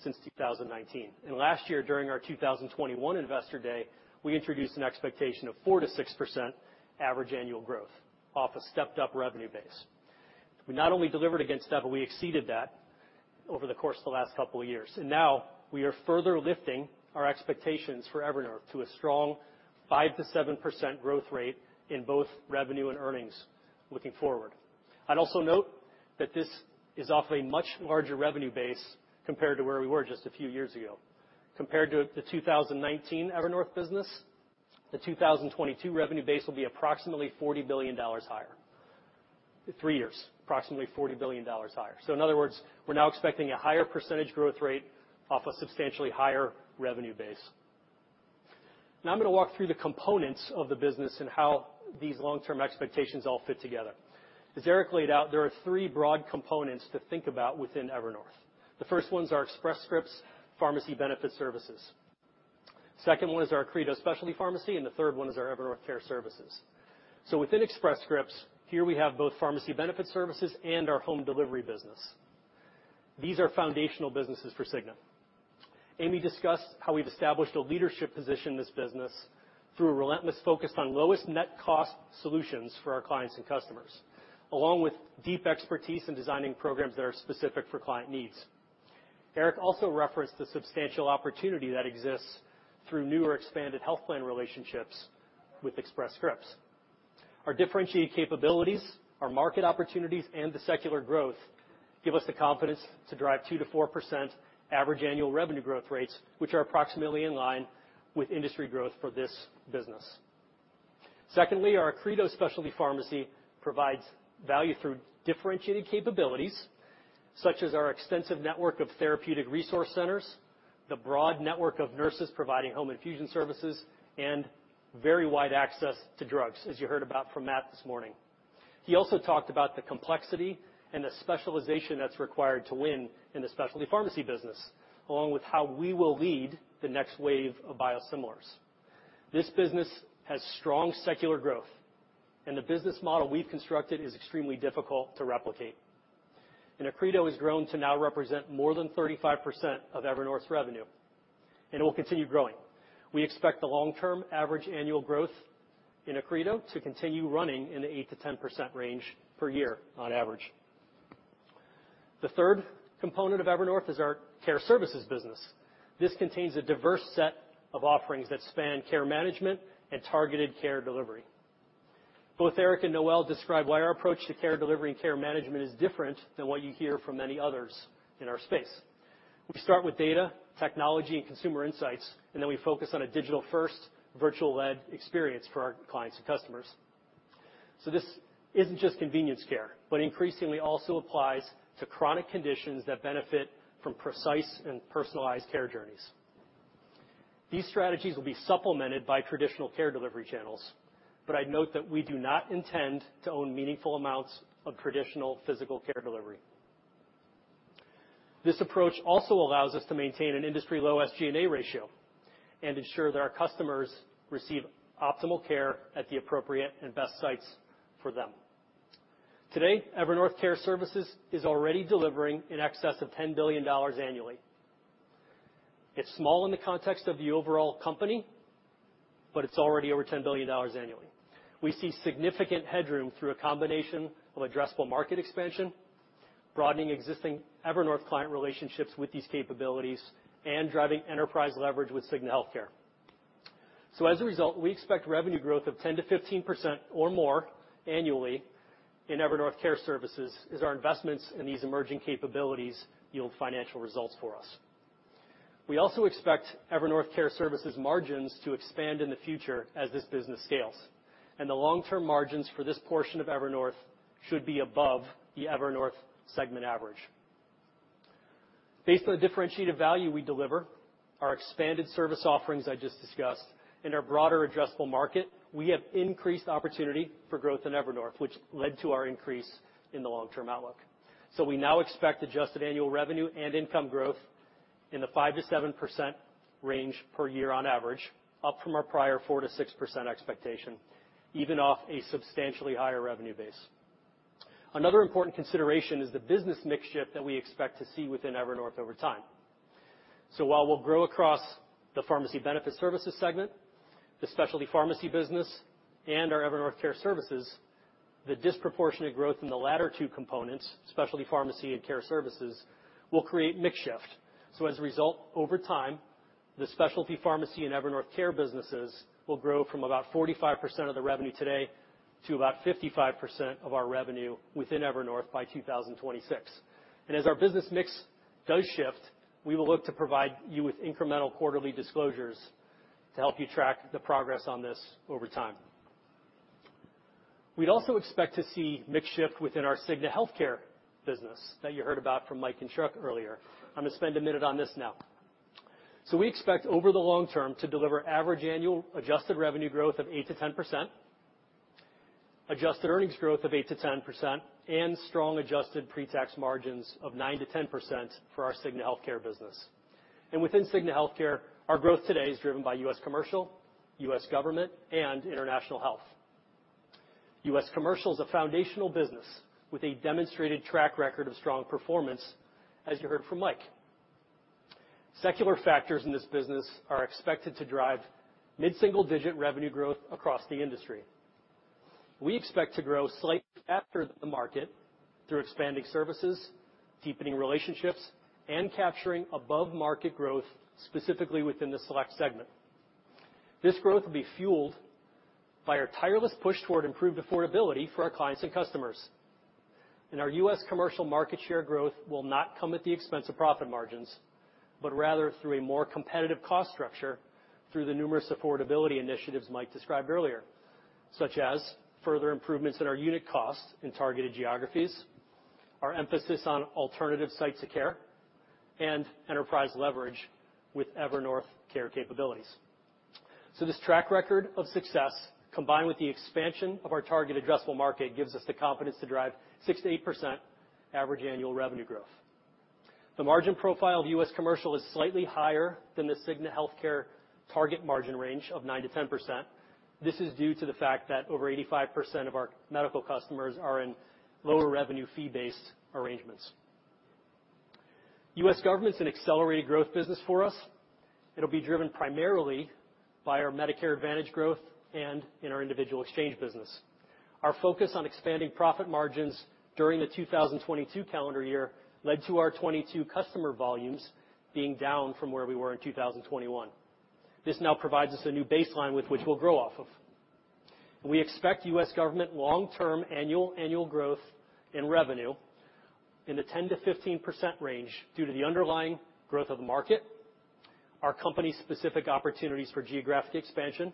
since 2019. Last year, during our 2021 investor day, we introduced an expectation of 4%-6% average annual growth off a stepped-up revenue base. We not only delivered against that, but we exceeded that over the course of the last couple of years. Now we are further lifting our expectations for Evernorth to a strong 5%-7% growth rate in both revenue and earnings looking forward. I'd also note that this is off a much larger revenue base compared to where we were just a few years ago. Compared to the 2019 Evernorth business, the 2022 revenue base will be approximately $40 billion higher. In other words, we're now expecting a higher percentage growth rate off a substantially higher revenue base. Now I'm gonna walk through the components of the business and how these long-term expectations all fit together. As Eric laid out, there are three broad components to think about within Evernorth. The first one's our Express Scripts pharmacy benefit services. Second one is our Accredo Specialty Pharmacy, and the third one is our Evernorth Care Services. Within Express Scripts, here we have both pharmacy benefit services and our home delivery business. These are foundational businesses for Cigna. Amy discussed how we've established a leadership position in this business through a relentless focus on lowest net cost solutions for our clients and customers, along with deep expertise in designing programs that are specific for client needs. Eric also referenced the substantial opportunity that exists through new or expanded health plan relationships with Express Scripts. Our differentiated capabilities, our market opportunities, and the secular growth give us the confidence to drive 2%-4% average annual revenue growth rates, which are approximately in line with industry growth for this business. Secondly, our Accredo Specialty Pharmacy provides value through differentiated capabilities, such as our extensive network of Therapeutic Resource Centers, the broad network of nurses providing home infusion services, and very wide access to drugs, as you heard about from Matt this morning. He also talked about the complexity and the specialization that's required to win in the specialty pharmacy business, along with how we will lead the next wave of biosimilars. This business has strong secular growth, and the business model we've constructed is extremely difficult to replicate. Accredo has grown to now represent more than 35% of Evernorth's revenue, and it will continue growing. We expect the long-term average annual growth in Accredo to continue running in the 8%-10% range per year on average. The third component of Evernorth is our care services business. This contains a diverse set of offerings that span care management and targeted care delivery. Both Eric and Noelle described why our approach to care delivery and care management is different than what you hear from many others in our space. We start with data, technology, and consumer insights, and then we focus on a digital-first, virtual-led experience for our clients and customers. This isn't just convenience care, but increasingly also applies to chronic conditions that benefit from precise and personalized care journeys. These strategies will be supplemented by traditional care delivery channels, but I'd note that we do not intend to own meaningful amounts of traditional physical care delivery. This approach also allows us to maintain an industry-low SG&A ratio and ensure that our customers receive optimal care at the appropriate and best sites for them. Today, Evernorth Care Services is already delivering in excess of $10 billion annually. It's small in the context of the overall company, but it's already over $10 billion annually. We see significant headroom through a combination of addressable market expansion, broadening existing Evernorth client relationships with these capabilities and driving enterprise leverage with Cigna Healthcare. As a result, we expect revenue growth of 10%-15% or more annually in Evernorth Care Services as our investments in these emerging capabilities yield financial results for us. We also expect Evernorth Care Services margins to expand in the future as this business scales. The long-term margins for this portion of Evernorth should be above the Evernorth segment average. Based on the differentiated value we deliver, our expanded service offerings I just discussed, and our broader addressable market, we have increased opportunity for growth in Evernorth, which led to our increase in the long-term outlook. We now expect adjusted annual revenue and income growth in the 5%-7% range per year on average, up from our prior 4%-6% expectation, even off a substantially higher revenue base. Another important consideration is the business mix shift that we expect to see within Evernorth over time. While we'll grow across the pharmacy benefit services segment, the specialty pharmacy business, and our Evernorth Care Services, the disproportionate growth in the latter two components, specialty pharmacy and care services, will create mix shift. As a result, over time, the specialty pharmacy in Evernorth Care businesses will grow from about 45% of the revenue today to about 55% of our revenue within Evernorth by 2026. As our business mix does shift, we will look to provide you with incremental quarterly disclosures to help you track the progress on this over time. We'd also expect to see mix shift within our Cigna Healthcare business that you heard about from Mike and Chuck earlier. I'm gonna spend a minute on this now. We expect over the long term to deliver average annual adjusted revenue growth of 8%-10%, adjusted earnings growth of 8%-10%, and strong adjusted pre-tax margins of 9%-10% for our Cigna Healthcare business. Within Cigna Healthcare, our growth today is driven by U.S. Commercial, U.S. Government, and International Health. U.S. Commercial is a foundational business with a demonstrated track record of strong performance, as you heard from Mike. Secular factors in this business are expected to drive mid-single-digit revenue growth across the industry. We expect to grow slightly after the market through expanding services, deepening relationships, and capturing above-market growth, specifically within the Select segment. This growth will be fueled by our tireless push toward improved affordability for our clients and customers. Our U.S. Commercial market share growth will not come at the expense of profit margins, but rather through a more competitive cost structure through the numerous affordability initiatives Mike described earlier, such as further improvements in our unit costs in targeted geographies, our emphasis on alternative sites of care, and enterprise leverage with Evernorth Care capabilities. This track record of success, combined with the expansion of our target addressable market, gives us the confidence to drive 6%-8% average annual revenue growth. The margin profile of U.S. Commercial is slightly higher than the Cigna Healthcare target margin range of 9%-10%. This is due to the fact that over 85% of our medical customers are in lower revenue fee-based arrangements. U.S. Government's an accelerated growth business for us. It'll be driven primarily by our Medicare Advantage growth and in our individual exchange business. Our focus on expanding profit margins during the 2022 calendar year led to our 2022 customer volumes being down from where we were in 2021. This now provides us a new baseline with which we'll grow off of. We expect U.S. Government long-term annual growth in revenue in the 10%-15% range due to the underlying growth of the market, our company's specific opportunities for geographic expansion,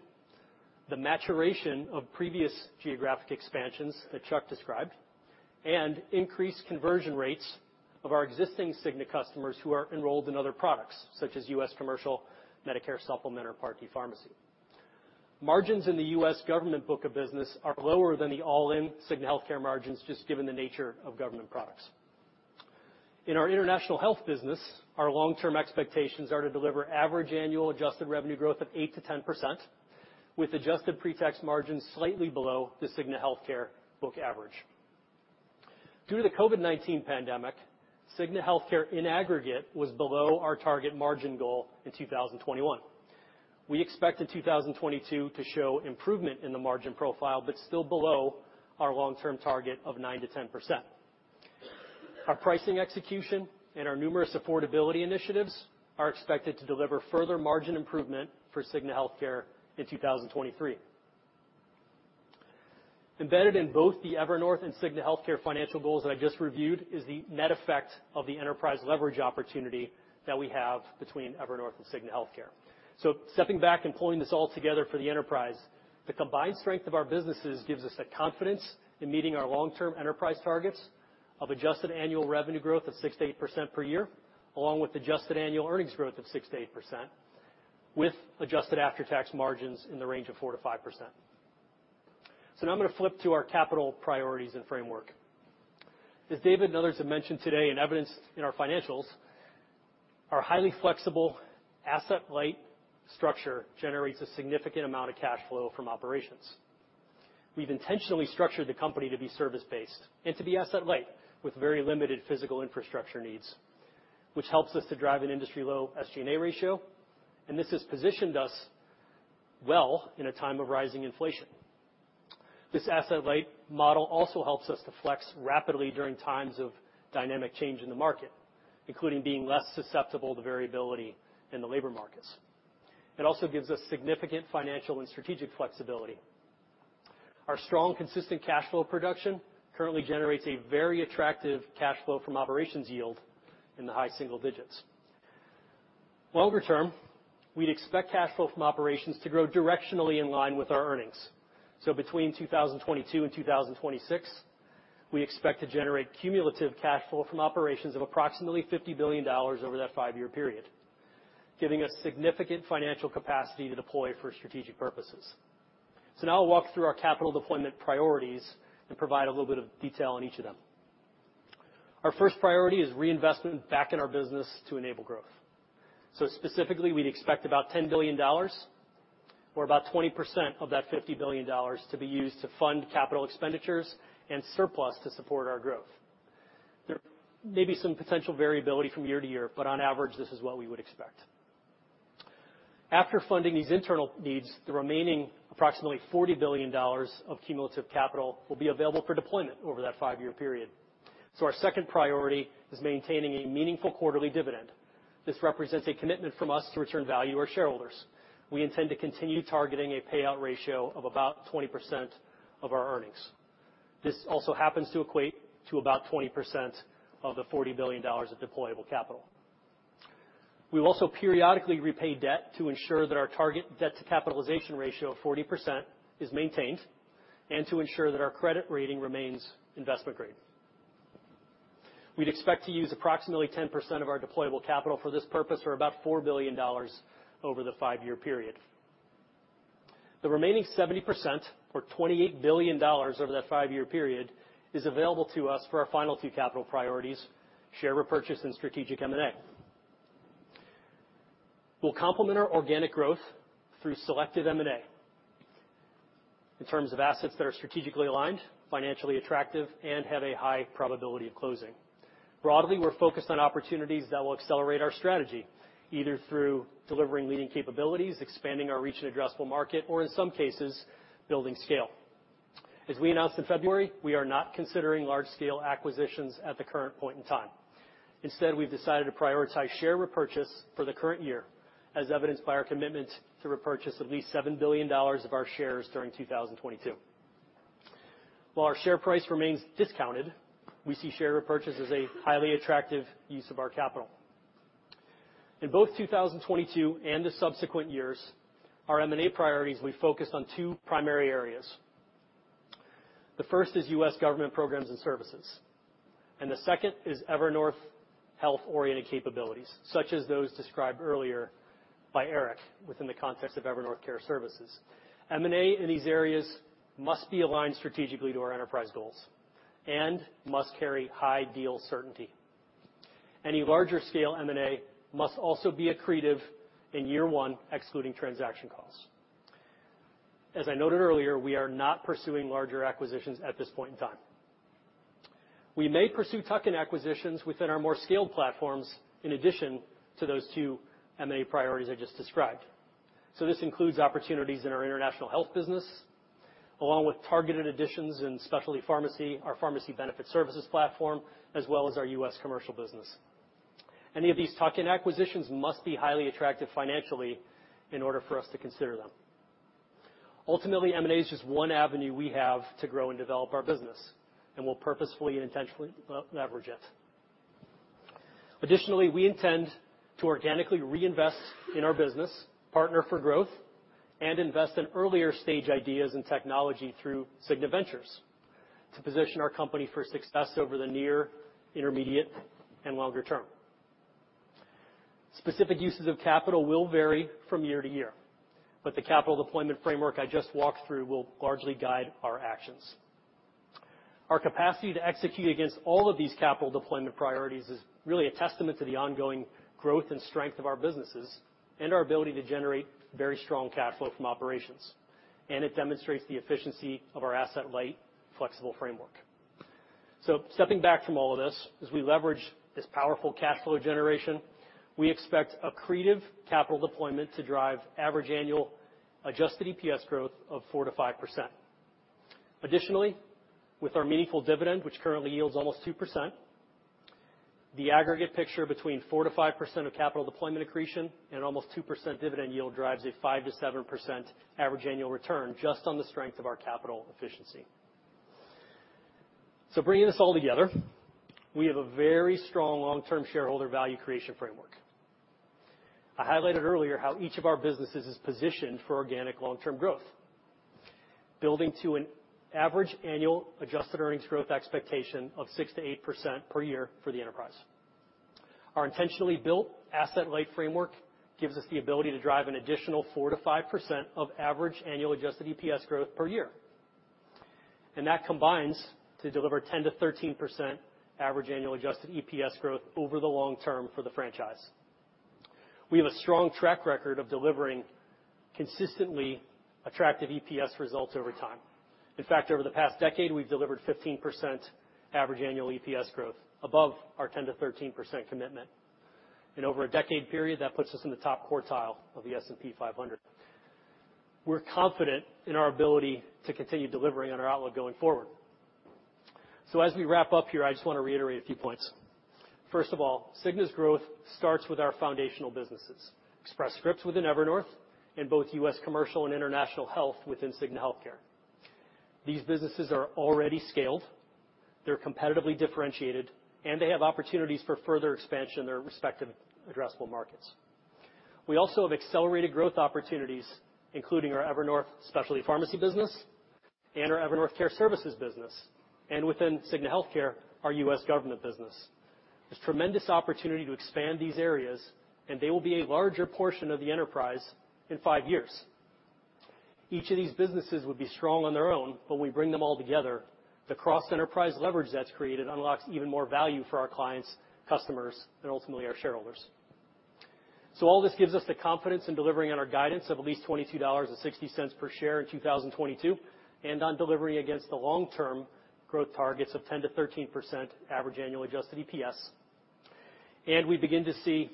the maturation of previous geographic expansions that Chuck described, and increased conversion rates of our existing Cigna customers who are enrolled in other products, such as U.S. Commercial, Medicare Supplement or Part D pharmacy. Margins in the U.S. Government book of business are lower than the all-in Cigna Healthcare margins just given the nature of Government products. In our International Health business, our long-term expectations are to deliver average annual adjusted revenue growth of 8%-10%, with adjusted pre-tax margins slightly below the Cigna Healthcare book average. Due to the COVID-19 pandemic, Cigna Healthcare in aggregate was below our target margin goal in 2021. We expected 2022 to show improvement in the margin profile, but still below our long-term target of 9%-10%. Our pricing execution and our numerous affordability initiatives are expected to deliver further margin improvement for Cigna Healthcare in 2023. Embedded in both the Evernorth and Cigna Healthcare financial goals that I just reviewed is the net effect of the enterprise leverage opportunity that we have between Evernorth and Cigna Healthcare. Stepping back and pulling this all together for the enterprise, the combined strength of our businesses gives us the confidence in meeting our long-term enterprise targets of adjusted annual revenue growth of 6%-8% per year, along with adjusted annual earnings growth of 6%-8%, with adjusted after-tax margins in the range of 4%-5%. Now I'm gonna flip to our capital priorities and framework. As David and others have mentioned today, and evidenced in our financials, our highly flexible asset light structure generates a significant amount of cash flow from operations. We've intentionally structured the company to be service-based and to be asset light with very limited physical infrastructure needs, which helps us to drive an industry-low SG&A ratio, and this has positioned us well in a time of rising inflation. This asset-light model also helps us to flex rapidly during times of dynamic change in the market, including being less susceptible to variability in the labor markets. It also gives us significant financial and strategic flexibility. Our strong, consistent cash flow production currently generates a very attractive cash flow from operations yield in the high single digits. Longer term, we'd expect cash flow from operations to grow directionally in line with our earnings. Between 2022 and 2026, we expect to generate cumulative cash flow from operations of approximately $50 billion over that five-year period, giving us significant financial capacity to deploy for strategic purposes. Now I'll walk through our capital deployment priorities and provide a little bit of detail on each of them. Our first priority is reinvestment back in our business to enable growth. Specifically, we'd expect about $10 billion or about 20% of that $50 billion to be used to fund capital expenditures and surplus to support our growth. There may be some potential variability from year to year, but on average, this is what we would expect. After funding these internal needs, the remaining approximately $40 billion of cumulative capital will be available for deployment over that five-year period. Our second priority is maintaining a meaningful quarterly dividend. This represents a commitment from us to return value to our shareholders. We intend to continue targeting a payout ratio of about 20% of our earnings. This also happens to equate to about 20% of the $40 billion of deployable capital. We will also periodically repay debt to ensure that our target debt-to-capitalization ratio of 40% is maintained and to ensure that our credit rating remains investment grade. We'd expect to use approximately 10% of our deployable capital for this purpose, or about $4 billion over the five-year period. The remaining 70%, or $28 billion over that five-year period, is available to us for our final two capital priorities, share repurchase and strategic M&A. We'll complement our organic growth through selective M&A in terms of assets that are strategically aligned, financially attractive, and have a high probability of closing. Broadly, we're focused on opportunities that will accelerate our strategy, either through delivering leading capabilities, expanding our reach and addressable market, or in some cases, building scale. As we announced in February, we are not considering large-scale acquisitions at the current point in time. Instead, we've decided to prioritize share repurchase for the current year, as evidenced by our commitment to repurchase at least $7 billion of our shares during 2022. While our share price remains discounted, we see share repurchase as a highly attractive use of our capital. In both 2022 and the subsequent years, our M&A priorities will be focused on two primary areas. The first is U.S. Government programs and services, and the second is Evernorth health-oriented capabilities, such as those described earlier by Eric within the context of Evernorth Care Services. M&A in these areas must be aligned strategically to our enterprise goals and must carry high deal certainty. Any larger-scale M&A must also be accretive in year one, excluding transaction costs. As I noted earlier, we are not pursuing larger acquisitions at this point in time. We may pursue tuck-in acquisitions within our more scaled platforms in addition to those two M&A priorities I just described. This includes opportunities in our International Health business, along with targeted additions in specialty pharmacy, our pharmacy benefit services platform, as well as our U.S. Commercial business. Any of these tuck-in acquisitions must be highly attractive financially in order for us to consider them. Ultimately, M&A is just one avenue we have to grow and develop our business, and we'll purposefully and intentionally leverage it. Additionally, we intend to organically reinvest in our business, partner for growth, and invest in earlier-stage ideas and technology through Cigna Ventures to position our company for success over the near, intermediate, and longer term. Specific uses of capital will vary from year to year, but the capital deployment framework I just walked through will largely guide our actions. Our capacity to execute against all of these capital deployment priorities is really a testament to the ongoing growth and strength of our businesses and our ability to generate very strong cash flow from operations. It demonstrates the efficiency of our asset-light, flexible framework. Stepping back from all of this, as we leverage this powerful cash flow generation, we expect accretive capital deployment to drive average annual adjusted EPS growth of 4%-5%. Additionally, with our meaningful dividend, which currently yields almost 2%, the aggregate picture between 4%-5% of capital deployment accretion and almost 2% dividend yield drives a 5%-7% average annual return just on the strength of our capital efficiency. Bringing this all together, we have a very strong long-term shareholder value creation framework. I highlighted earlier how each of our businesses is positioned for organic long-term growth, building to an average annual adjusted earnings growth expectation of 6%-8% per year for the enterprise. Our intentionally built asset-light framework gives us the ability to drive an additional 4%-5% of average annual adjusted EPS growth per year. That combines to deliver 10%-13% average annual adjusted EPS growth over the long term for the franchise. We have a strong track record of delivering consistently attractive EPS results over time. In fact, over the past decade, we've delivered 15% average annual EPS growth above our 10%-13% commitment. In over a decade period, that puts us in the top quartile of the S&P 500. We're confident in our ability to continue delivering on our outlook going forward. As we wrap up here, I just wanna reiterate a few points. First of all, Cigna's growth starts with our foundational businesses, Express Scripts within Evernorth and both U.S. Commercial and International Health within Cigna Healthcare. These businesses are already scaled, they're competitively differentiated, and they have opportunities for further expansion in their respective addressable markets. We also have accelerated growth opportunities, including our Evernorth Specialty Pharmacy business and our Evernorth Care Services business, and within Cigna Healthcare, our U.S. Government business. There's tremendous opportunity to expand these areas, and they will be a larger portion of the enterprise in five years. Each of these businesses would be strong on their own, but we bring them all together. The cross-enterprise leverage that's created unlocks even more value for our clients, customers, and ultimately our shareholders. All this gives us the confidence in delivering on our guidance of at least $22.60 per share in 2022, and on delivering against the long-term growth targets of 10%-13% average annual adjusted EPS. We begin to see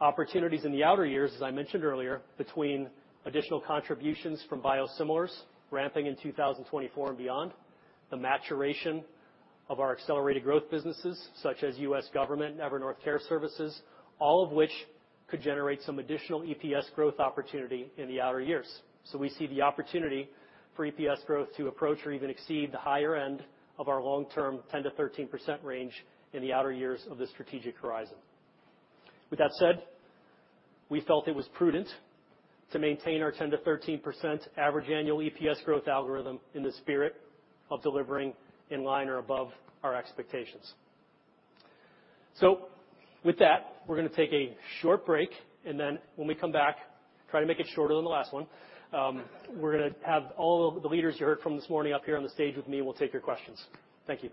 opportunities in the outer years, as I mentioned earlier, between additional contributions from biosimilars ramping in 2024 and beyond, the maturation of our accelerated growth businesses such as U.S. Government, Evernorth Care Services, all of which could generate some additional EPS growth opportunity in the outer years. We see the opportunity for EPS growth to approach or even exceed the higher end of our long-term 10%-13% range in the outer years of the strategic horizon. With that said, we felt it was prudent to maintain our 10%-13% average annual EPS growth algorithm in the spirit of delivering in line or above our expectations. With that, we're gonna take a short break, and then when we come back, try to make it shorter than the last one. We're gonna have all the leaders you heard from this morning up here on the stage with me, and we'll take your questions. Thank you.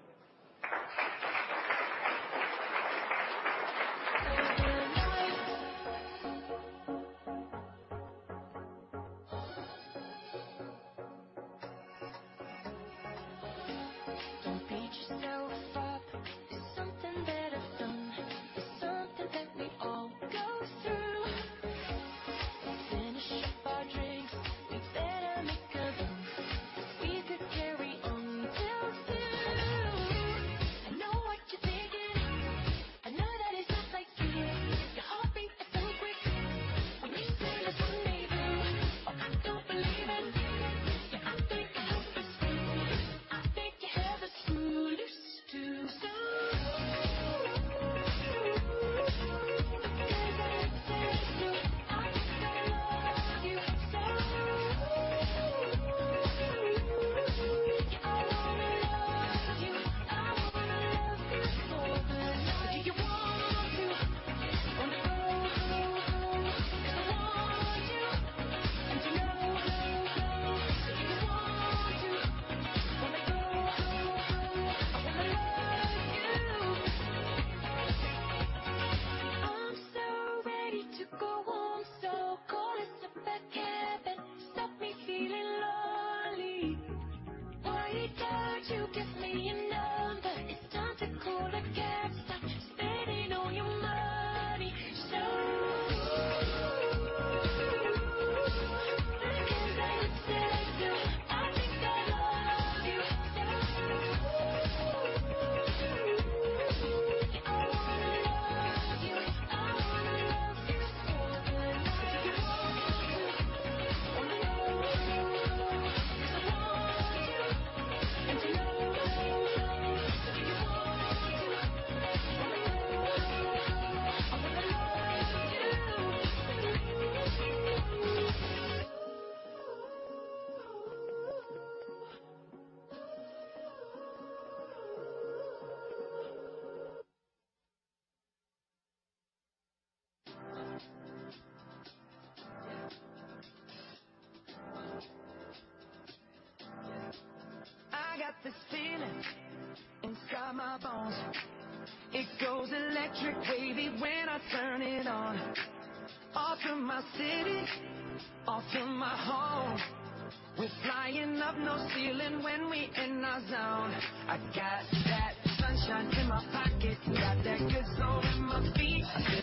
Our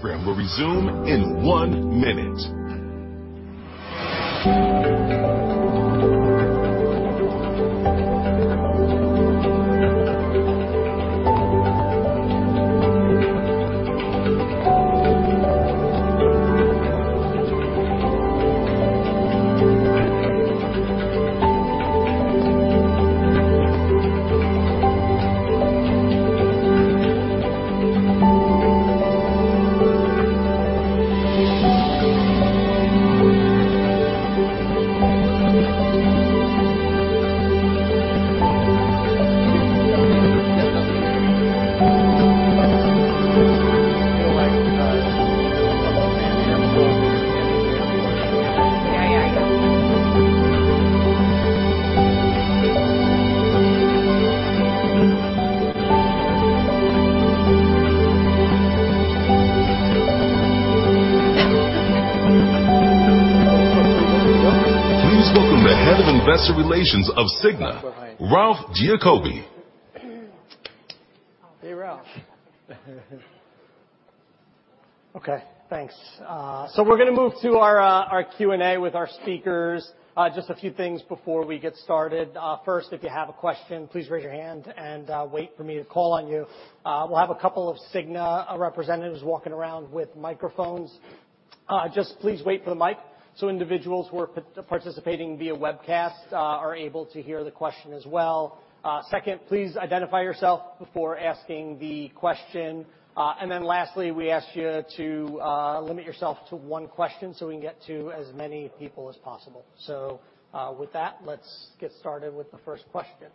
program will resume in one minute. Please welcome the Head of Investor Relations of Cigna, Ralph Giacobbe. Hey, Ralph. Okay, thanks. We're gonna move to our Q&A with our speakers. Just a few things before we get started. First, if you have a question, please raise your hand and wait for me to call on you. We'll have a couple of Cigna representatives walking around with microphones. Just please wait for the mic, so individuals who are participating via webcast are able to hear the question as well. Second, please identify yourself before asking the question. Then lastly, we ask you to limit yourself to one question so we can get to as many people as possible. With that, let's get started with the first question.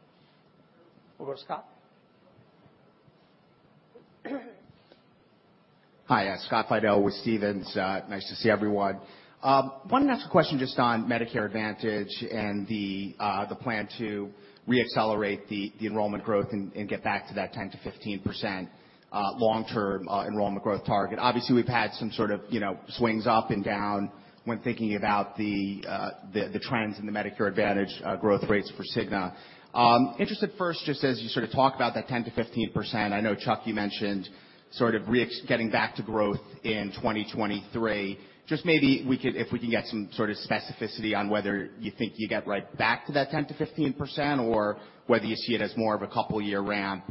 We'll go to Scott. Hi, Scott Fidel with Stephens. Nice to see everyone. Wanted to ask a question just on Medicare Advantage and the plan to re-accelerate the enrollment growth and get back to that 10%-15% long-term enrollment growth target. Obviously, we've had some sort of, you know, swings up and down when thinking about the trends in the Medicare Advantage growth rates for Cigna. Interested first, just as you sort of talk about that 10%-15%, I know, Chuck, you mentioned sort of getting back to growth in 2023. Just maybe if we can get some sort of specificity on whether you think you get right back to that 10%-15% or whether you see it as more of a couple year ramp.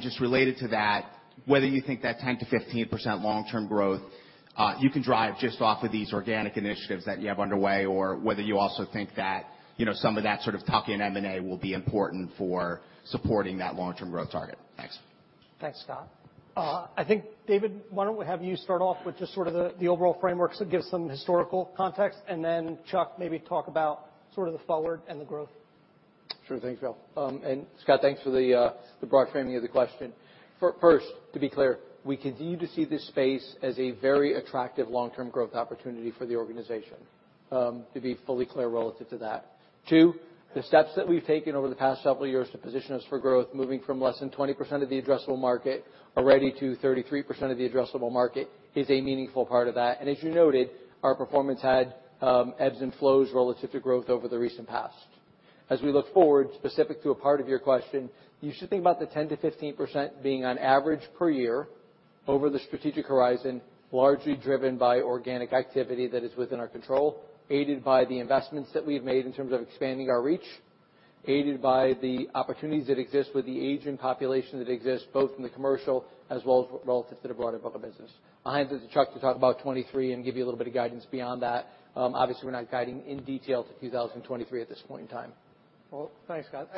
Just related to that, whether you think that 10%-15% long-term growth you can drive just off of these organic initiatives that you have underway, or whether you also think that, you know, some of that sort of tuck-in M&A will be important for supporting that long-term growth target? Thanks. Thanks, Scott. I think, David, why don't we have you start off with just sort of the overall framework, give some historical context, and then Charles, maybe talk about sort of the forward and the growth. Sure thing, Bill. Scott, thanks for the broad framing of the question. First, to be clear, we continue to see this space as a very attractive long-term growth opportunity for the organization, to be fully clear relative to that. Two, the steps that we've taken over the past several years to position us for growth, moving from less than 20% of the addressable market already to 33% of the addressable market is a meaningful part of that. As you noted, our performance had ebbs and flows relative to growth over the recent past. As we look forward, specific to a part of your question, you should think about the 10%-15% being on average per year over the strategic horizon, largely driven by organic activity that is within our control, aided by the investments that we've made in terms of expanding our reach, aided by the opportunities that exist with the aging population that exists both in the commercial as well as relative to the broader book of business. I'll hand it to Chuck to talk about 2023 and give you a little bit of guidance beyond that. Obviously, we're not guiding in detail to 2023 at this point in time. Well, thanks, Scott.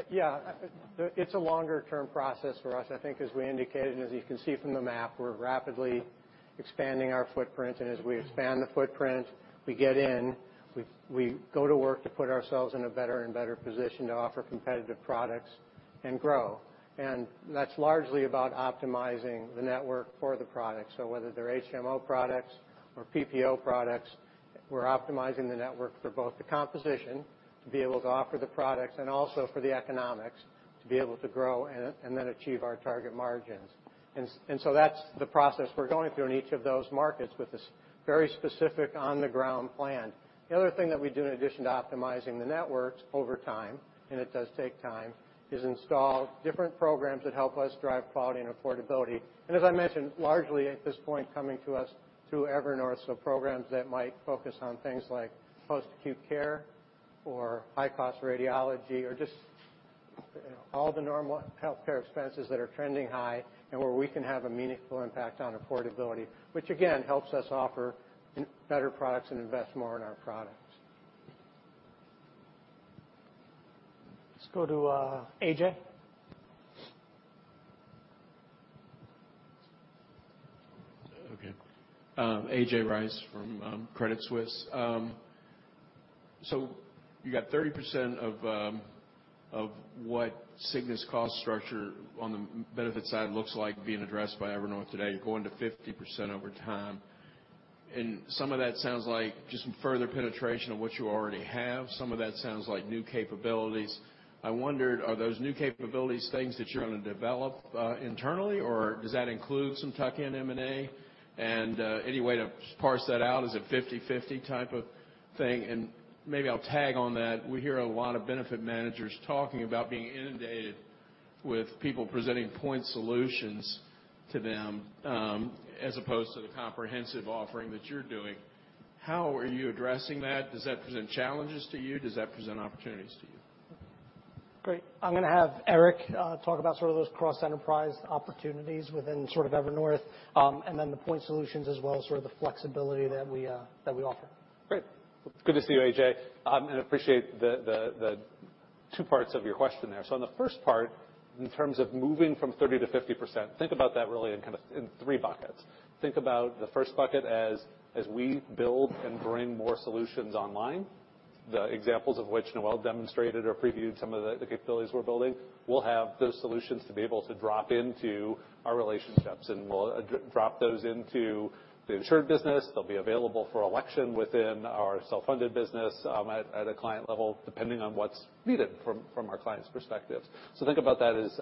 It's a longer-term process for us. I think as we indicated, and as you can see from the map, we're rapidly expanding our footprint. As we expand the footprint, we get in, we go to work to put ourselves in a better and better position to offer competitive products and grow. That's largely about optimizing the network for the product. Whether they're HMO products or PPO products, we're optimizing the network for both the composition to be able to offer the products and also for the economics to be able to grow and then achieve our target margins. So that's the process we're going through in each of those markets with this very specific on-the-ground plan. The other thing that we do in addition to optimizing the networks over time, and it does take time, is install different programs that help us drive quality and affordability. As I mentioned, largely at this point, coming to us through Evernorth, so programs that might focus on things like post-acute care or high-cost radiology or just, you know, all the normal healthcare expenses that are trending high and where we can have a meaningful impact on affordability, which again, helps us offer better products and invest more in our products. Let's go to A.J. Okay. A.J. Rice from Credit Suisse. So you got 30% of what Cigna's cost structure on the Medicare benefit side looks like being addressed by Evernorth today. You're going to 50% over time. Some of that sounds like just some further penetration of what you already have. Some of that sounds like new capabilities. I wondered, are those new capabilities things that you're gonna develop internally, or does that include some tuck-in M&A? Any way to parse that out? Is it 50-50 type of thing? Maybe I'll tag on that. We hear a lot of benefit managers talking about being inundated with people presenting point solutions to them as opposed to the comprehensive offering that you're doing. How are you addressing that? Does that present challenges to you? Does that present opportunities to you? Great. I'm gonna have Eric talk about sort of those cross-enterprise opportunities within sort of Evernorth, and then the point solutions as well, sort of the flexibility that we offer. Great. Good to see you, A.J., and appreciate the two parts of your question there. In the first part, in terms of moving from 30%-50%, think about that really in kind of in 3 buckets. Think about the first bucket as we build and bring more solutions online, the examples of which Noelle demonstrated or previewed some of the capabilities we're building. We'll have those solutions to be able to drop into our relationships, and we'll drop those into The insured business, they'll be available for election within our self-funded business, at a client level, depending on what's needed from our clients' perspectives. Think about that as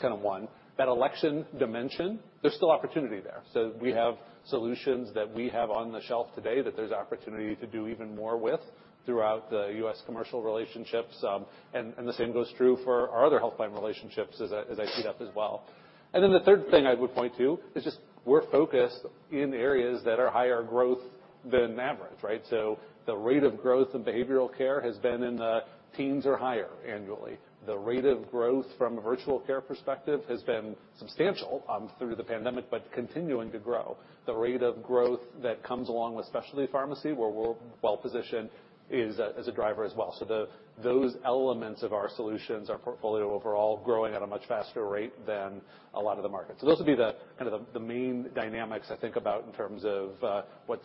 kind of one. That election dimension, there's still opportunity there. We have solutions that we have on the shelf today that there's opportunity to do even more with throughout the U.S. Commercial relationships. The same goes true for our other health plan relationships as I teed up as well. The third thing I would point to is just we're focused in areas that are higher growth than average, right? The rate of growth in behavioral care has been in the teens or higher annually. The rate of growth from a virtual care perspective has been substantial through the pandemic, but continuing to grow. The rate of growth that comes along with specialty pharmacy, where we're well positioned, is as a driver as well. So those elements of our solutions, our portfolio overall growing at a much faster rate than a lot of the market. So those would be the main dynamics I think about in terms of what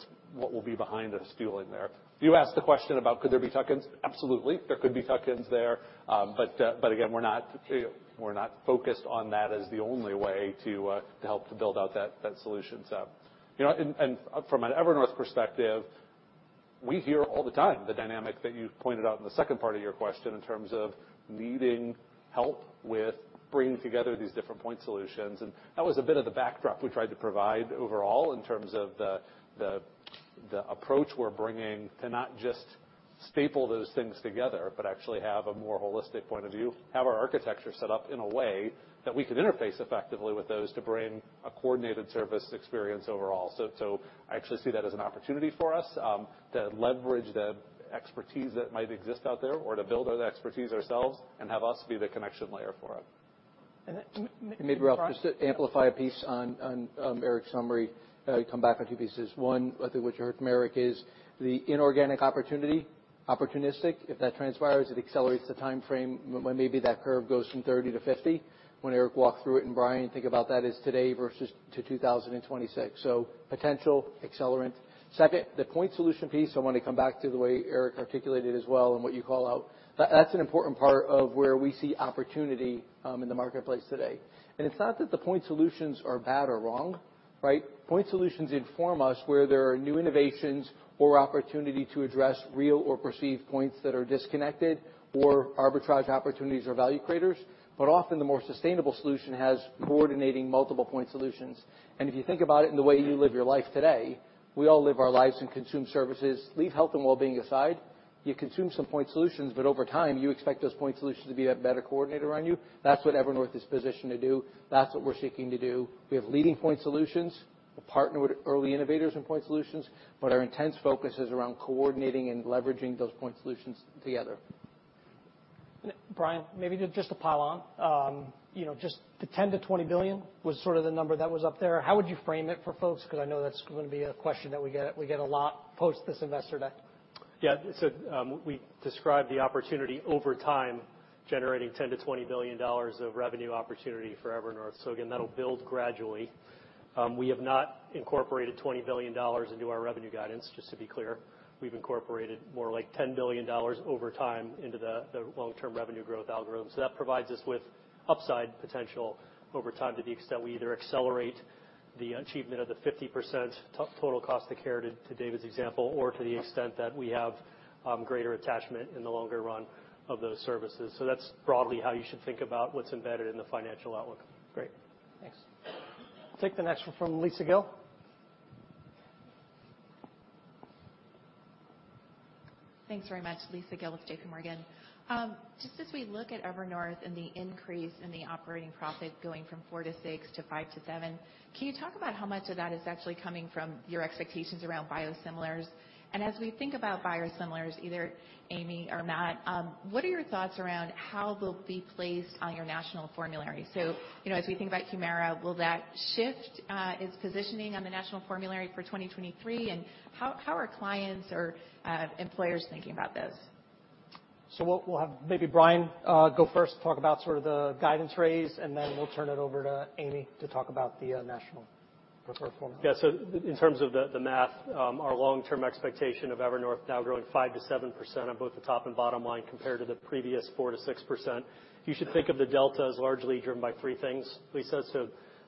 will be behind us fueling there. You asked the question about could there be tuck-ins. Absolutely. There could be tuck-ins there. But again, we're not focused on that as the only way to help to build out that solution set. You know, and from an Evernorth perspective, we hear all the time the dynamic that you pointed out in the second part of your question in terms of needing help with bringing together these different point solutions. that was a bit of the backdrop we tried to provide overall in terms of the approach we're bringing to not just staple those things together, but actually have a more holistic point of view, have our architecture set up in a way that we can interface effectively with those to bring a coordinated service experience overall. I actually see that as an opportunity for us to leverage the expertise that might exist out there or to build those expertise ourselves and have us be the connection layer for it. And then, M-m- Maybe, Ralph, just to amplify a piece on Eric's summary, come back on two pieces. One, I think what you heard from Eric is the inorganic opportunity, opportunistic. If that transpires, it accelerates the timeframe when maybe that curve goes from 30 to 50. When Eric walked through it, and Brian, think about that as today versus 2026. So potential accelerant. Second, the point solution piece, I want to come back to the way Eric articulated as well and what you call out. That's an important part of where we see opportunity in the marketplace today. It's not that the point solutions are bad or wrong, right? Point solutions inform us where there are new innovations or opportunity to address real or perceived points that are disconnected or arbitrage opportunities or value creators. Often the more sustainable solution involves coordinating multiple point solutions. If you think about it in the way you live your life today, we all live our lives and consume services. Leave health and wellbeing aside, you consume some point solutions, but over time, you expect those point solutions to be a better coordinator around you. That's what Evernorth is positioned to do. That's what we're seeking to do. We have leading point solutions. We partner with early innovators in point solutions, but our intense focus is around coordinating and leveraging those point solutions together. Brian, maybe just to pile on, you know, just the $10 billion-$20 billion was sort of the number that was up there. How would you frame it for folks? Because I know that's gonna be a question that we get a lot post this Investor Day. Yeah. We described the opportunity over time, generating $10 billion-$20 billion of revenue opportunity for Evernorth. Again, that'll build gradually. We have not incorporated $20 billion into our revenue guidance, just to be clear. We've incorporated more like $10 billion over time into the long-term revenue growth algorithm. That provides us with upside potential over time to the extent we either accelerate the achievement of the 50% to total cost of care to David's example, or to the extent that we have greater attachment in the longer run of those services. That's broadly how you should think about what's embedded in the financial outlook. Great. Thanks. Take the next one from Lisa Gill. Thanks very much. Lisa Gill with J.P. Morgan. Just as we look at Evernorth and the increase in the operating profit going from 4 to 6 to 5 to 7, can you talk about how much of that is actually coming from your expectations around biosimilars? As we think about biosimilars, either Amy or Matt, what are your thoughts around how they'll be placed on your national formulary? You know, as we think about Humira, will that shift its positioning on the national formulary for 2023? And how are clients or employers thinking about this? We'll have maybe Brian go first to talk about sort of the guidance raise, and then we'll turn it over to Amy to talk about the National Preferred Formulary. Yeah. In terms of the math, our long-term expectation of Evernorth now growing 5%-7% on both the top and bottom line compared to the previous 4%-6%, you should think of the delta as largely driven by three things, Lisa.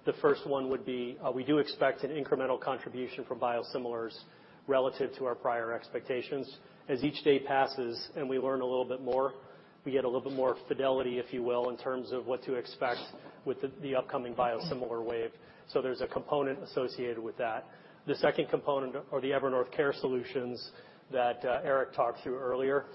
The first one would be, we do expect an incremental contribution from biosimilars relative to our prior expectations. As each day passes, and we learn a little bit more, we get a little bit more fidelity, if you will, in terms of what to expect with the upcoming biosimilar wave. There's a component associated with that. The second component are the Evernorth Care Services that Eric talked through earlier.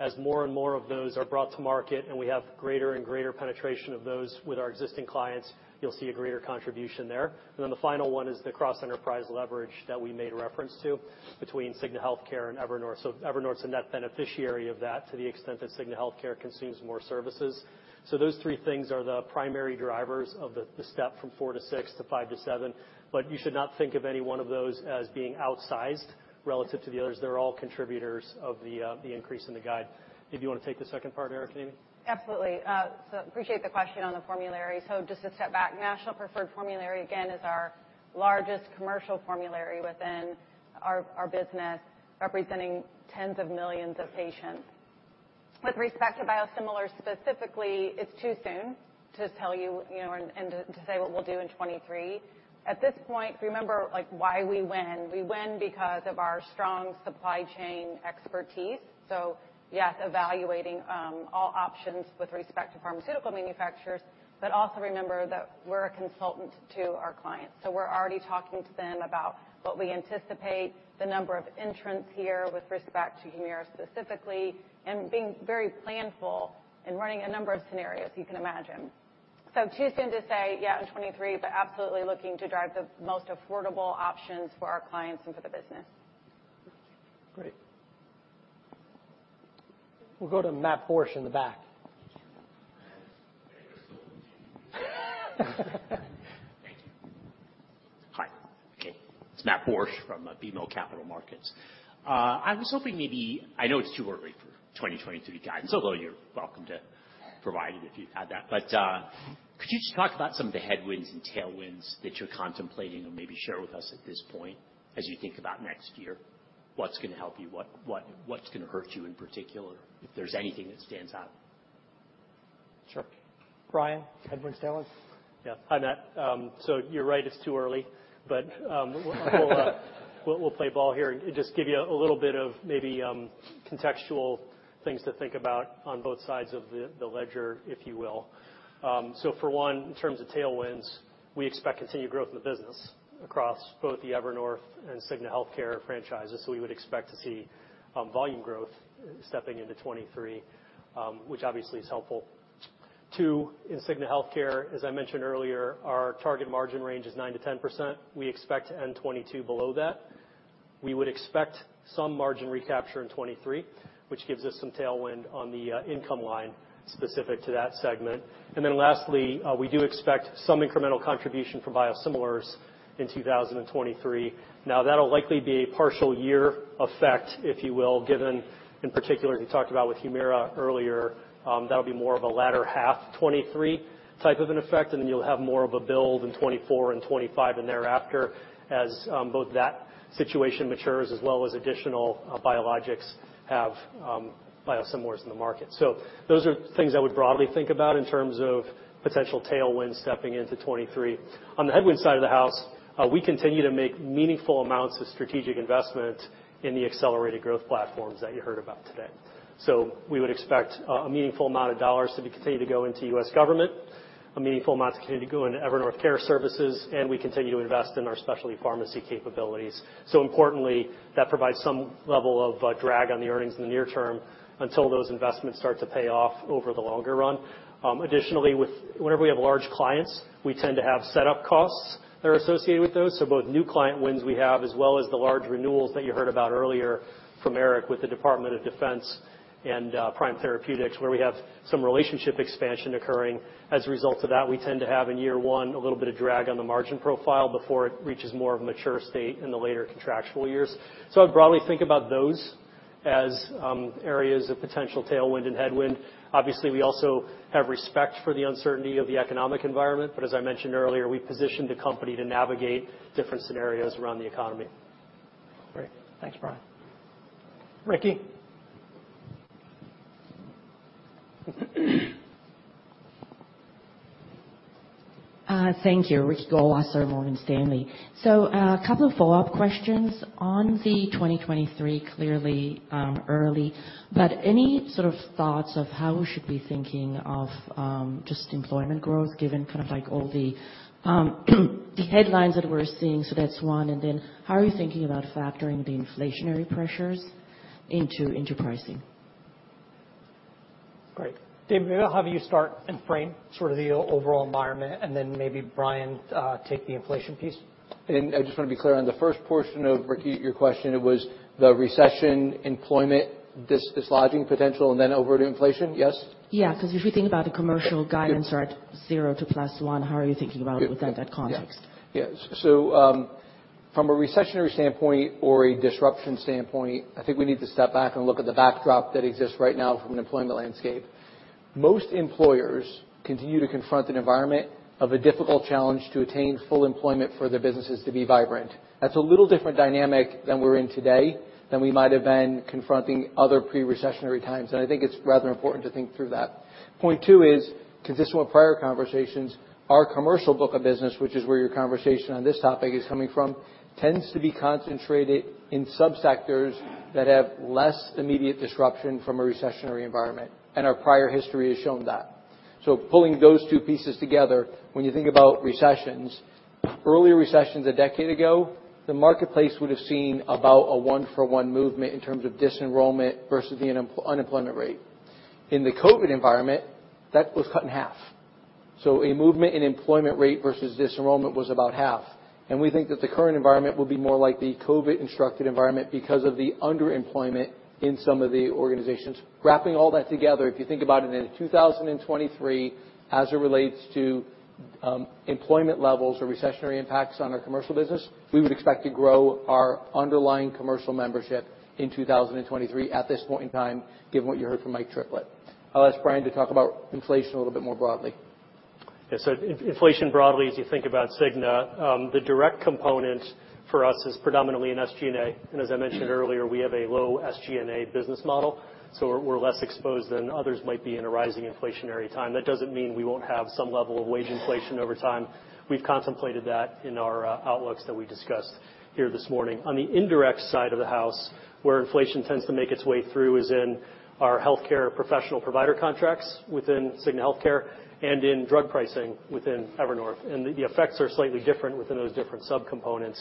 As more and more of those are brought to market, and we have greater and greater penetration of those with our existing clients, you'll see a greater contribution there. The final one is the cross-enterprise leverage that we made reference to between Cigna Healthcare and Evernorth. Evernorth's a net beneficiary of that to the extent that Cigna Healthcare consumes more services. Those three things are the primary drivers of the step from 4%-6% to 5%-7%, but you should not think of any one of those as being outsized relative to the others. They're all contributors of the increase in the guide. If you wanna take the second part, Eric or Amy. Absolutely. Appreciate the question on the formulary. Just to step back, National Preferred Formulary, again, is our largest commercial formulary within our business, representing tens of millions of patients. With respect to biosimilar specifically, it's too soon to tell you know, and to say what we'll do in 2023. At this point, remember like why we win. We win because of our strong supply chain expertise. Yes, evaluating all options with respect to pharmaceutical manufacturers, but also remember that we're a consultant to our clients. We're already talking to them about what we anticipate the number of entrants here with respect to Humira specifically, and being very planful in running a number of scenarios you can imagine. Too soon to say, yeah, in 2023, but absolutely looking to drive the most affordable options for our clients and for the business. Great. We'll go to Matthew Borsch in the back. Thank you. Hi. Okay, it's Matthew Borsch from BMO Capital Markets. I was hoping maybe. I know it's too early for 2023 guidance, although you're welcome to provide it if you had that. Could you just talk about some of the headwinds and tailwinds that you're contemplating, or maybe share with us at this point as you think about next year, what's gonna help you, what's gonna hurt you in particular, if there's anything that stands out? Sure. Brian Evanko, Taylor. Yeah. Hi, Matt. So you're right, it's too early. We'll play ball here and just give you a little bit of maybe contextual things to think about on both sides of the ledger, if you will. For one, in terms of tailwinds, we expect continued growth in the business across both the Evernorth and Cigna Healthcare franchises. We would expect to see volume growth stepping into 2023, which obviously is helpful. Two, in Cigna Healthcare, as I mentioned earlier, our target margin range is 9%-10%. We expect to end 2022 below that. We would expect some margin recapture in 2023, which gives us some tailwind on the income line specific to that segment. Lastly, we do expect some incremental contribution from biosimilars in 2023. Now, that'll likely be a partial year effect, if you will, given in particular, as you talked about with Humira earlier, that'll be more of a latter half 2023 type of an effect, and then you'll have more of a build in 2024 and 2025 and thereafter as both that situation matures as well as additional biologics have biosimilars in the market. So those are things I would broadly think about in terms of potential tailwind stepping into 2023. On the headwind side of the house, we continue to make meaningful amounts of strategic investment in the accelerated growth platforms that you heard about today. So we would expect a meaningful amount of dollars to be continued to go into U.S. Government, a meaningful amount to continue to go into Evernorth Care Services, and we continue to invest in our specialty pharmacy capabilities. Importantly, that provides some level of drag on the earnings in the near term until those investments start to pay off over the longer run. Additionally, whenever we have large clients, we tend to have setup costs that are associated with those. Both new client wins we have, as well as the large renewals that you heard about earlier from Eric with the Department of Defense and Prime Therapeutics, where we have some relationship expansion occurring. As a result of that, we tend to have in year one a little bit of drag on the margin profile before it reaches more of a mature state in the later contractual years. I'd broadly think about those as areas of potential tailwind and headwind. Obviously, we also have respect for the uncertainty of the economic environment, but as I mentioned earlier, we positioned the company to navigate different scenarios around the economy. Great. Thanks, Brian. Ricky. Thank you. Ricky Goldwasser, Morgan Stanley. Couple of follow-up questions. On 2023, clearly, early, but any sort of thoughts of how we should be thinking of, just employment growth given kind of like all the headlines that we're seeing? That's one. And then how are you thinking about factoring the inflationary pressures into enterprise pricing? Great. Dave, maybe I'll have you start and frame sort of the overall environment, and then maybe Brian, take the inflation piece. I just wanna be clear, on the first portion of, Ricky, your question, it was the recession employment dislodging potential and then over to inflation? Yes. Yeah, 'cause if you think about the commercial guidance are at 0% to +1%, how are you thinking about within that context? From a recessionary standpoint or a disruption standpoint, I think we need to step back and look at the backdrop that exists right now from an employment landscape. Most employers continue to confront an environment of a difficult challenge to attain full employment for their businesses to be vibrant. That's a little different dynamic than we're in today, than we might have been confronting other pre-recessionary times. I think it's rather important to think through that. Point two is, consistent with prior conversations, our commercial book of business, which is where your conversation on this topic is coming from, tends to be concentrated in subsectors that have less immediate disruption from a recessionary environment, and our prior history has shown that. Pulling those two pieces together, when you think about recessions, earlier recessions a decade ago, the marketplace would have seen about a one-for-one movement in terms of disenrollment versus the unemployment rate. In the COVID environment, that was cut in half. A movement in unemployment rate versus disenrollment was about half. We think that the current environment will be more like the COVID-induced environment because of the underemployment in some of the organizations. Wrapping all that together, if you think about it in 2023, as it relates to employment levels or recessionary impacts on our commercial business, we would expect to grow our underlying commercial membership in 2023 at this point in time, given what you heard from Mike Triplett. I'll ask Brian to talk about inflation a little bit more broadly. Yeah. Inflation broadly, as you think about Cigna, the direct component for us is predominantly in SG&A. As I mentioned earlier, we have a low SG&A business model, so we're less exposed than others might be in a rising inflationary time. That doesn't mean we won't have some level of wage inflation over time. We've contemplated that in our outlooks that we discussed here this morning. On the indirect side of the house, where inflation tends to make its way through is in our healthcare professional provider contracts within Cigna Healthcare and in drug pricing within Evernorth. The effects are slightly different within those different subcomponents.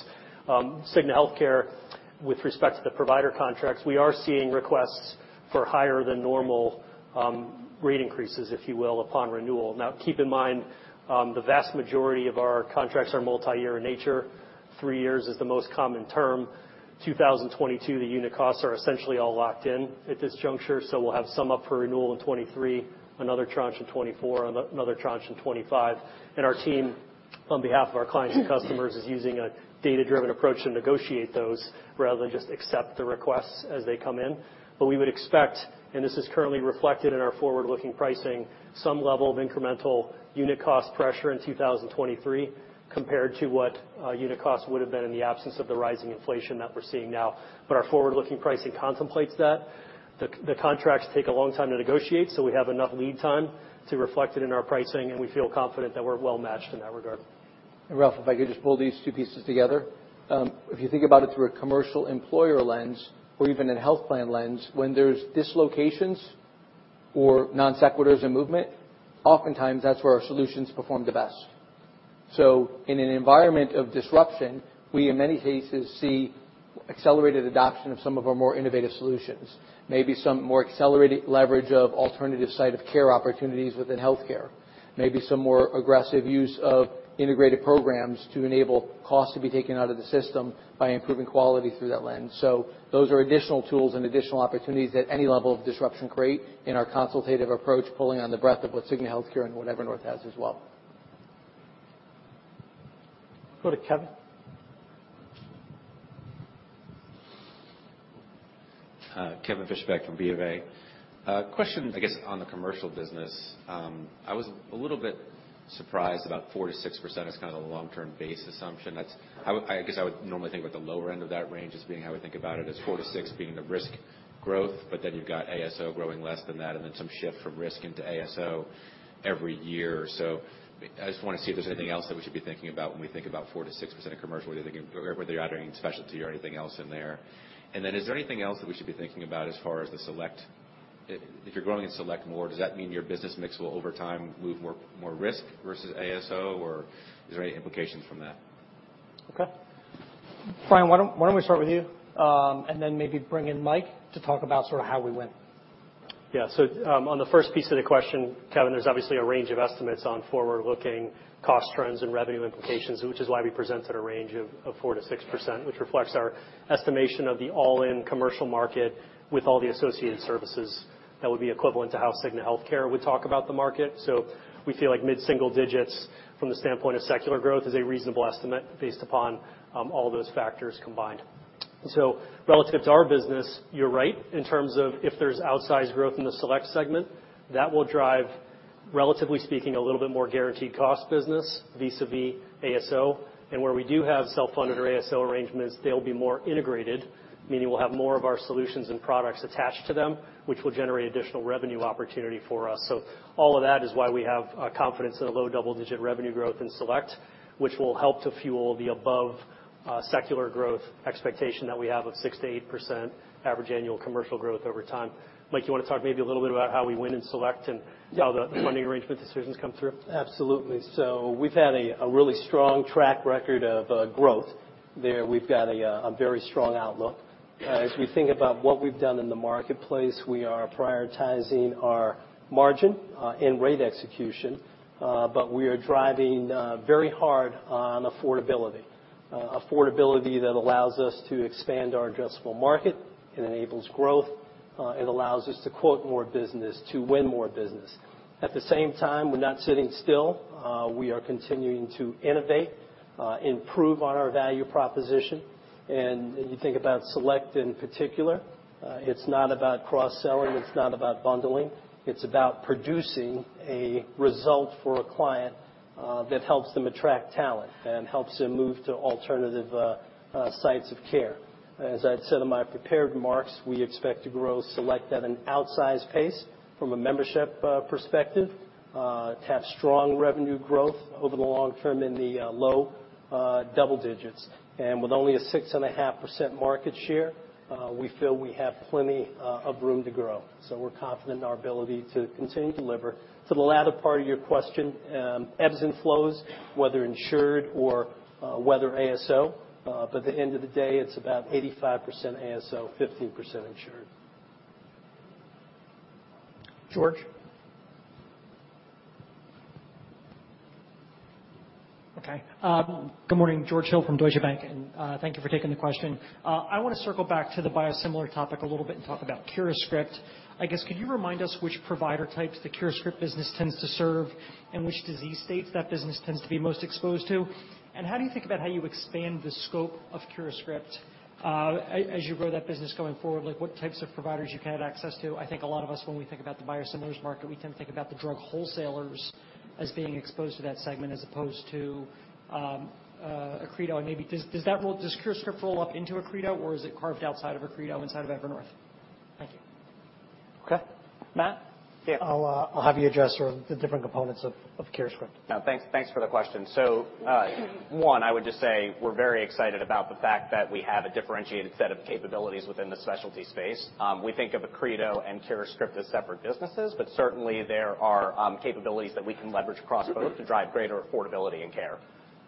Cigna Healthcare, with respect to the provider contracts, we are seeing requests for higher than normal rate increases, if you will, upon renewal. Now, keep in mind, the vast majority of our contracts are multi-year in nature. Three years is the most common term. 2022, the unit costs are essentially all locked in at this juncture, so we'll have some up for renewal in 2023, another tranche in 2024, another tranche in 2025. Our team, on behalf of our clients and customers, is using a data-driven approach to negotiate those rather than just accept the requests as they come in. We would expect, and this is currently reflected in our forward-looking pricing, some level of incremental unit cost pressure in 2023 compared to what unit costs would've been in the absence of the rising inflation that we're seeing now. Our forward-looking pricing contemplates that. The contracts take a long time to negotiate, so we have enough lead time to reflect it in our pricing, and we feel confident that we're well matched in that regard. Ralph, if I could just pull these two pieces together. If you think about it through a commercial employer lens or even a health plan lens, when there's dislocations or non sequiturs in movement, oftentimes that's where our solutions perform the best. In an environment of disruption, we, in many cases, see accelerated adoption of some of our more innovative solutions. Maybe some more accelerated leverage of alternative site of care opportunities within healthcare. Maybe some more aggressive use of integrated programs to enable costs to be taken out of the system by improving quality through that lens. Those are additional tools and additional opportunities that any level of disruption create in our consultative approach, pulling on the breadth of what Cigna Healthcare and what Evernorth has as well. Go to Kevin. Kevin Fischbeck from BofA. Question, I guess, on the commercial business. I was a little bit surprised about 4%-6% as kind of the long-term base assumption. I guess I would normally think about the lower end of that range as being how I would think about it, as 4%-6% being the risk growth. But then you've got ASO growing less than that, and then some shift from risk into ASO every year. I just wanna see if there's anything else that we should be thinking about when we think about 4%-6% of commercial. Are you thinking or are you adding specialty or anything else in there? And then is there anything else that we should be thinking about as far as the Select? If you're growing in Select More, does that mean your business mix will, over time, move more risk versus ASO, or is there any implications from that? Okay. Brian, why don't we start with you, and then maybe bring in Mike to talk about sort of how we went. Yeah. On the first piece of the question, Kevin, there's obviously a range of estimates on forward-looking cost trends and revenue implications, which is why we presented a range of 4%-6%, which reflects our estimation of the all-in commercial market with all the associated services that would be equivalent to how Cigna Healthcare would talk about the market. We feel like mid-single digits from the standpoint of secular growth is a reasonable estimate based upon all those factors combined. Relative to our business, you're right in terms of if there's outsized growth in the Select segment, that will drive, relatively speaking, a little bit more guaranteed cost business, vis-à-vis ASO. Where we do have self-funded or ASO arrangements, they'll be more integrated, meaning we'll have more of our solutions and products attached to them, which will generate additional revenue opportunity for us. All of that is why we have confidence in a low double-digit revenue growth in Select, which will help to fuel the above secular growth expectation that we have of 6%-8% average annual commercial growth over time. Mike, you wanna talk maybe a little bit about how we win in Select and how the funding arrangement decisions come through? Absolutely. We've had a really strong track record of growth. There we've got a very strong outlook. As we think about what we've done in the marketplace, we are prioritizing our margin and rate execution, but we are driving very hard on affordability. Affordability that allows us to expand our addressable market and enables growth. It allows us to quote more business, to win more business. At the same time, we're not sitting still. We are continuing to innovate, improve on our value proposition. When you think about Select in particular, it's not about cross-selling, it's not about bundling, it's about producing a result for a client that helps them attract talent and helps them move to alternative sites of care. As I'd said in my prepared remarks, we expect to grow Select at an outsized pace from a membership perspective to have strong revenue growth over the long term in the low double digits. With only a 6.5% market share, we feel we have plenty of room to grow. We're confident in our ability to continue to deliver. To the latter part of your question, ebbs and flows, whether insured or whether ASO. At the end of the day, it's about 85% ASO, 15% insured. George. Okay. Good morning. George Hill from Deutsche Bank, and thank you for taking the question. I wanna circle back to the biosimilar topic a little bit and talk about CuraScript. I guess, could you remind us which provider types the CuraScript business tends to serve, and which disease states that business tends to be most exposed to? How do you think about how you expand the scope of CuraScript, as you grow that business going forward? Like, what types of providers you can have access to. I think a lot of us, when we think about the biosimilars market, we tend to think about the drug wholesalers as being exposed to that segment as opposed to Accredo. Maybe does CuraScript roll up into Accredo, or is it carved outside of Accredo, inside of Evernorth? Thank you. Okay. Matt? Yeah. I'll have you address sort of the different components of CuraScript. No, thanks for the question. One, I would just say we're very excited about the fact that we have a differentiated set of capabilities within the specialty space. We think of Accredo and CuraScript as separate businesses, but certainly there are capabilities that we can leverage across both to drive greater affordability and care.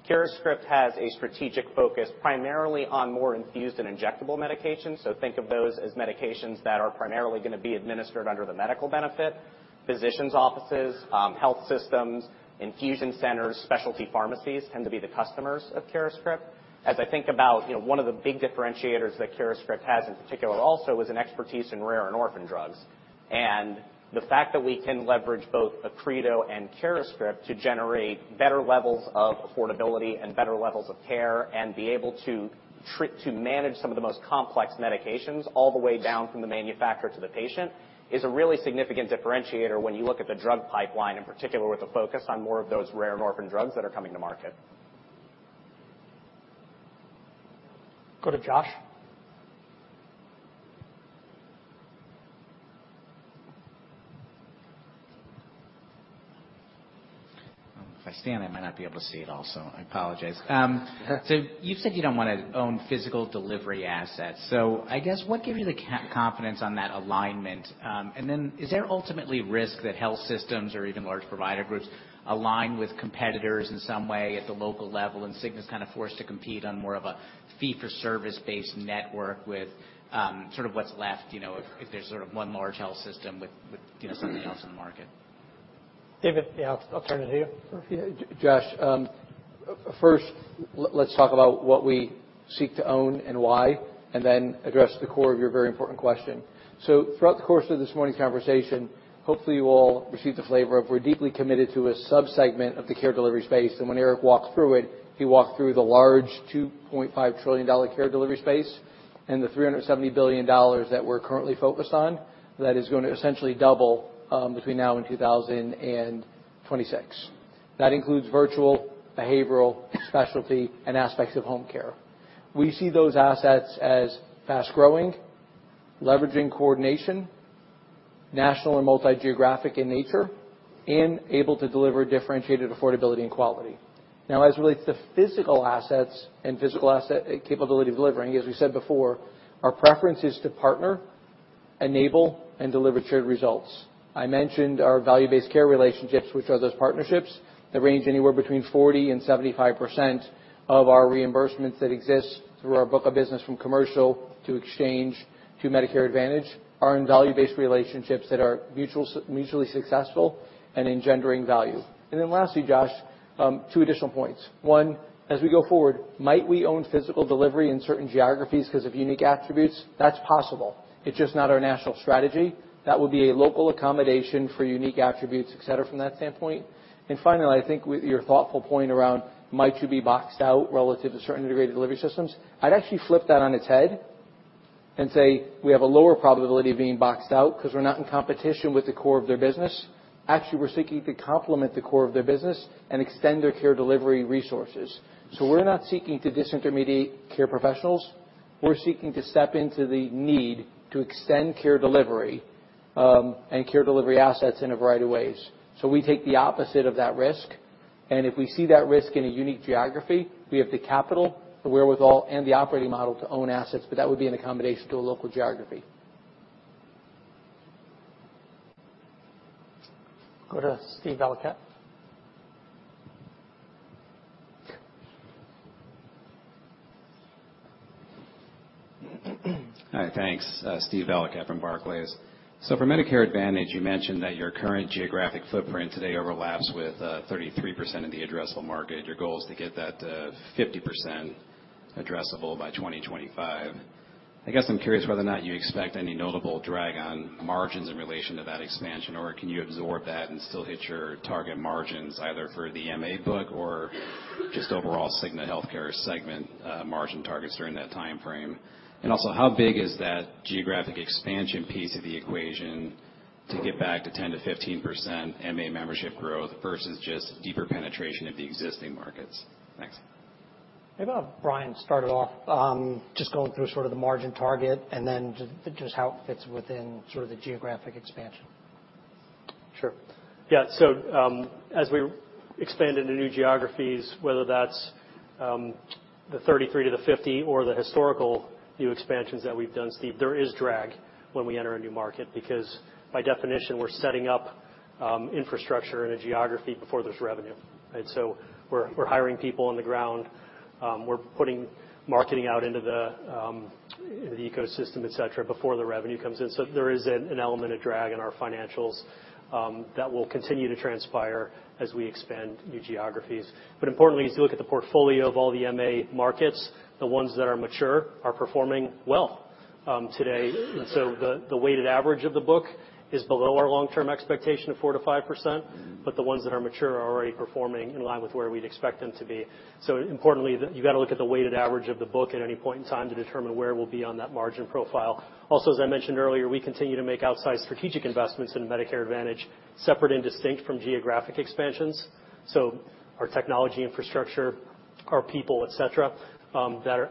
CuraScript has a strategic focus primarily on more infused and injectable medications. Think of those as medications that are primarily gonna be administered under the medical benefit. Physicians offices, health systems, infusion centers, specialty pharmacies tend to be the customers of CuraScript. As I think about, you know, one of the big differentiators that CuraScript has in particular also is an expertise in rare and orphan drugs. The fact that we can leverage both Accredo and CuraScript to generate better levels of affordability and better levels of care, and be able to manage some of the most complex medications all the way down from the manufacturer to the patient, is a really significant differentiator when you look at the drug pipeline, in particular with the focus on more of those rare and orphan drugs that are coming to market. Go to Josh. If I stand, I might not be able to see it also. I apologize. You've said you don't wanna own physical delivery assets. I guess what gave you the confidence on that alignment? Is there ultimately risk that health systems or even large provider groups align with competitors in some way at the local level, and Cigna's kinda forced to compete on more of a fee for service-based network with sort of what's left, you know, if there's sort of one large health system with you know, something else in the market? David? Yeah, I'll turn it to you. Yeah. Josh, first, let's talk about what we seek to own and why, and then address the core of your very important question. Throughout the course of this morning's conversation, hopefully you all received the flavor of we're deeply committed to a sub-segment of the care delivery space. When Eric walked through it, he walked through the large $2.5 trillion care delivery space, and the $370 billion that we're currently focused on that is gonna essentially double between now and 2026. That includes virtual, behavioral, specialty, and aspects of home care. We see those assets as fast-growing, leveraging coordination, national and multi-geographic in nature, and able to deliver differentiated affordability and quality. Now, as it relates to physical assets and physical asset capability delivering, as we said before, our preference is to partner, enable, and deliver shared results. I mentioned our value-based care relationships, which are those partnerships that range anywhere between 40%-75% of our reimbursements that exist through our book of business from commercial to exchange to Medicare Advantage, are in value-based relationships that are mutually successful and engendering value. Lastly, Josh, two additional points. One, as we go forward, might we own physical delivery in certain geographies 'cause of unique attributes? That's possible. It's just not our national strategy. That would be a local accommodation for unique attributes, et cetera, from that standpoint. Finally, I think with your thoughtful point around might you be boxed out relative to certain integrated delivery systems, I'd actually flip that on its head and say we have a lower probability of being boxed out 'cause we're not in competition with the core of their business. Actually, we're seeking to complement the core of their business and extend their care delivery resources. We're not seeking to disintermediate care professionals. We're seeking to step into the need to extend care delivery, and care delivery assets in a variety of ways. We take the opposite of that risk, and if we see that risk in a unique geography, we have the capital, the wherewithal, and the operating model to own assets, but that would be an accommodation to a local geography. Go to Steven Valiquette. All right. Thanks. Steven Valiquette from Barclays. For Medicare Advantage, you mentioned that your current geographic footprint today overlaps with 33% of the addressable market. Your goal is to get that to 50% addressable by 2025. I'm curious whether or not you expect any notable drag on margins in relation to that expansion, or can you absorb that and still hit your target margins either for the MA book or just overall Cigna Healthcare segment margin targets during that timeframe? Also, how big is that geographic expansion piece of the equation to get back to 10%-15% MA membership growth versus just deeper penetration of the existing markets? Thanks. Maybe I'll have Brian start it off, just going through sort of the margin target, and then just how it fits within sort of the geographic expansion. Sure. Yeah. As we expand into new geographies, whether that's the 33 to the 50 or the historical new expansions that we've done, Steve, there is drag when we enter a new market, because by definition, we're setting up infrastructure in a geography before there's revenue. Right? We're hiring people on the ground. We're putting marketing out into the ecosystem, et cetera, before the revenue comes in. There is an element of drag in our financials that will continue to transpire as we expand new geographies. Importantly, as you look at the portfolio of all the MA markets, the ones that are mature are performing well today. The weighted average of the book is below our long-term expectation of 4%-5%, but the ones that are mature are already performing in line with where we'd expect them to be. Importantly, you gotta look at the weighted average of the book at any point in time to determine where we'll be on that margin profile. Also, as I mentioned earlier, we continue to make outsized strategic investments in Medicare Advantage, separate and distinct from geographic expansions. Our technology infrastructure, our people, et cetera,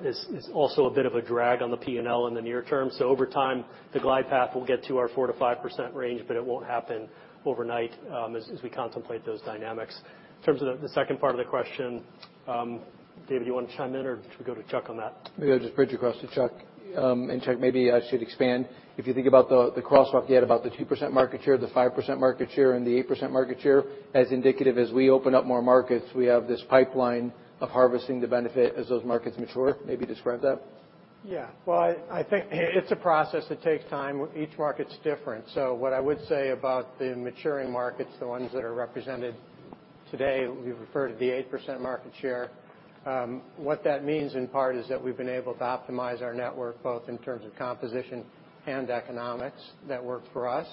is also a bit of a drag on the P&L in the near term. Over time, the glide path will get to our 4%-5% range, but it won't happen overnight, as we contemplate those dynamics. In terms of the second part of the question, David, you wanna chime in or should we go to Chuck on that? Maybe I'll just bridge across to Chuck. Chuck, maybe I should expand. If you think about the crosswalk, you had about the 2% market share, the 5% market share, and the 8% market share. As indicative as we open up more markets, we have this pipeline of harvesting the benefit as those markets mature. Maybe describe that. Yeah. Well, I think it's a process that takes time. Each market's different. What I would say about the maturing markets, the ones that are represented today, we refer to the 8% market share. What that means, in part, is that we've been able to optimize our network, both in terms of composition and economics that work for us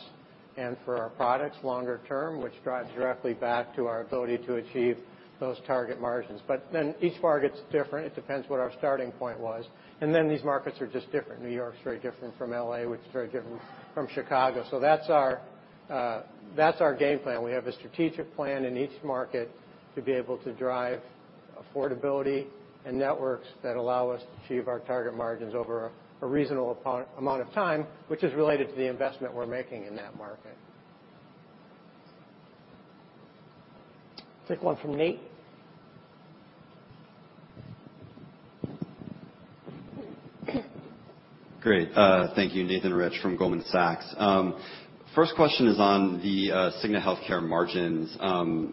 and for our products longer term, which drives directly back to our ability to achieve those target margins. Each market's different. It depends what our starting point was. These markets are just different. New York's very different from L.A., which is very different from Chicago. That's our game plan. We have a strategic plan in each market to be able to drive affordability and networks that allow us to achieve our target margins over a reasonable amount of time, which is related to the investment we're making in that market. Take one from Nathan. Great. Thank you. Nathan Rich from Goldman Sachs. First question is on the Cigna Healthcare margins.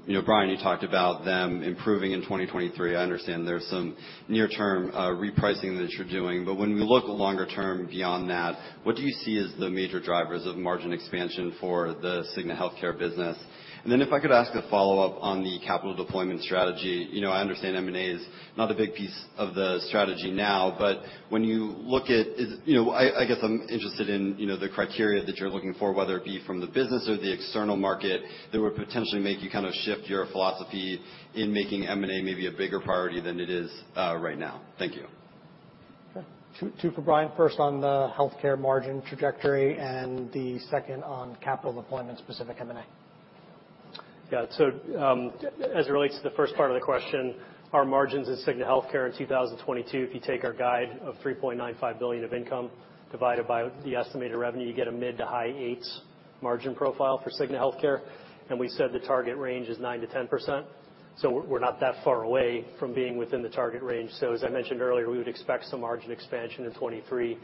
You know, Brian, you talked about them improving in 2023. I understand there's some near-term repricing that you're doing. When we look longer term beyond that, what do you see as the major drivers of margin expansion for the Cigna Healthcare business? Then if I could ask a follow-up on the capital deployment strategy. You know, I understand M&A is not a big piece of the strategy now. When you look at, you know, I guess I'm interested in, you know, the criteria that you're looking for, whether it be from the business or the external market, that would potentially make you kind of shift your philosophy in making M&A maybe a bigger priority than it is right now. Thank you. Okay. Two for Brian. First on the healthcare margin trajectory, and the second on capital deployment, specific M&A. Yeah. As it relates to the first part of the question, our margins in Cigna Healthcare in 2022, if you take our guide of $3.95 billion of income divided by the estimated revenue, you get a mid- to high-8s margin profile for Cigna Healthcare, and we said the target range is 9%-10%. We're not that far away from being within the target range. As I mentioned earlier, we would expect some margin expansion in 2023.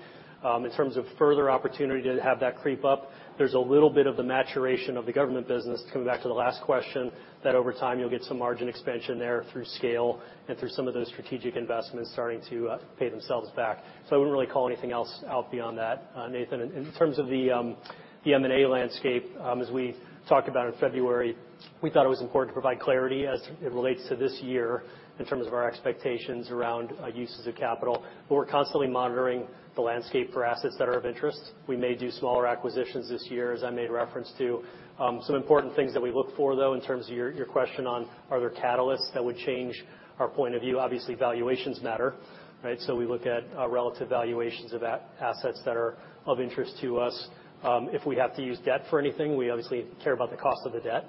In terms of further opportunity to have that creep up, there's a little bit of the maturation of the Government business, coming back to the last question, that over time you'll get some margin expansion there through scale and through some of those strategic investments starting to pay themselves back. I wouldn't really call anything else out beyond that, Nathan. In terms of the M&A landscape, as we talked about in February, we thought it was important to provide clarity as it relates to this year in terms of our expectations around uses of capital. We're constantly monitoring the landscape for assets that are of interest. We may do smaller acquisitions this year, as I made reference to. Some important things that we look for, though, in terms of your question on are there catalysts that would change our point of view? Obviously, valuations matter, right? We look at relative valuations of assets that are of interest to us. If we have to use debt for anything, we obviously care about the cost of the debt,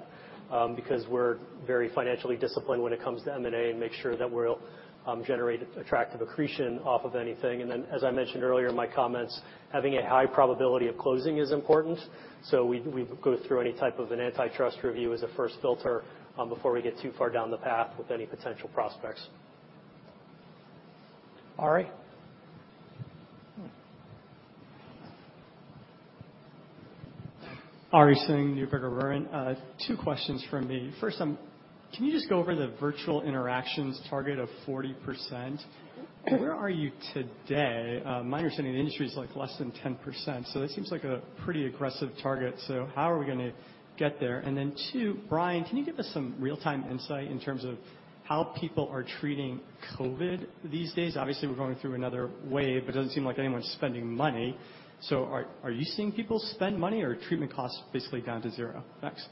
because we're very financially disciplined when it comes to M&A and make sure that we'll generate attractive accretion off of anything. Then, as I mentioned earlier in my comments, having a high probability of closing is important, so we go through any type of an antitrust review as a first filter, before we get too far down the path with any potential prospects. Ari? Ari Klein, Neuberger Berman. Two questions from me. First, can you just go over the virtual interactions target of 40%? Where are you today? My understanding, the industry is, like, less than 10%, so that seems like a pretty aggressive target. How are we gonna get there? Then two, Brian, can you give us some real-time insight in terms of how people are treating COVID these days? Obviously, we're going through another wave, but it doesn't seem like anyone's spending money. Are you seeing people spend money, or are treatment costs basically down to zero? Thanks.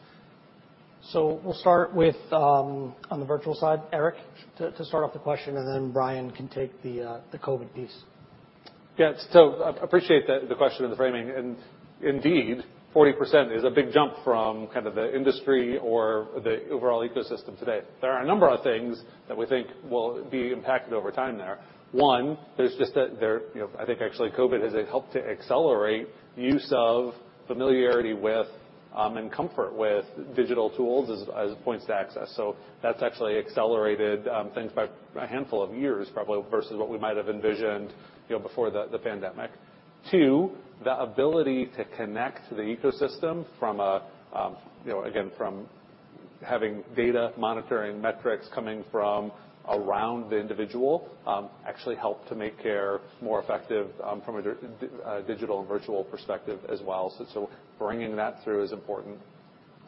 We'll start with on the virtual side, Eric, to start off the question, and then Brian can take the COVID piece. Yeah. Appreciate the question and the framing. Indeed, 40% is a big jump from kind of the industry or the overall ecosystem today. There are a number of things that we think will be impacted over time there. One, there's just that there, you know, I think actually COVID has helped to accelerate use of familiarity with and comfort with digital tools as points to access. That's actually accelerated things by a handful of years probably versus what we might have envisioned, you know, before the pandemic. Two, the ability to connect the ecosystem from a, you know, again, from having data monitoring metrics coming from around the individual, actually help to make care more effective from a digital and virtual perspective as well. Bringing that through is important.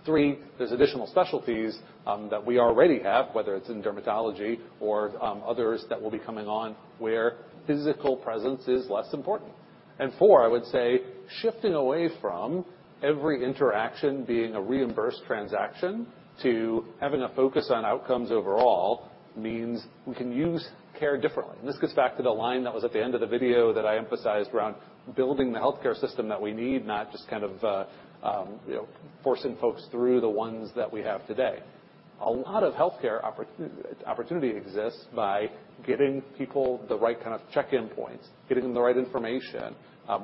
Three, there's additional specialties that we already have, whether it's in dermatology or others that will be coming on, where physical presence is less important. Four, I would say shifting away from every interaction being a reimbursed transaction to having a focus on outcomes overall means we can use care differently. This gets back to the line that was at the end of the video that I emphasized around building the healthcare system that we need, not just kind of you know forcing folks through the ones that we have today. A lot of healthcare opportunity exists by getting people the right kind of check-in points, giving them the right information,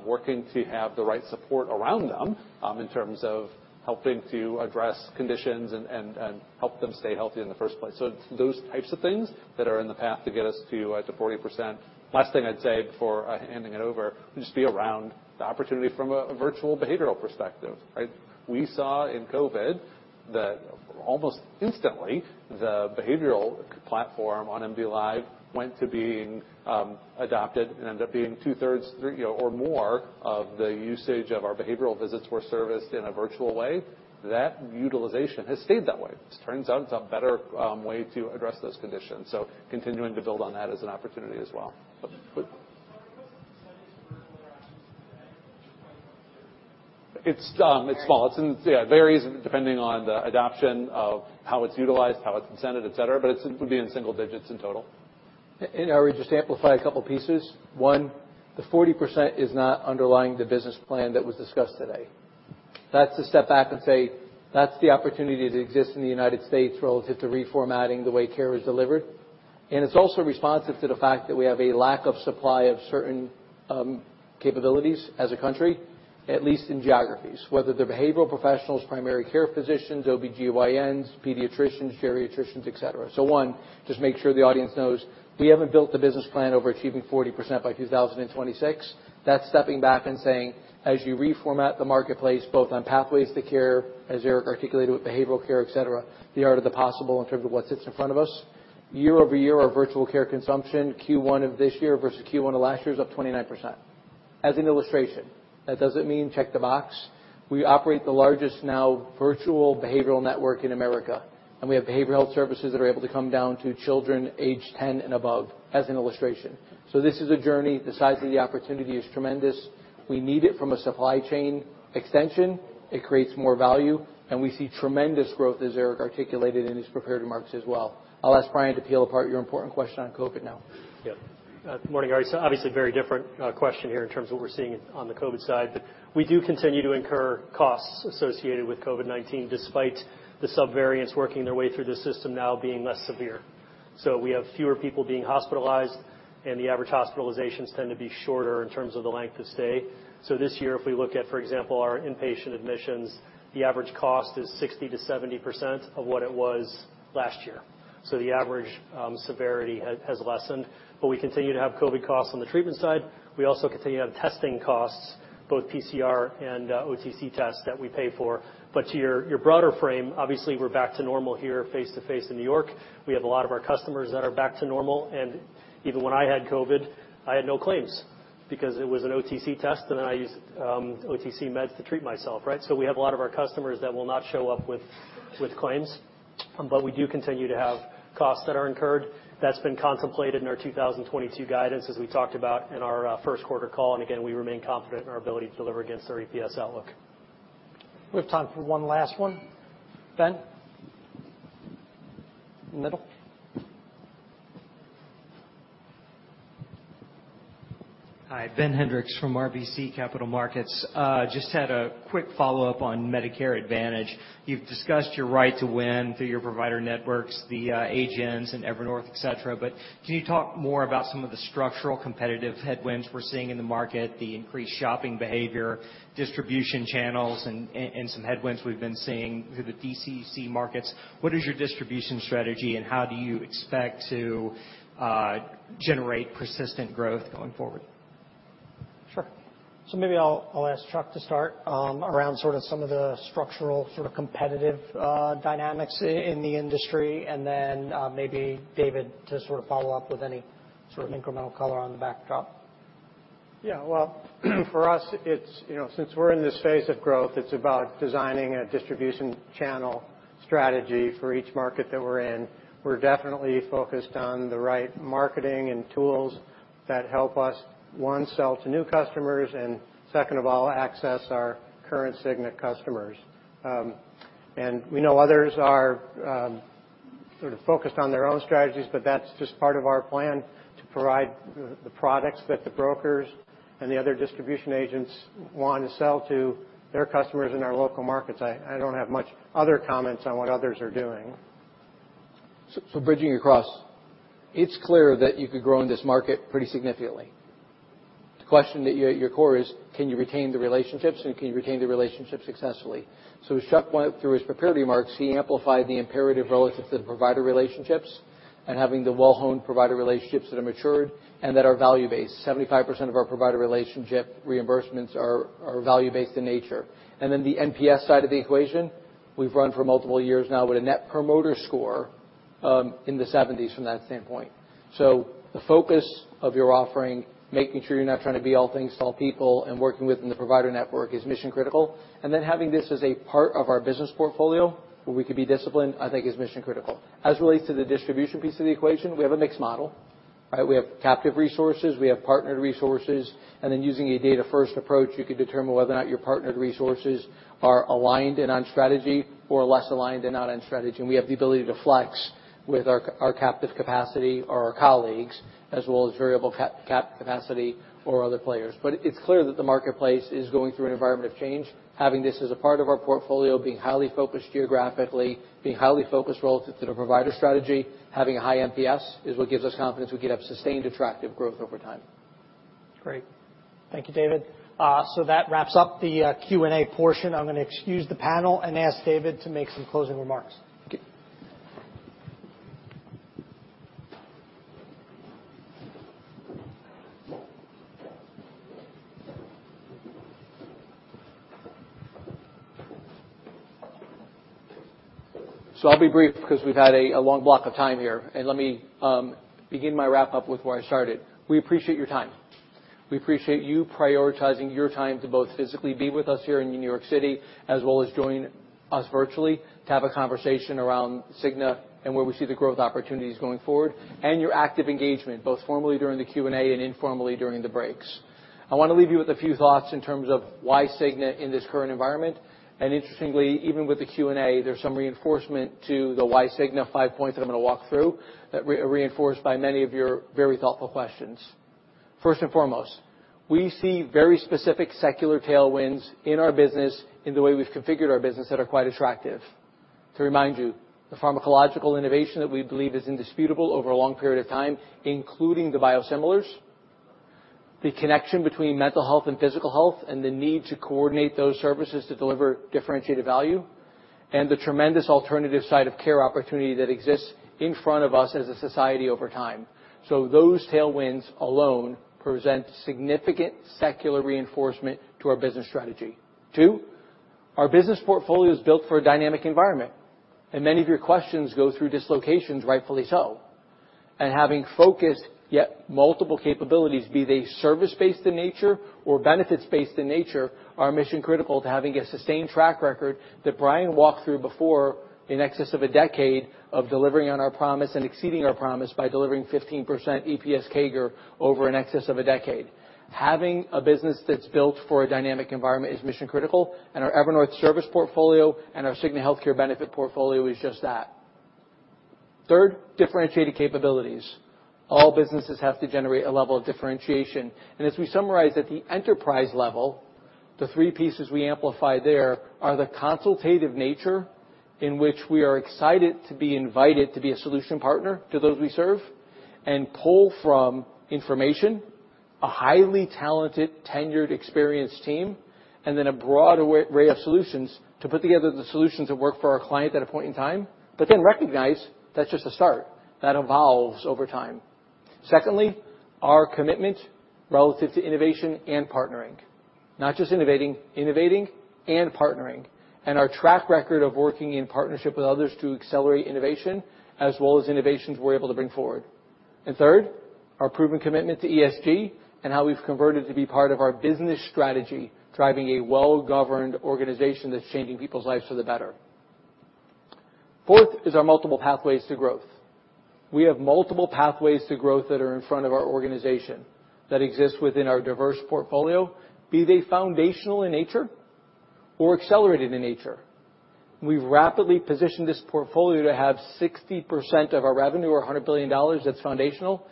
working to have the right support around them in terms of helping to address conditions and help them stay healthy in the first place. It's those types of things that are in the path to get us to 40%. Last thing I'd say before handing it over would just be around the opportunity from a virtual behavioral perspective, right? We saw in COVID that almost instantly the behavioral platform on MDLIVE went to being adopted and ended up being two-thirds, you know, or more of the usage of our behavioral visits were serviced in a virtual way. That utilization has stayed that way. This turns out it's a better way to address those conditions. Continuing to build on that as an opportunity as well. It's small. It varies depending on the adoption of how it's utilized, how it's incented, et cetera, but it would be in single digits in total. I would just amplify a couple pieces. One, the 40% is not underlying the business plan that was discussed today. That's to step back and say that's the opportunity that exists in the United States relative to reformatting the way care is delivered, and it's also responsive to the fact that we have a lack of supply of certain capabilities as a country, at least in geographies, whether they're behavioral professionals, primary care physicians, OBGYNs, pediatricians, geriatricians, et cetera. One, just make sure the audience knows we haven't built the business plan over achieving 40% by 2026. That's stepping back and saying, as you reformat the marketplace, both on pathways to care, as Eric articulated with behavioral care, et cetera, the art of the possible in terms of what sits in front of us. Year-over-year, our virtual care consumption, Q1 of this year versus Q1 of last year is up 29%. As an illustration, that doesn't mean check the box. We operate the largest now virtual behavioral network in America, and we have behavioral health services that are able to come down to children age 10 and above, as an illustration. This is a journey. The size of the opportunity is tremendous. We need it from a supply chain extension. It creates more value, and we see tremendous growth, as Eric articulated in his prepared remarks as well. I'll ask Brian to peel apart your important question on COVID now. Yeah. Good morning, Ari. Obviously a very different question here in terms of what we're seeing on the COVID side. We do continue to incur costs associated with COVID-19, despite the subvariants working their way through the system now being less severe. We have fewer people being hospitalized, and the average hospitalizations tend to be shorter in terms of the length of stay. This year, if we look at, for example, our inpatient admissions, the average cost is 60%-70% of what it was last year. The average severity has lessened. We continue to have COVID costs on the treatment side. We also continue to have testing costs, both PCR and OTC tests that we pay for. To your broader frame, obviously, we're back to normal here face-to-face in New York. We have a lot of our customers that are back to normal. Even when I had COVID, I had no claims because it was an OTC test, and then I used OTC meds to treat myself, right? We have a lot of our customers that will not show up with claims, but we do continue to have costs that are incurred. That's been contemplated in our 2022 guidance, as we talked about in our first quarter call. We remain confident in our ability to deliver against our EPS outlook. We have time for one last one. Ben. In the middle. Hi, Ben Hendrix from RBC Capital Markets. Just had a quick follow-up on Medicare Advantage. You've discussed your right to win through your provider networks, the agents and Evernorth, et cetera. Can you talk more about some of the structural competitive headwinds we're seeing in the market, the increased shopping behavior, distribution channels, and some headwinds we've been seeing through the D-SNP markets? What is your distribution strategy, and how do you expect to generate persistent growth going forward? Sure. Maybe I'll ask Chuck to start around sort of some of the structural sort of competitive dynamics in the industry. Maybe David to sort of follow up with any sort of incremental color on the backdrop. Yeah. Well, for us, it's, you know, since we're in this phase of growth, it's about designing a distribution channel strategy for each market that we're in. We're definitely focused on the right marketing and tools that help us, one, sell to new customers, and second of all, access our current Cigna customers. We know others are sort of focused on their own strategies, but that's just part of our plan to provide the products that the brokers and the other distribution agents want to sell to their customers in our local markets. I don't have much other comments on what others are doing. Bridging across, it's clear that you could grow in this market pretty significantly. The question at your core is, can you retain the relationships, and can you retain the relationships successfully? As Chuck went through his prepared remarks, he amplified the imperative relative to the provider relationships and having the well-honed provider relationships that are matured and that are value-based. 75% of our provider relationship reimbursements are value-based in nature. Then the NPS side of the equation, we've run for multiple years now with a Net Promoter Score in the 70s from that standpoint. The focus of your offering, making sure you're not trying to be all things to all people and working within the provider network is mission-critical. Then having this as a part of our business portfolio, where we could be disciplined, I think is mission-critical. As it relates to the distribution piece of the equation, we have a mixed model, right? We have captive resources, we have partnered resources, and then using a data-first approach, you could determine whether or not your partnered resources are aligned and on strategy or less aligned and not on strategy. We have the ability to flex with our captive capacity or our colleagues, as well as variable capacity or other players. It's clear that the marketplace is going through an environment of change. Having this as a part of our portfolio, being highly focused geographically, being highly focused relative to the provider strategy, having a high NPS, is what gives us confidence we could have sustained attractive growth over time. Great. Thank you, David. That wraps up the Q&A portion. I'm gonna excuse the panel and ask David to make some closing remarks. Okay. I'll be brief because we've had a long block of time here. Let me begin my wrap-up with where I started. We appreciate your time. We appreciate you prioritizing your time to both physically be with us here in New York City, as well as joining us virtually to have a conversation around Cigna and where we see the growth opportunities going forward, and your active engagement, both formally during the Q&A and informally during the breaks. I wanna leave you with a few thoughts in terms of why Cigna in this current environment. Interestingly, even with the Q&A, there's some reinforcement to the why Cigna five points that I'm gonna walk through, reinforced by many of your very thoughtful questions. First and foremost, we see very specific secular tailwinds in our business, in the way we've configured our business that are quite attractive. To remind you, the pharmacological innovation that we believe is indisputable over a long period of time, including the biosimilars, the connection between mental health and physical health, and the need to coordinate those services to deliver differentiated value, and the tremendous alternative site of care opportunity that exists in front of us as a society over time. Those tailwinds alone present significant secular reinforcement to our business strategy. Two, our business portfolio is built for a dynamic environment, and many of your questions go through dislocations, rightfully so. Having focused yet multiple capabilities, be they service-based in nature or benefits-based in nature, are mission critical to having a sustained track record that Brian walked through before in excess of a decade of delivering on our promise and exceeding our promise by delivering 15% EPS CAGR over an excess of a decade. Having a business that's built for a dynamic environment is mission-critical, and our Evernorth service portfolio and our Cigna Healthcare benefit portfolio is just that. Third, differentiated capabilities. All businesses have to generate a level of differentiation. As we summarize at the enterprise level, the three pieces we amplify there are the consultative nature in which we are excited to be invited to be a solution partner to those we serve, and pull from information, a highly talented, tenured, experienced team, and then a broad array of solutions to put together the solutions that work for our client at a point in time, but then recognize that's just a start. That evolves over time. Secondly, our commitment relative to innovation and partnering. Not just innovating and partnering, and our track record of working in partnership with others to accelerate innovation as well as innovations we're able to bring forward. Third, our proven commitment to ESG and how we've converted to be part of our business strategy, driving a well-governed organization that's changing people's lives for the better. Fourth is our multiple pathways to growth. We have multiple pathways to growth that are in front of our organization that exist within our diverse portfolio, be they foundational in nature or accelerated in nature. We've rapidly positioned this portfolio to have 60% of our revenue or $100 billion that's foundational,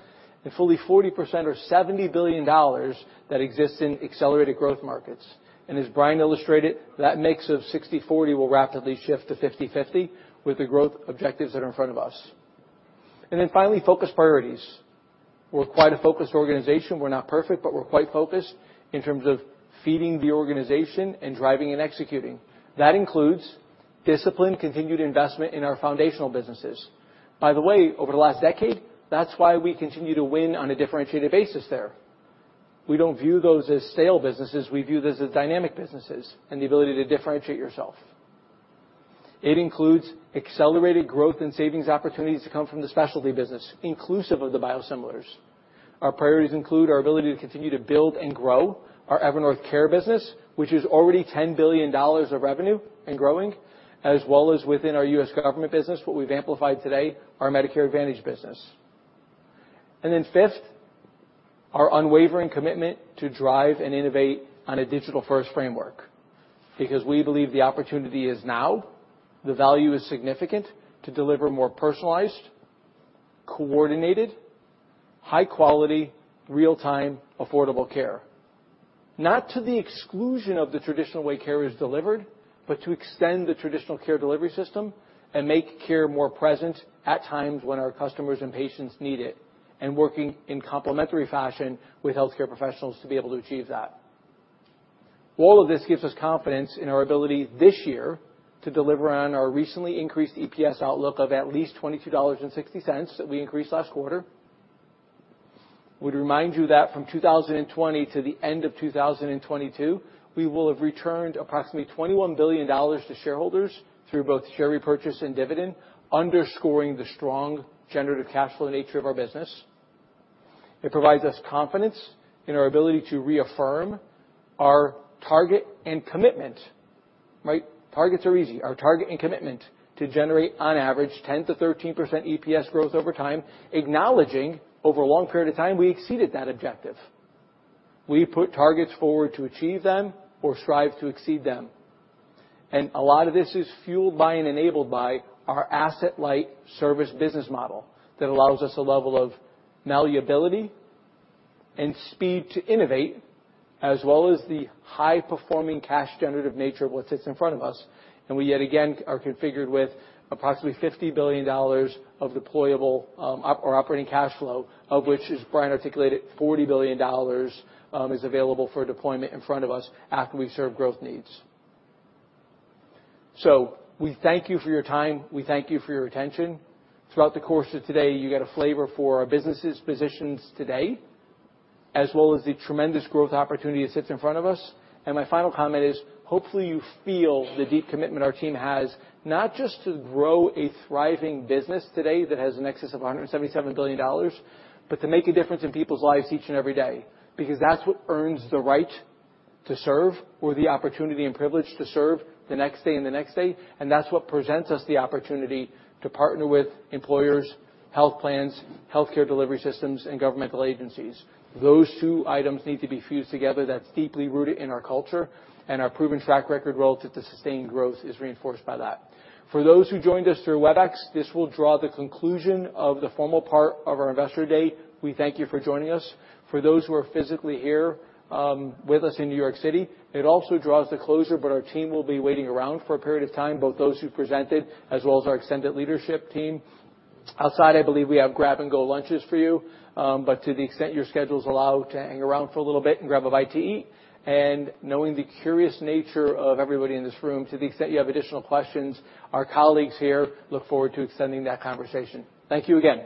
and fully 40% or $70 billion that exists in accelerated growth markets. As Brian illustrated, that mix of 60/40 will rapidly shift to 50/50 with the growth objectives that are in front of us. Finally, focus priorities. We're quite a focused organization. We're not perfect, but we're quite focused in terms of feeding the organization and driving and executing. That includes disciplined, continued investment in our foundational businesses. By the way, over the last decade, that's why we continue to win on a differentiated basis there. We don't view those as stale businesses. We view those as dynamic businesses and the ability to differentiate yourself. It includes accelerated growth and savings opportunities to come from the specialty business, inclusive of the biosimilars. Our priorities include our ability to continue to build and grow our Evernorth Care business, which is already $10 billion of revenue and growing, as well as within our U.S. Government business, what we've amplified today, our Medicare Advantage business. Fifth, our unwavering commitment to drive and innovate on a digital-first framework because we believe the opportunity is now. The value is significant to deliver more personalized, coordinated, high quality, real-time, affordable care. Not to the exclusion of the traditional way care is delivered, but to extend the traditional care delivery system and make care more present at times when our customers and patients need it, and working in complementary fashion with healthcare professionals to be able to achieve that. All of this gives us confidence in our ability this year to deliver on our recently increased EPS outlook of at least $22.60 that we increased last quarter. would remind you that from 2020 to the end of 2022, we will have returned approximately $21 billion to shareholders through both share repurchase and dividend, underscoring the strong generative cash flow nature of our business. It provides us confidence in our ability to reaffirm our target and commitment, right? Targets are easy. Our target and commitment to generate on average 10%-13% EPS growth over time, acknowledging over a long period of time, we exceeded that objective. We put targets forward to achieve them or strive to exceed them. A lot of this is fueled by and enabled by our asset-light service business model that allows us a level of malleability and speed to innovate, as well as the high-performing cash generative nature of what sits in front of us. We yet again are configured with approximately $50 billion of deployable or operating cash flow, of which, as Brian articulated, $40 billion is available for deployment in front of us after we've served growth needs. We thank you for your time. We thank you for your attention. Throughout the course of today, you get a flavor for our business' positions today, as well as the tremendous growth opportunity that sits in front of us. My final comment is, hopefully you feel the deep commitment our team has, not just to grow a thriving business today that has an excess of $177 billion, but to make a difference in people's lives each and every day, because that's what earns the right to serve or the opportunity and privilege to serve the next day and the next day. That's what presents us the opportunity to partner with employers, health plans, healthcare delivery systems, and governmental agencies. Those two items need to be fused together. That's deeply rooted in our culture, and our proven track record relative to sustained growth is reinforced by that. For those who joined us through Webex, this will draw the conclusion of the formal part of our Investor Day. We thank you for joining us. For those who are physically here, with us in New York City, it also draws to a closure, but our team will be waiting around for a period of time, both those who presented, as well as our extended leadership team. Outside, I believe we have grab-and-go lunches for you. To the extent your schedules allow to hang around for a little bit and grab a bite to eat. Knowing the curious nature of everybody in this room, to the extent you have additional questions, our colleagues here look forward to extending that conversation. Thank you again.